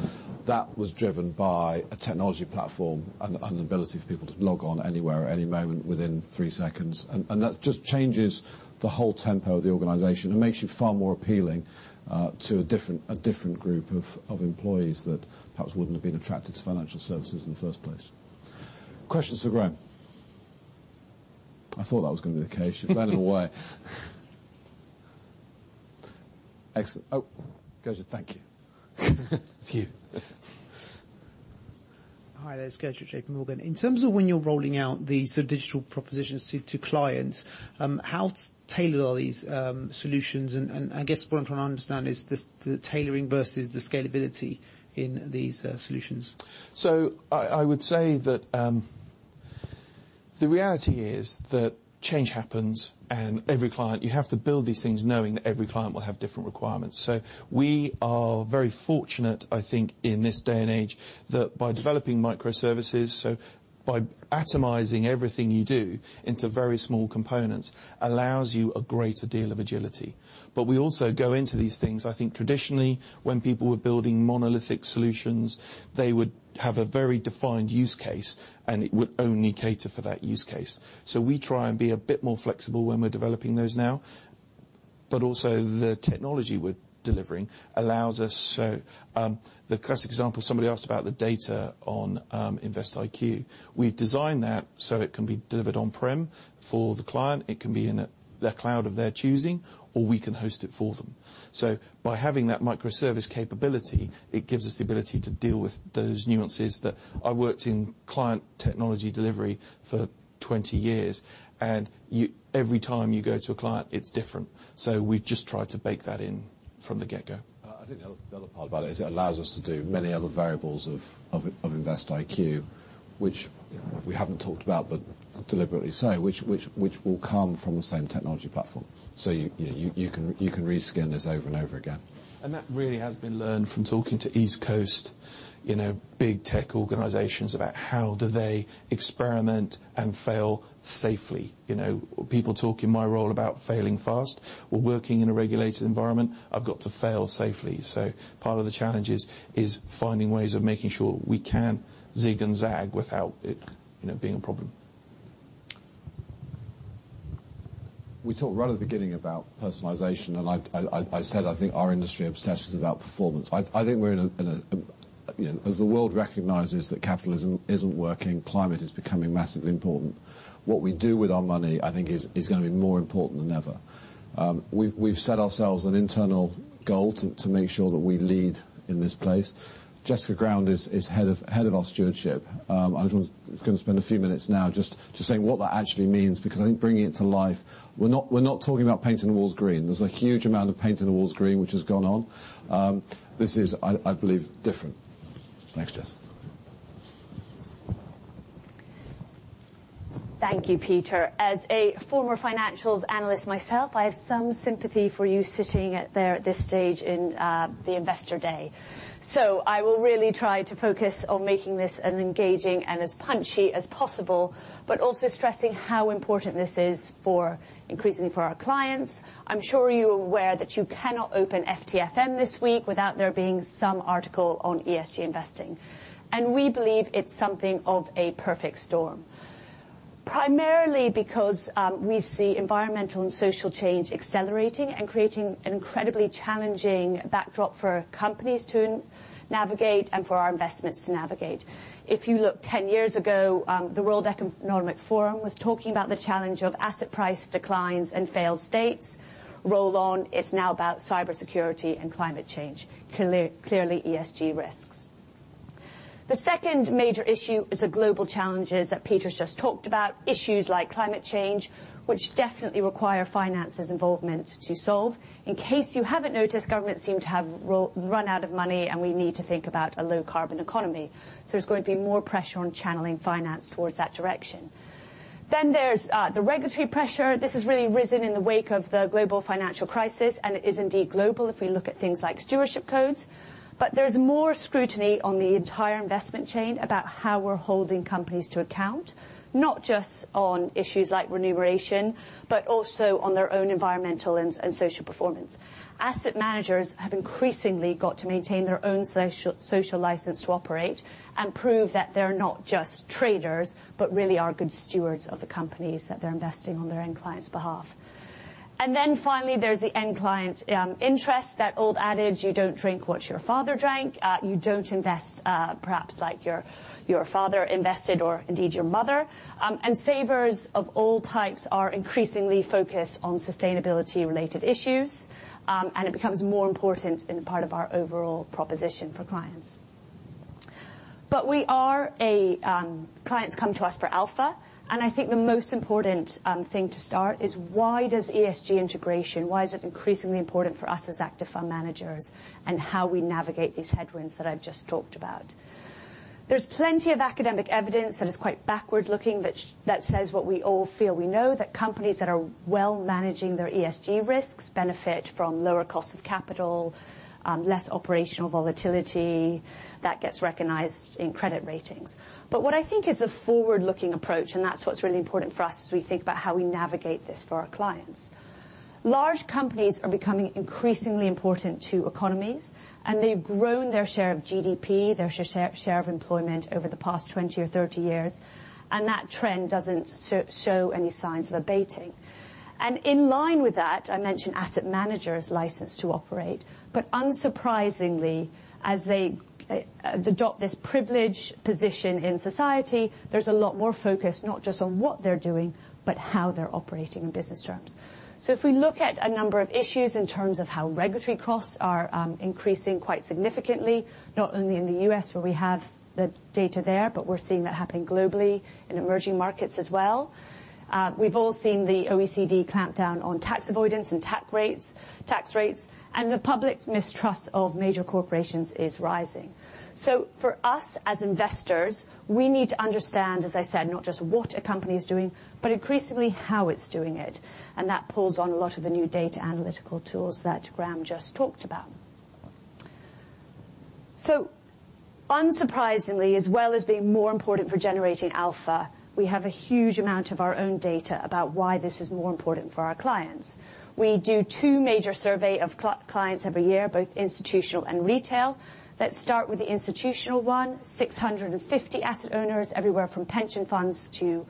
That was driven by a technology platform and an ability for people to log on anywhere, at any moment, within three seconds. That just changes the whole tempo of the organization and makes you far more appealing, to a different group of employees that perhaps wouldn't have been attracted to financial services in the first place. Questions for Graham? I thought that was going to be the case. You're glaring away. Excellent. Oh, Gurjit, thank you. Phew. Hi there. It's Gurjit at J.P. Morgan. In terms of when you're rolling out these sort of digital propositions to clients, how tailored are these solutions? I guess what I'm trying to understand is the tailoring versus the scalability in these solutions. I would say that the reality is that change happens, and you have to build these things knowing that every client will have different requirements. We are very fortunate, I think, in this day and age, that by developing microservices, by atomizing everything you do into very small components, allows you a greater deal of agility. We also go into these things, I think traditionally, when people were building monolithic solutions, they would have a very defined use case, and it would only cater for that use case. We try and be a bit more flexible when we're developing those now. Also, the technology we're delivering allows us. The classic example, somebody asked about the data on InvestIQ. We've designed that so it can be delivered on-prem for the client, it can be in the cloud of their choosing, or we can host it for them. By having that microservice capability, it gives us the ability to deal with those nuances. I worked in client technology delivery for 20 years, and every time you go to a client, it's different. We've just tried to bake that in from the get-go. I think the other part about it is it allows us to do many other variables of InvestIQ, which we haven't talked about, but deliberately so, which will come from the same technology platform. You can reskin this over and over again. That really has been learned from talking to East Coast big tech organizations about how do they experiment and fail safely. People talk in my role about failing fast. We're working in a regulated environment, I've got to fail safely. Part of the challenge is finding ways of making sure we can zig and zag without it being a problem. We talked right at the beginning about personalization. I said I think our industry obsesses about performance. I think as the world recognizes that capitalism isn't working, climate is becoming massively important. What we do with our money, I think, is going to be more important than ever. We've set ourselves an internal goal to make sure that we lead in this place. Jessica Ground is Head of our stewardship. I was going to spend a few minutes now just saying what that actually means, because I think bringing it to life, we're not talking about painting the walls green. There's a huge amount of painting the walls green, which has gone on. This is, I believe, different. Thanks, Jess. Thank you, Peter. As a former financials analyst myself, I have some sympathy for you sitting there at this stage in the investor day. I will really try to focus on making this as engaging and as punchy as possible, but also stressing how important this is increasingly for our clients. I'm sure you're aware that you cannot open FTfm this week without there being some article on ESG investing. We believe it's something of a perfect storm. Primarily because we see environmental and social change accelerating and creating an incredibly challenging backdrop for companies to navigate and for our investments to navigate. If you look 10 years ago, the World Economic Forum was talking about the challenge of asset price declines in failed states. Roll on, it's now about cybersecurity and climate change. Clearly, ESG risks. The second major issue is the global challenges that Peter's just talked about, issues like climate change, which definitely require finance's involvement to solve. In case you haven't noticed, governments seem to have run out of money, and we need to think about a low-carbon economy. There's going to be more pressure on channeling finance towards that direction. There's the regulatory pressure. This has really risen in the wake of the global financial crisis, and it is indeed global if we look at things like Stewardship Codes. There's more scrutiny on the entire investment chain about how we're holding companies to account, not just on issues like remuneration, but also on their own environmental and social performance. Asset managers have increasingly got to maintain their own social license to operate and prove that they're not just traders, but really are good stewards of the companies that they're investing on their end clients' behalf. Finally, there's the end client interest, that old adage, you don't drink what your father drank. You don't invest perhaps like your father invested or indeed your mother. Savers of all types are increasingly focused on sustainability-related issues. It becomes more important in part of our overall proposition for clients. Clients come to us for alpha, and I think the most important thing to start is why does ESG integration, why is it increasingly important for us as active fund managers and how we navigate these headwinds that I've just talked about. There's plenty of academic evidence that is quite backward-looking that says what we all feel. We know that companies that are well managing their ESG risks benefit from lower cost of capital, less operational volatility. That gets recognized in credit ratings. What I think is a forward-looking approach, and that's what's really important for us as we think about how we navigate this for our clients. Large companies are becoming increasingly important to economies, and they've grown their share of GDP, their share of employment over the past 20 or 30 years, and that trend doesn't show any signs of abating. In line with that, I mentioned asset managers' license to operate. Unsurprisingly, as they adopt this privileged position in society, there's a lot more focus, not just on what they're doing, but how they're operating in business terms. If we look at a number of issues in terms of how regulatory costs are increasing quite significantly, not only in the U.S. where we have the data there, but we're seeing that happening globally in emerging markets as well. We've all seen the OECD clampdown on tax avoidance and tax rates, and the public mistrust of major corporations is rising. For us as investors, we need to understand, as I said, not just what a company is doing, but increasingly how it's doing it. That pulls on a lot of the new data analytical tools that Graham just talked about. Unsurprisingly, as well as being more important for generating alpha, we have a huge amount of our own data about why this is more important for our clients. We do two major survey of clients every year, both institutional and retail. Let's start with the institutional one, 650 asset owners, everywhere from pension funds to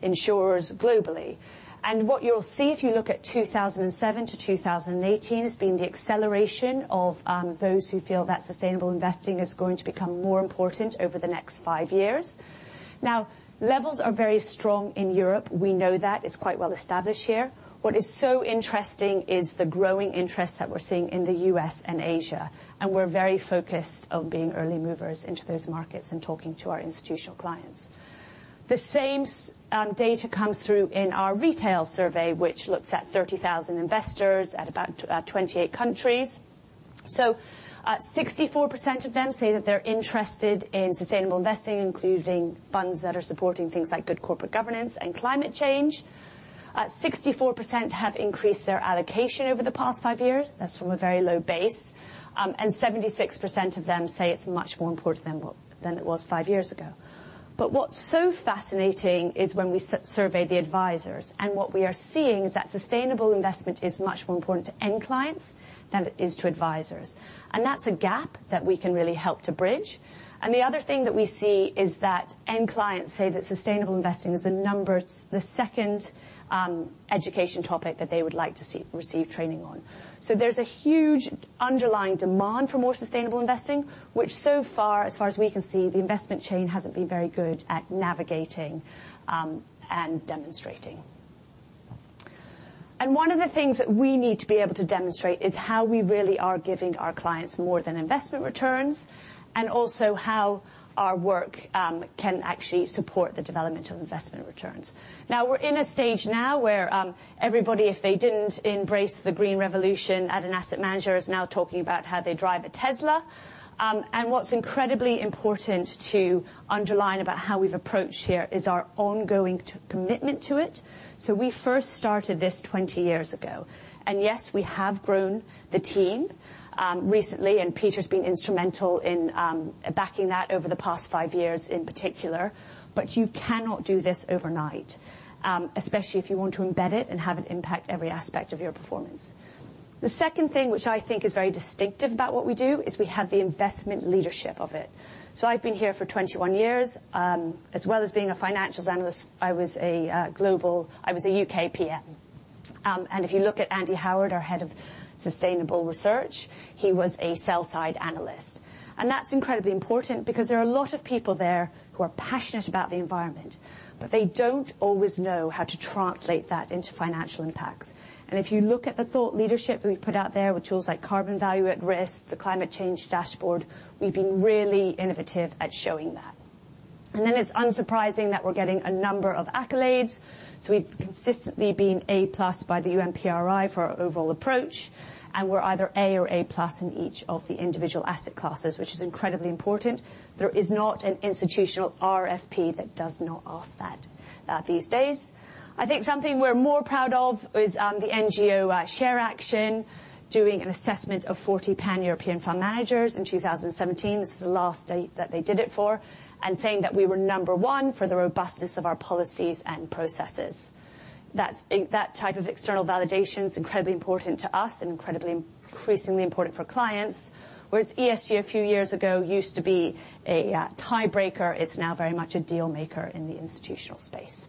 insurers globally. What you'll see if you look at 2007 to 2018 has been the acceleration of those who feel that sustainable investing is going to become more important over the next five years. Now, levels are very strong in Europe. We know that. It's quite well established here. What is so interesting is the growing interest that we're seeing in the U.S. and Asia, and we're very focused on being early movers into those markets and talking to our institutional clients. The same data comes through in our retail survey, which looks at 30,000 investors at about 28 countries. 64% of them say that they're interested in sustainable investing, including funds that are supporting things like good corporate governance and climate change. 64% have increased their allocation over the past five years. That's from a very low base. 76% of them say it's much more important than it was five years ago. What's so fascinating is when we survey the advisors, and what we are seeing is that sustainable investment is much more important to end clients than it is to advisors. That's a gap that we can really help to bridge. The other thing that we see is that end clients say that sustainable investing is the second education topic that they would like to receive training on. There's a huge underlying demand for more sustainable investing, which so far, as far as we can see, the investment chain hasn't been very good at navigating and demonstrating. One of the things that we need to be able to demonstrate is how we really are giving our clients more than investment returns, and also how our work can actually support the development of investment returns. We're in a stage now where everybody, if they didn't embrace the green revolution at an asset manager, is now talking about how they drive a Tesla. What's incredibly important to underline about how we've approached here is our ongoing commitment to it. We first started this 20 years ago, and yes, we have grown the team, recently, and Peter's been instrumental in backing that over the past five years in particular. You cannot do this overnight, especially if you want to embed it and have it impact every aspect of your performance. The second thing, which I think is very distinctive about what we do, is we have the investment leadership of it. I've been here for 21 years. As well as being a financials analyst, I was a UK PM. If you look at Andy Howard, our Head of Sustainable Research, he was a sell-side analyst. That's incredibly important because there are a lot of people there who are passionate about the environment, but they don't always know how to translate that into financial impacts. If you look at the thought leadership that we put out there with tools like Carbon Value at Risk, the climate change dashboard, we've been really innovative at showing that. It's unsurprising that we're getting a number of accolades. We've consistently been A+ by the UNPRI for our overall approach, and we're either A or A+ in each of the individual asset classes, which is incredibly important. There is not an institutional RFP that does not ask that these days. I think something we're more proud of is the NGO ShareAction doing an assessment of 40 pan-European fund managers in 2017. This is the last date that they did it for, and saying that we were number 1 for the robustness of our policies and processes. That type of external validation is incredibly important to us and incredibly, increasingly important for clients. Whereas ESG, a few years ago, used to be a tiebreaker, it's now very much a deal maker in the institutional space.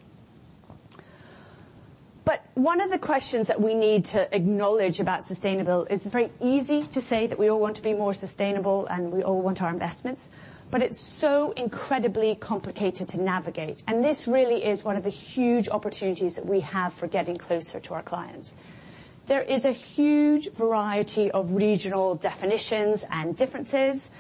One of the questions that we need to acknowledge about sustainable, it's very easy to say that we all want to be more sustainable and we all want our investments, but it's so incredibly complicated to navigate. This really is one of the huge opportunities that we have for getting closer to our clients. There is a huge variety of regional definitions and differences.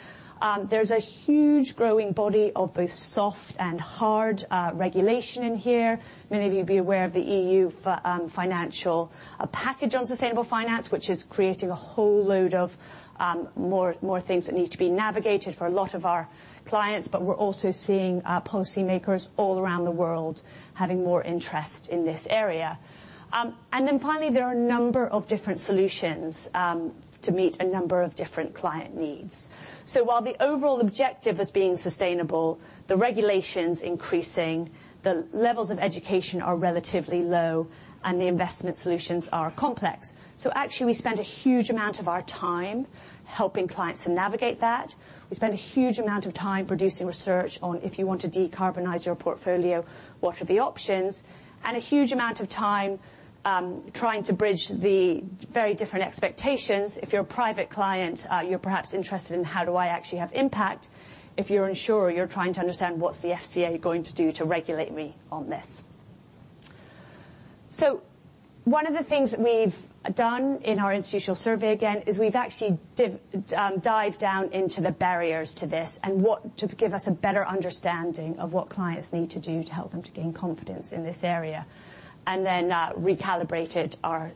There's a huge growing body of both soft and hard regulation in here. Many of you will be aware of the EU Action Plan on Sustainable Finance, which is creating a whole load of more things that need to be navigated for a lot of our clients, but we're also seeing policymakers all around the world having more interest in this area. Finally, there are a number of different solutions to meet a number of different client needs. While the overall objective is being sustainable, the regulation's increasing, the levels of education are relatively low, and the investment solutions are complex. Actually, we spend a huge amount of our time helping clients to navigate that. We spend a huge amount of time producing research on, if you want to decarbonize your portfolio, what are the options? A huge amount of time trying to bridge the very different expectations. If you're a private client, you're perhaps interested in how do I actually have impact. If you're an insurer, you're trying to understand what's the FCA going to do to regulate me on this. One of the things that we've done in our institutional survey, again, is we've actually dived down into the barriers to this and what to give us a better understanding of what clients need to do to help them to gain confidence in this area, and then recalibrated our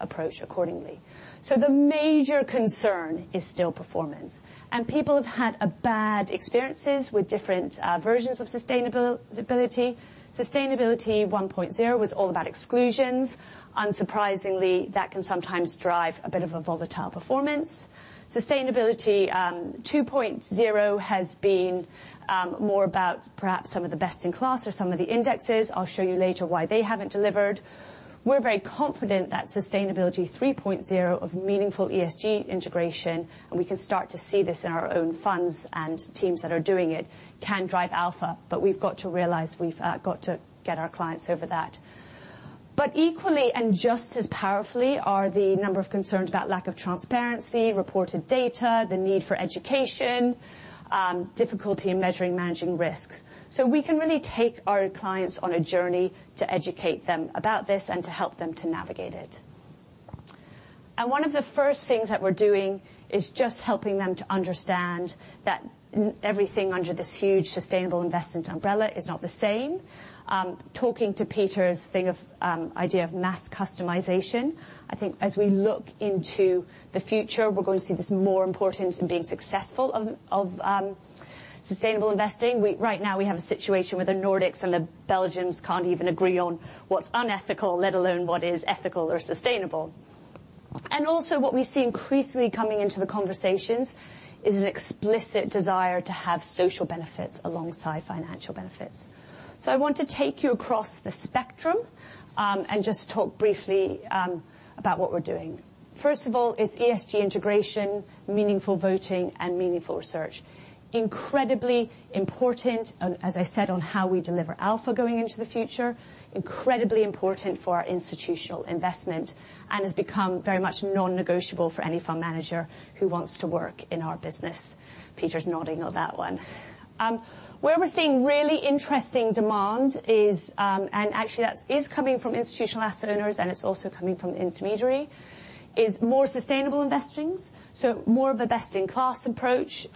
approach accordingly. The major concern is still performance, and people have had bad experiences with different versions of Sustainability. Sustainability 1.0 was all about exclusions. Unsurprisingly, that can sometimes drive a bit of a volatile performance. Sustainability 2.0 has been more about perhaps some of the best in class or some of the indexes. I'll show you later why they haven't delivered. We're very confident that Sustainability 3.0 of meaningful ESG integration, and we can start to see this in our own funds and teams that are doing it, can drive alpha, but we've got to realize we've got to get our clients over that. Equally and just as powerfully are the number of concerns about lack of transparency, reported data, the need for education, difficulty in measuring managing risks. We can really take our clients on a journey to educate them about this and to help them to navigate it. One of the first things that we're doing is just helping them to understand that everything under this huge sustainable investment umbrella is not the same. Talking to Peter's idea of mass customization, I think as we look into the future, we're going to see this more important in being successful of sustainable investing. Right now, we have a situation where the Nordics and the Belgians can't even agree on what's unethical, let alone what is ethical or sustainable. Also what we see increasingly coming into the conversations is an explicit desire to have social benefits alongside financial benefits. I want to take you across the spectrum, and just talk briefly about what we're doing. First of all is ESG integration, meaningful voting, and meaningful research. Incredibly important, as I said, on how we deliver alpha going into the future. Incredibly important for our institutional investment and has become very much non-negotiable for any fund manager who wants to work in our business. Peter's nodding on that one. Where we're seeing really interesting demand is, and actually that is coming from institutional asset owners and it's also coming from the intermediary, is more sustainable investing. More of a best-in-class approach,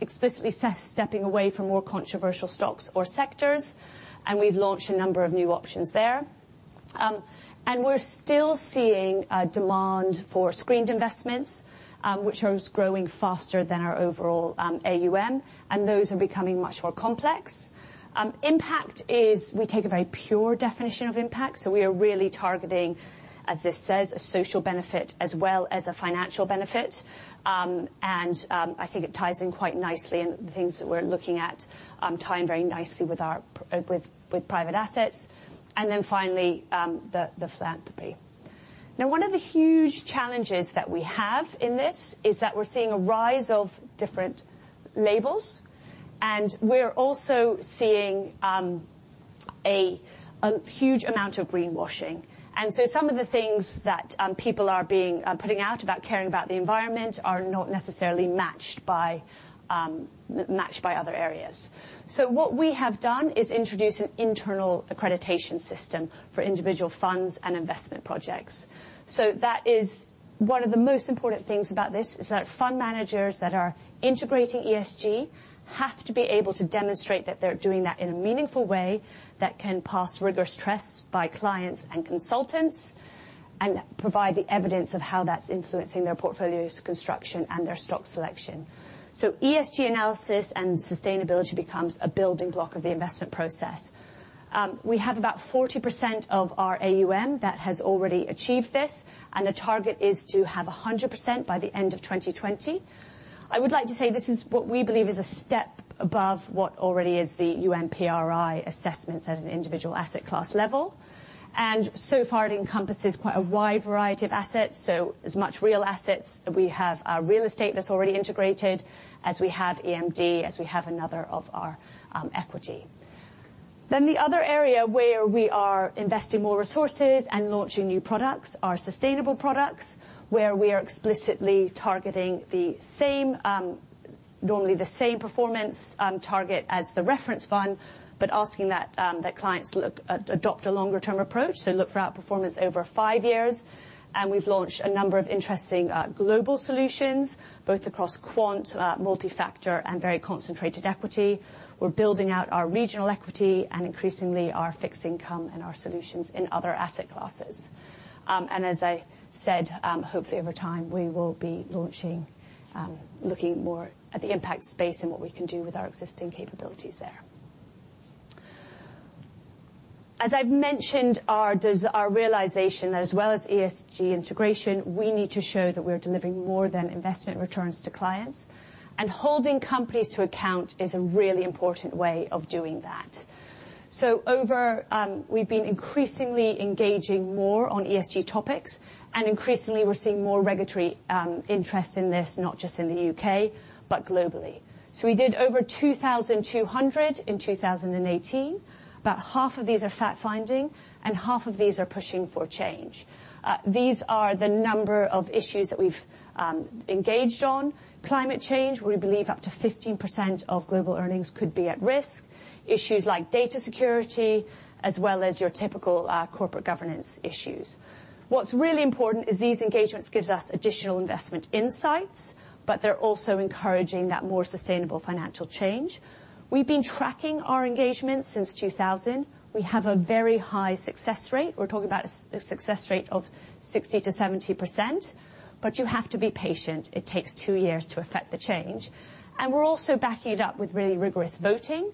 explicitly stepping away from more controversial stocks or sectors. We've launched a number of new options there. We're still seeing a demand for screened investments, which are growing faster than our overall AUM, and those are becoming much more complex. Impact is. We take a very pure definition of impact, so we are really targeting, as this says, a social benefit as well as a financial benefit. I think it ties in quite nicely and the things that we're looking at tie in very nicely with private assets. Finally, the philanthropy. One of the huge challenges that we have in this is that we're seeing a rise of different labels and we're also seeing a huge amount of greenwashing. Some of the things that people are putting out about caring about the environment are not necessarily matched by other areas. What we have done is introduce an internal accreditation system for individual funds and investment projects. That is one of the most important things about this, is that fund managers that are integrating ESG have to be able to demonstrate that they're doing that in a meaningful way that can pass rigorous tests by clients and consultants, and provide the evidence of how that's influencing their portfolio's construction and their stock selection. ESG analysis and sustainability becomes a building block of the investment process. We have about 40% of the AUM that has already achieved this, and the target is to have 100% by the end of 2020. I would like to say this is what we believe is a step above what already is the UNPRI assessments at an individual asset class level. So far it encompasses quite a wide variety of assets, so as much real assets. We have our real estate that's already integrated, as we have EMD, as we have another of our equity. The other area where we are investing more resources and launching new products are sustainable products, where we are explicitly targeting normally the same performance target as the reference fund. Asking that clients adopt a longer-term approach, so look for outperformance over 5 years. We've launched a number of interesting global solutions, both across quant, multi-factor, and very concentrated equity. We're building out our regional equity and increasingly our fixed income and our solutions in other asset classes. As I said, hopefully over time we will be launching, looking more at the impact space and what we can do with our existing capabilities there. As I've mentioned, our realization that as well as ESG integration, we need to show that we're delivering more than investment returns to clients. Holding companies to account is a really important way of doing that. We've been increasingly engaging more on ESG topics. Increasingly, we're seeing more regulatory interest in this, not just in the UK, but globally. We did over 2,200 in 2018. About half of these are fact-finding and half of these are pushing for change. These are the number of issues that we've engaged on. Climate change, we believe up to 15% of global earnings could be at risk. Issues like data security, as well as your typical corporate governance issues. What's really important is these engagements gives us additional investment insights, but they're also encouraging that more sustainable financial change. We've been tracking our engagements since 2000. We have a very high success rate. We're talking about a success rate of 60%-70%, but you have to be patient. It takes two years to affect the change. We're also backing it up with really rigorous voting.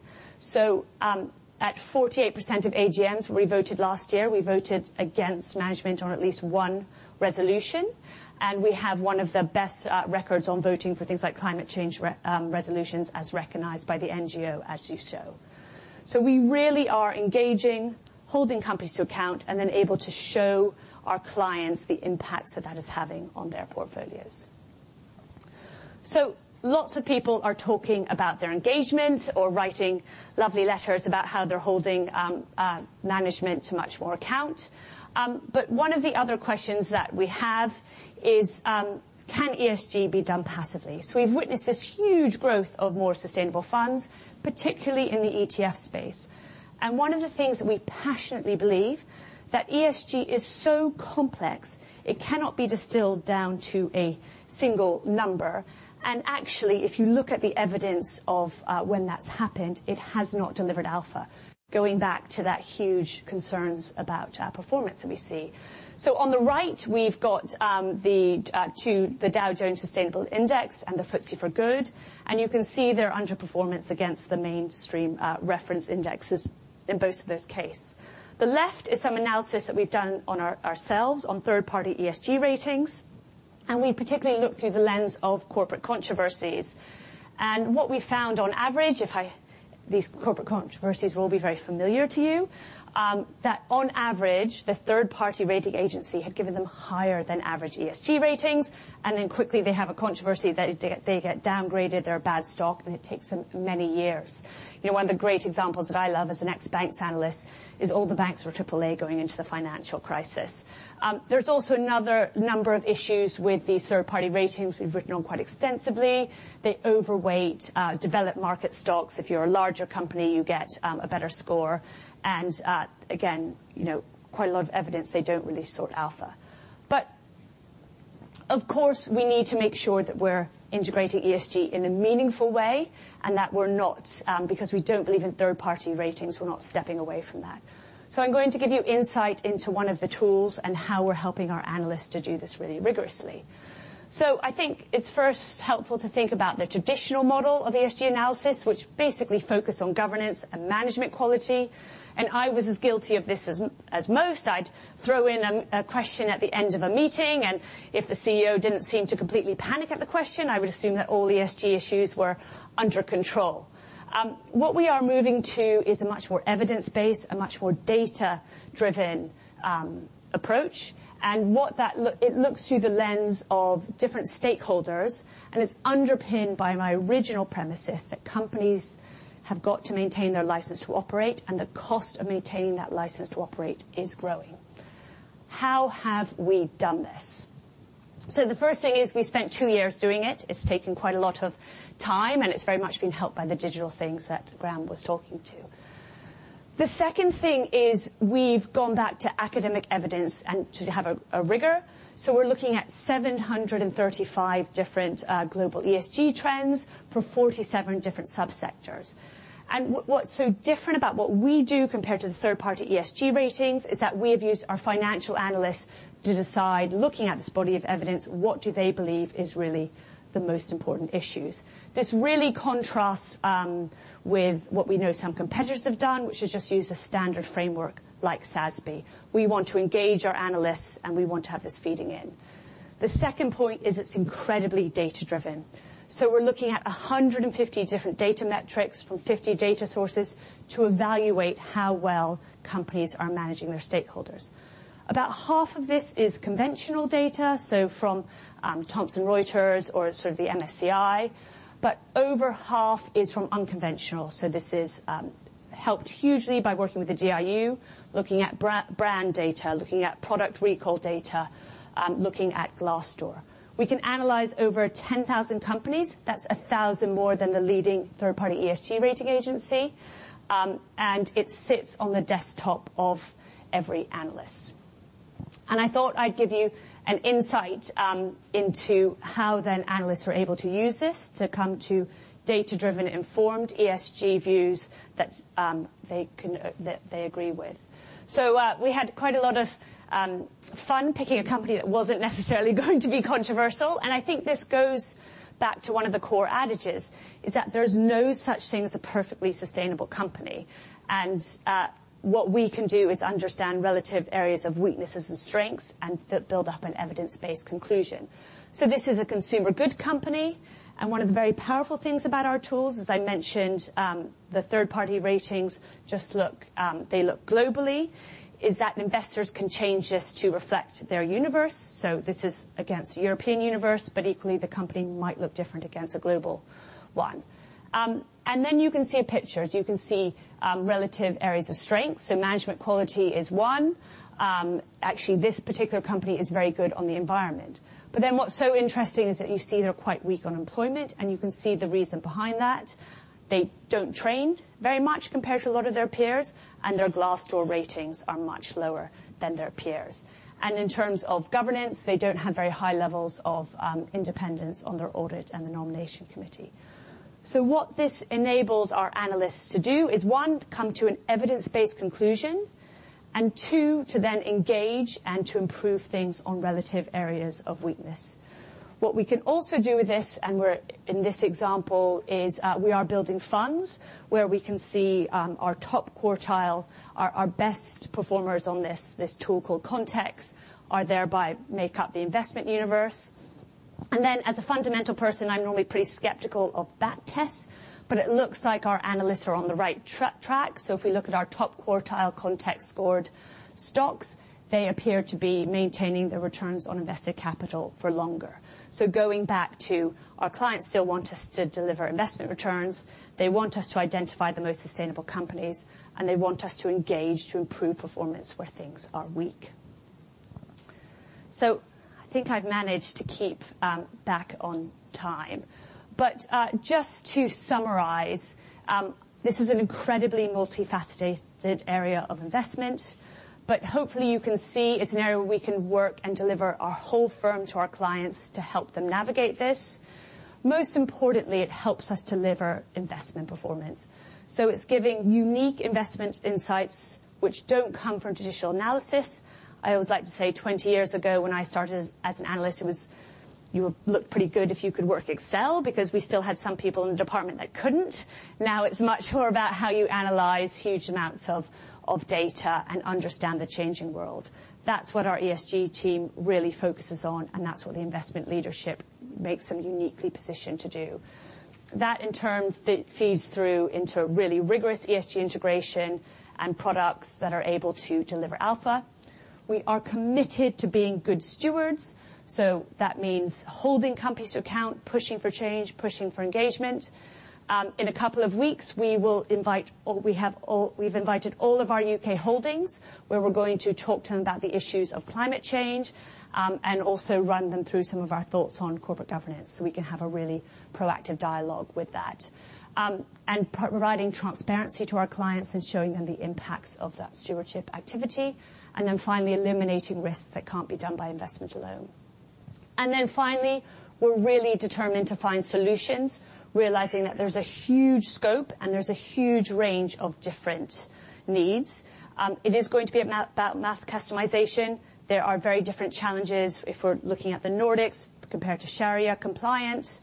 At 48% of AGMs we voted last year, we voted against management on at least one resolution, and we have one of the best records on voting for things like climate change resolutions as recognized by the NGO, as you show. We really are engaging, holding companies to account, and then able to show our clients the impacts that that is having on their portfolios. Lots of people are talking about their engagements or writing lovely letters about how they're holding management to much more account. One of the other questions that we have is, can ESG be done passively? We've witnessed this huge growth of more sustainable funds, particularly in the ETF space. One of the things we passionately believe, that ESG is so complex it cannot be distilled down to a single number. Actually, if you look at the evidence of when that's happened, it has not delivered alpha, going back to that huge concerns about outperformance that we see. On the right we've got the two, the Dow Jones Sustainability Index and the FTSE4Good, and you can see their underperformance against the mainstream reference indexes in both of those case. The left is some analysis that we've done ourselves on third-party ESG ratings. We particularly look through the lens of corporate controversies. What we found on average, these corporate controversies will be very familiar to you, that on average, the third-party rating agency had given them higher than average ESG ratings. Then quickly, they have a controversy that they get downgraded, they're a bad stock, and it takes them many years. One of the great examples that I love as an ex-banks analyst is all the banks were AAA going into the financial crisis. There's also another number of issues with these third-party ratings we've written on quite extensively. They overweight developed market stocks. If you're a larger company, you get a better score and, again, quite a lot of evidence they don't really sort alpha. Of course, we need to make sure that we're integrating ESG in a meaningful way and that we're not, because we don't believe in third-party ratings, we're not stepping away from that. I'm going to give you insight into one of the tools and how we're helping our analysts to do this really rigorously. I think it's first helpful to think about the traditional model of ESG analysis, which basically focus on governance and management quality, and I was as guilty of this as most. I'd throw in a question at the end of a meeting, and if the CEO didn't seem to completely panic at the question, I would assume that all ESG issues were under control. What we are moving to is a much more evidence-based, a much more data-driven approach, and it looks through the lens of different stakeholders, and it's underpinned by my original premises that companies have got to maintain their license to operate, and the cost of maintaining that license to operate is growing. How have we done this? The first thing is we spent 2 years doing it. It's taken quite a lot of time, and it's very much been helped by the digital things that Graham was talking to. The second thing is we've gone back to academic evidence and to have a rigor. We're looking at 735 different global ESG trends for 47 different subsectors. What's so different about what we do compared to the third-party ESG ratings is that we have used our financial analysts to decide, looking at this body of evidence, what do they believe is really the most important issues. This really contrasts with what we know some competitors have done, which is just use a standard framework like SASB. We want to engage our analysts, and we want to have this feeding in. The second point is it's incredibly data-driven. We're looking at 150 different data metrics from 50 data sources to evaluate how well companies are managing their stakeholders. About half of this is conventional data, from Thomson Reuters or sort of the MSCI, but over half is from unconventional. This is helped hugely by working with the DIU, looking at brand data, looking at product recall data, looking at Glassdoor. We can analyze over 10,000 companies. That's 1,000 more than the leading third-party ESG rating agency. It sits on the desktop of every analyst. I thought I'd give you an insight into how then analysts are able to use this to come to data-driven, informed ESG views that they agree with. We had quite a lot of fun picking a company that wasn't necessarily going to be controversial, and I think this goes back to one of the core adages, is that there's no such thing as a perfectly sustainable company. What we can do is understand relative areas of weaknesses and strengths and build up an evidence-based conclusion. This is a consumer goods company, and one of the very powerful things about our tools, as I mentioned, the third-party ratings, they look globally, is that investors can change this to reflect their universe. This is against a European universe, but equally, the company might look different against a global one. Then you can see a picture. You can see relative areas of strength. Management quality is one. Actually, this particular company is very good on the environment. What's so interesting is that you see they're quite weak on employment, and you can see the reason behind that. They don't train very much compared to a lot of their peers, and their Glassdoor ratings are much lower than their peers. In terms of governance, they don't have very high levels of independence on their audit and the nomination committee. What this enables our analysts to do is, one, come to an evidence-based conclusion, and two, to then engage and to improve things on relative areas of weakness. What we can also do with this, in this example, is we are building funds where we can see our top quartile, our best performers on this tool called CONTEXT, are thereby make up the investment universe. As a fundamental person, I'm normally pretty skeptical of that test, it looks like our analysts are on the right track. If we look at our top quartile CONTEXT scored stocks, they appear to be maintaining their returns on invested capital for longer. Going back to our clients still want us to deliver investment returns, they want us to identify the most sustainable companies, they want us to engage to improve performance where things are weak. I think I've managed to keep back on time. Just to summarize, this is an incredibly multifaceted area of investment, hopefully, you can see it's an area we can work and deliver our whole firm to our clients to help them navigate this. Most importantly, it helps us deliver investment performance. It's giving unique investment insights which don't come from traditional analysis. I always like to say 20 years ago when I started as an analyst, you would look pretty good if you could work Excel because we still had some people in the department that couldn't. Now it's much more about how you analyze huge amounts of data and understand the changing world. That's what our ESG team really focuses on, and that's what the investment leadership makes them uniquely positioned to do. That in turn feeds through into really rigorous ESG integration and products that are able to deliver alpha. We are committed to being good stewards. That means holding companies to account, pushing for change, pushing for engagement. In a couple of weeks, we've invited all of our UK holdings, where we're going to talk to them about the issues of climate change, also run them through some of our thoughts on corporate governance so we can have a really proactive dialogue with that. Providing transparency to our clients and showing them the impacts of that stewardship activity, finally eliminating risks that can't be done by investment alone. Finally, we're really determined to find solutions, realizing that there's a huge scope and there's a huge range of different needs. It is going to be about Mass Customization. There are very different challenges if we're looking at the Nordics compared to Sharia compliance,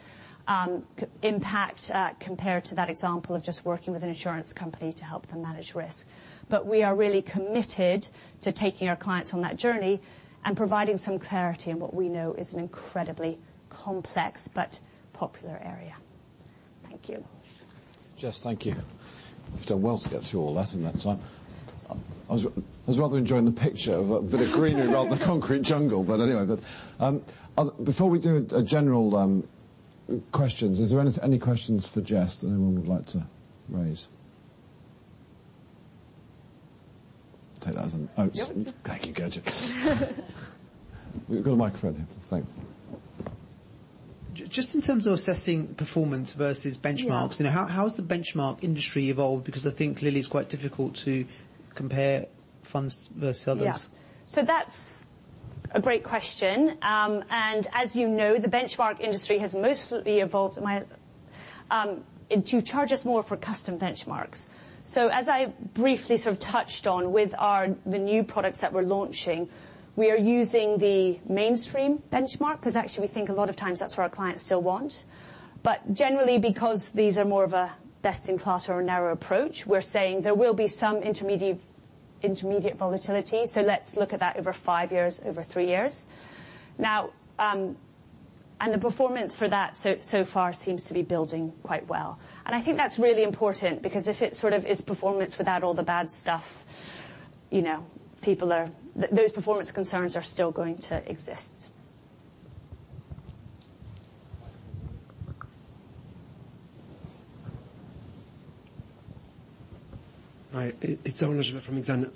impact compared to that example of just working with an insurance company to help them manage risk. We are really committed to taking our clients on that journey and providing some clarity in what we know is an incredibly complex but popular area. Thank you. Jess, thank you. You've done well to get through all that in that time. I was rather enjoying the picture of a bit of greenery around the concrete jungle, but anyway. Before we do general questions, is there any questions for Jess that anyone would like to raise? Take that as Oh. Yep. Thank you, good. We've got a microphone here. Thanks. Just in terms of assessing performance versus benchmarks. Yeah How has the benchmark industry evolved? I think clearly it's quite difficult to compare funds versus others. That's a great question. As you know, the benchmark industry has mostly evolved to charge us more for custom benchmarks. As I briefly sort of touched on with the new products that we're launching, we are using the mainstream benchmark because actually we think a lot of times that's what our clients still want. Generally, because these are more of a best in class or a narrow approach, we're saying there will be some intermediate volatility. Let's look at that over five years, over three years. The performance for that so far seems to be building quite well. I think that's really important because if it sort of is performance without all the bad stuff, those performance concerns are still going to exist. Hi. It's Arnaud from Exane.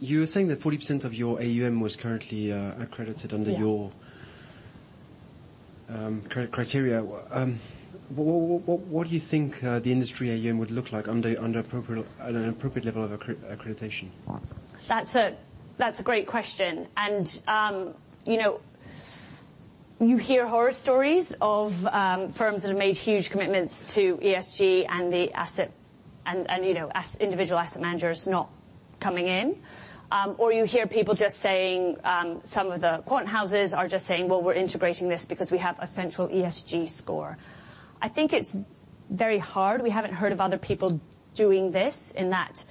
You were saying that 40% of your AUM was currently accredited under your- Yeah criteria. What do you think the industry AUM would look like under an appropriate level of accreditation? That's a great question. You hear horror stories of firms that have made huge commitments to ESG and the individual asset managers not coming in. You hear people just saying, some of the quant houses are just saying, "Well, we're integrating this because we have a central ESG score." I think it's very hard. We haven't heard of other people doing this, in that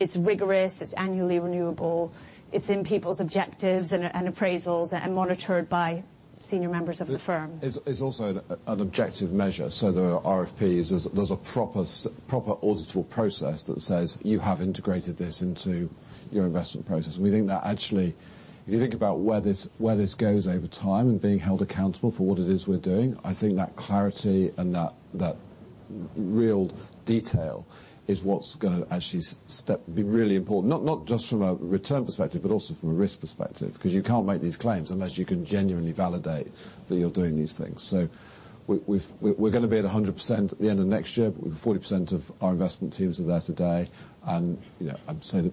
it's rigorous, it's annually renewable, it's in people's objectives and appraisals and monitored by senior members of the firm. It is also an objective measure. There are RFPs, there is a proper auditable process that says you have integrated this into your investment process. We think that actually, if you think about where this goes over time and being held accountable for what it is we are doing, I think that clarity and that real detail is what is going to actually be really important. Not just from a return perspective, but also from a risk perspective, because you cannot make these claims unless you can genuinely validate that you are doing these things. We are going to be at 100% at the end of next year, but 40% of our investment teams are there today, and I would say that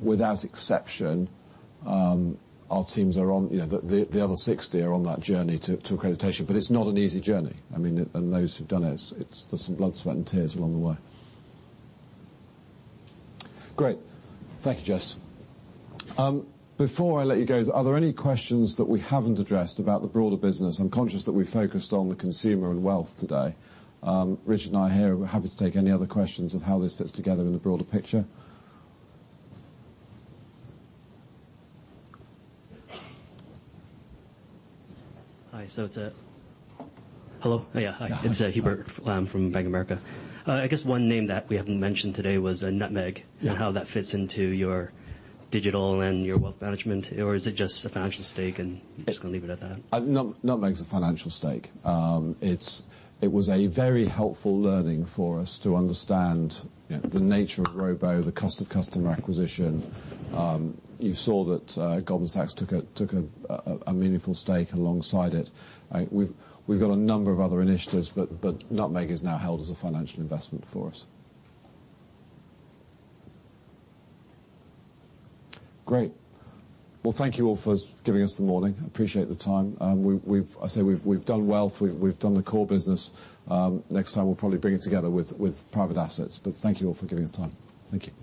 without exception, the other 60 are on that journey to accreditation. It is not an easy journey. Those who have done it, there is some blood, sweat, and tears along the way. Great. Thank you, Jess. Before I let you go, are there any questions that we have not addressed about the broader business? I am conscious that we focused on the consumer and wealth today. Richard and I here, we are happy to take any other questions of how this fits together in the broader picture. Hi. Hello. Hi. It is Hubert from Bank of America. I guess one name that we have not mentioned today was Nutmeg- Yeah How that fits into your digital and your wealth management, or is it just a financial stake and just going to leave it at that? Nutmeg is a financial stake. It was a very helpful learning for us to understand the nature of robo, the cost of customer acquisition. You saw that Goldman Sachs took a meaningful stake alongside it. We've got a number of other initiatives. Nutmeg is now held as a financial investment for us. Great. Well, thank you all for giving us the morning. I appreciate the time. I say we've done wealth, we've done the core business. Next time, we'll probably bring it together with private assets. Thank you all for giving us time. Thank you.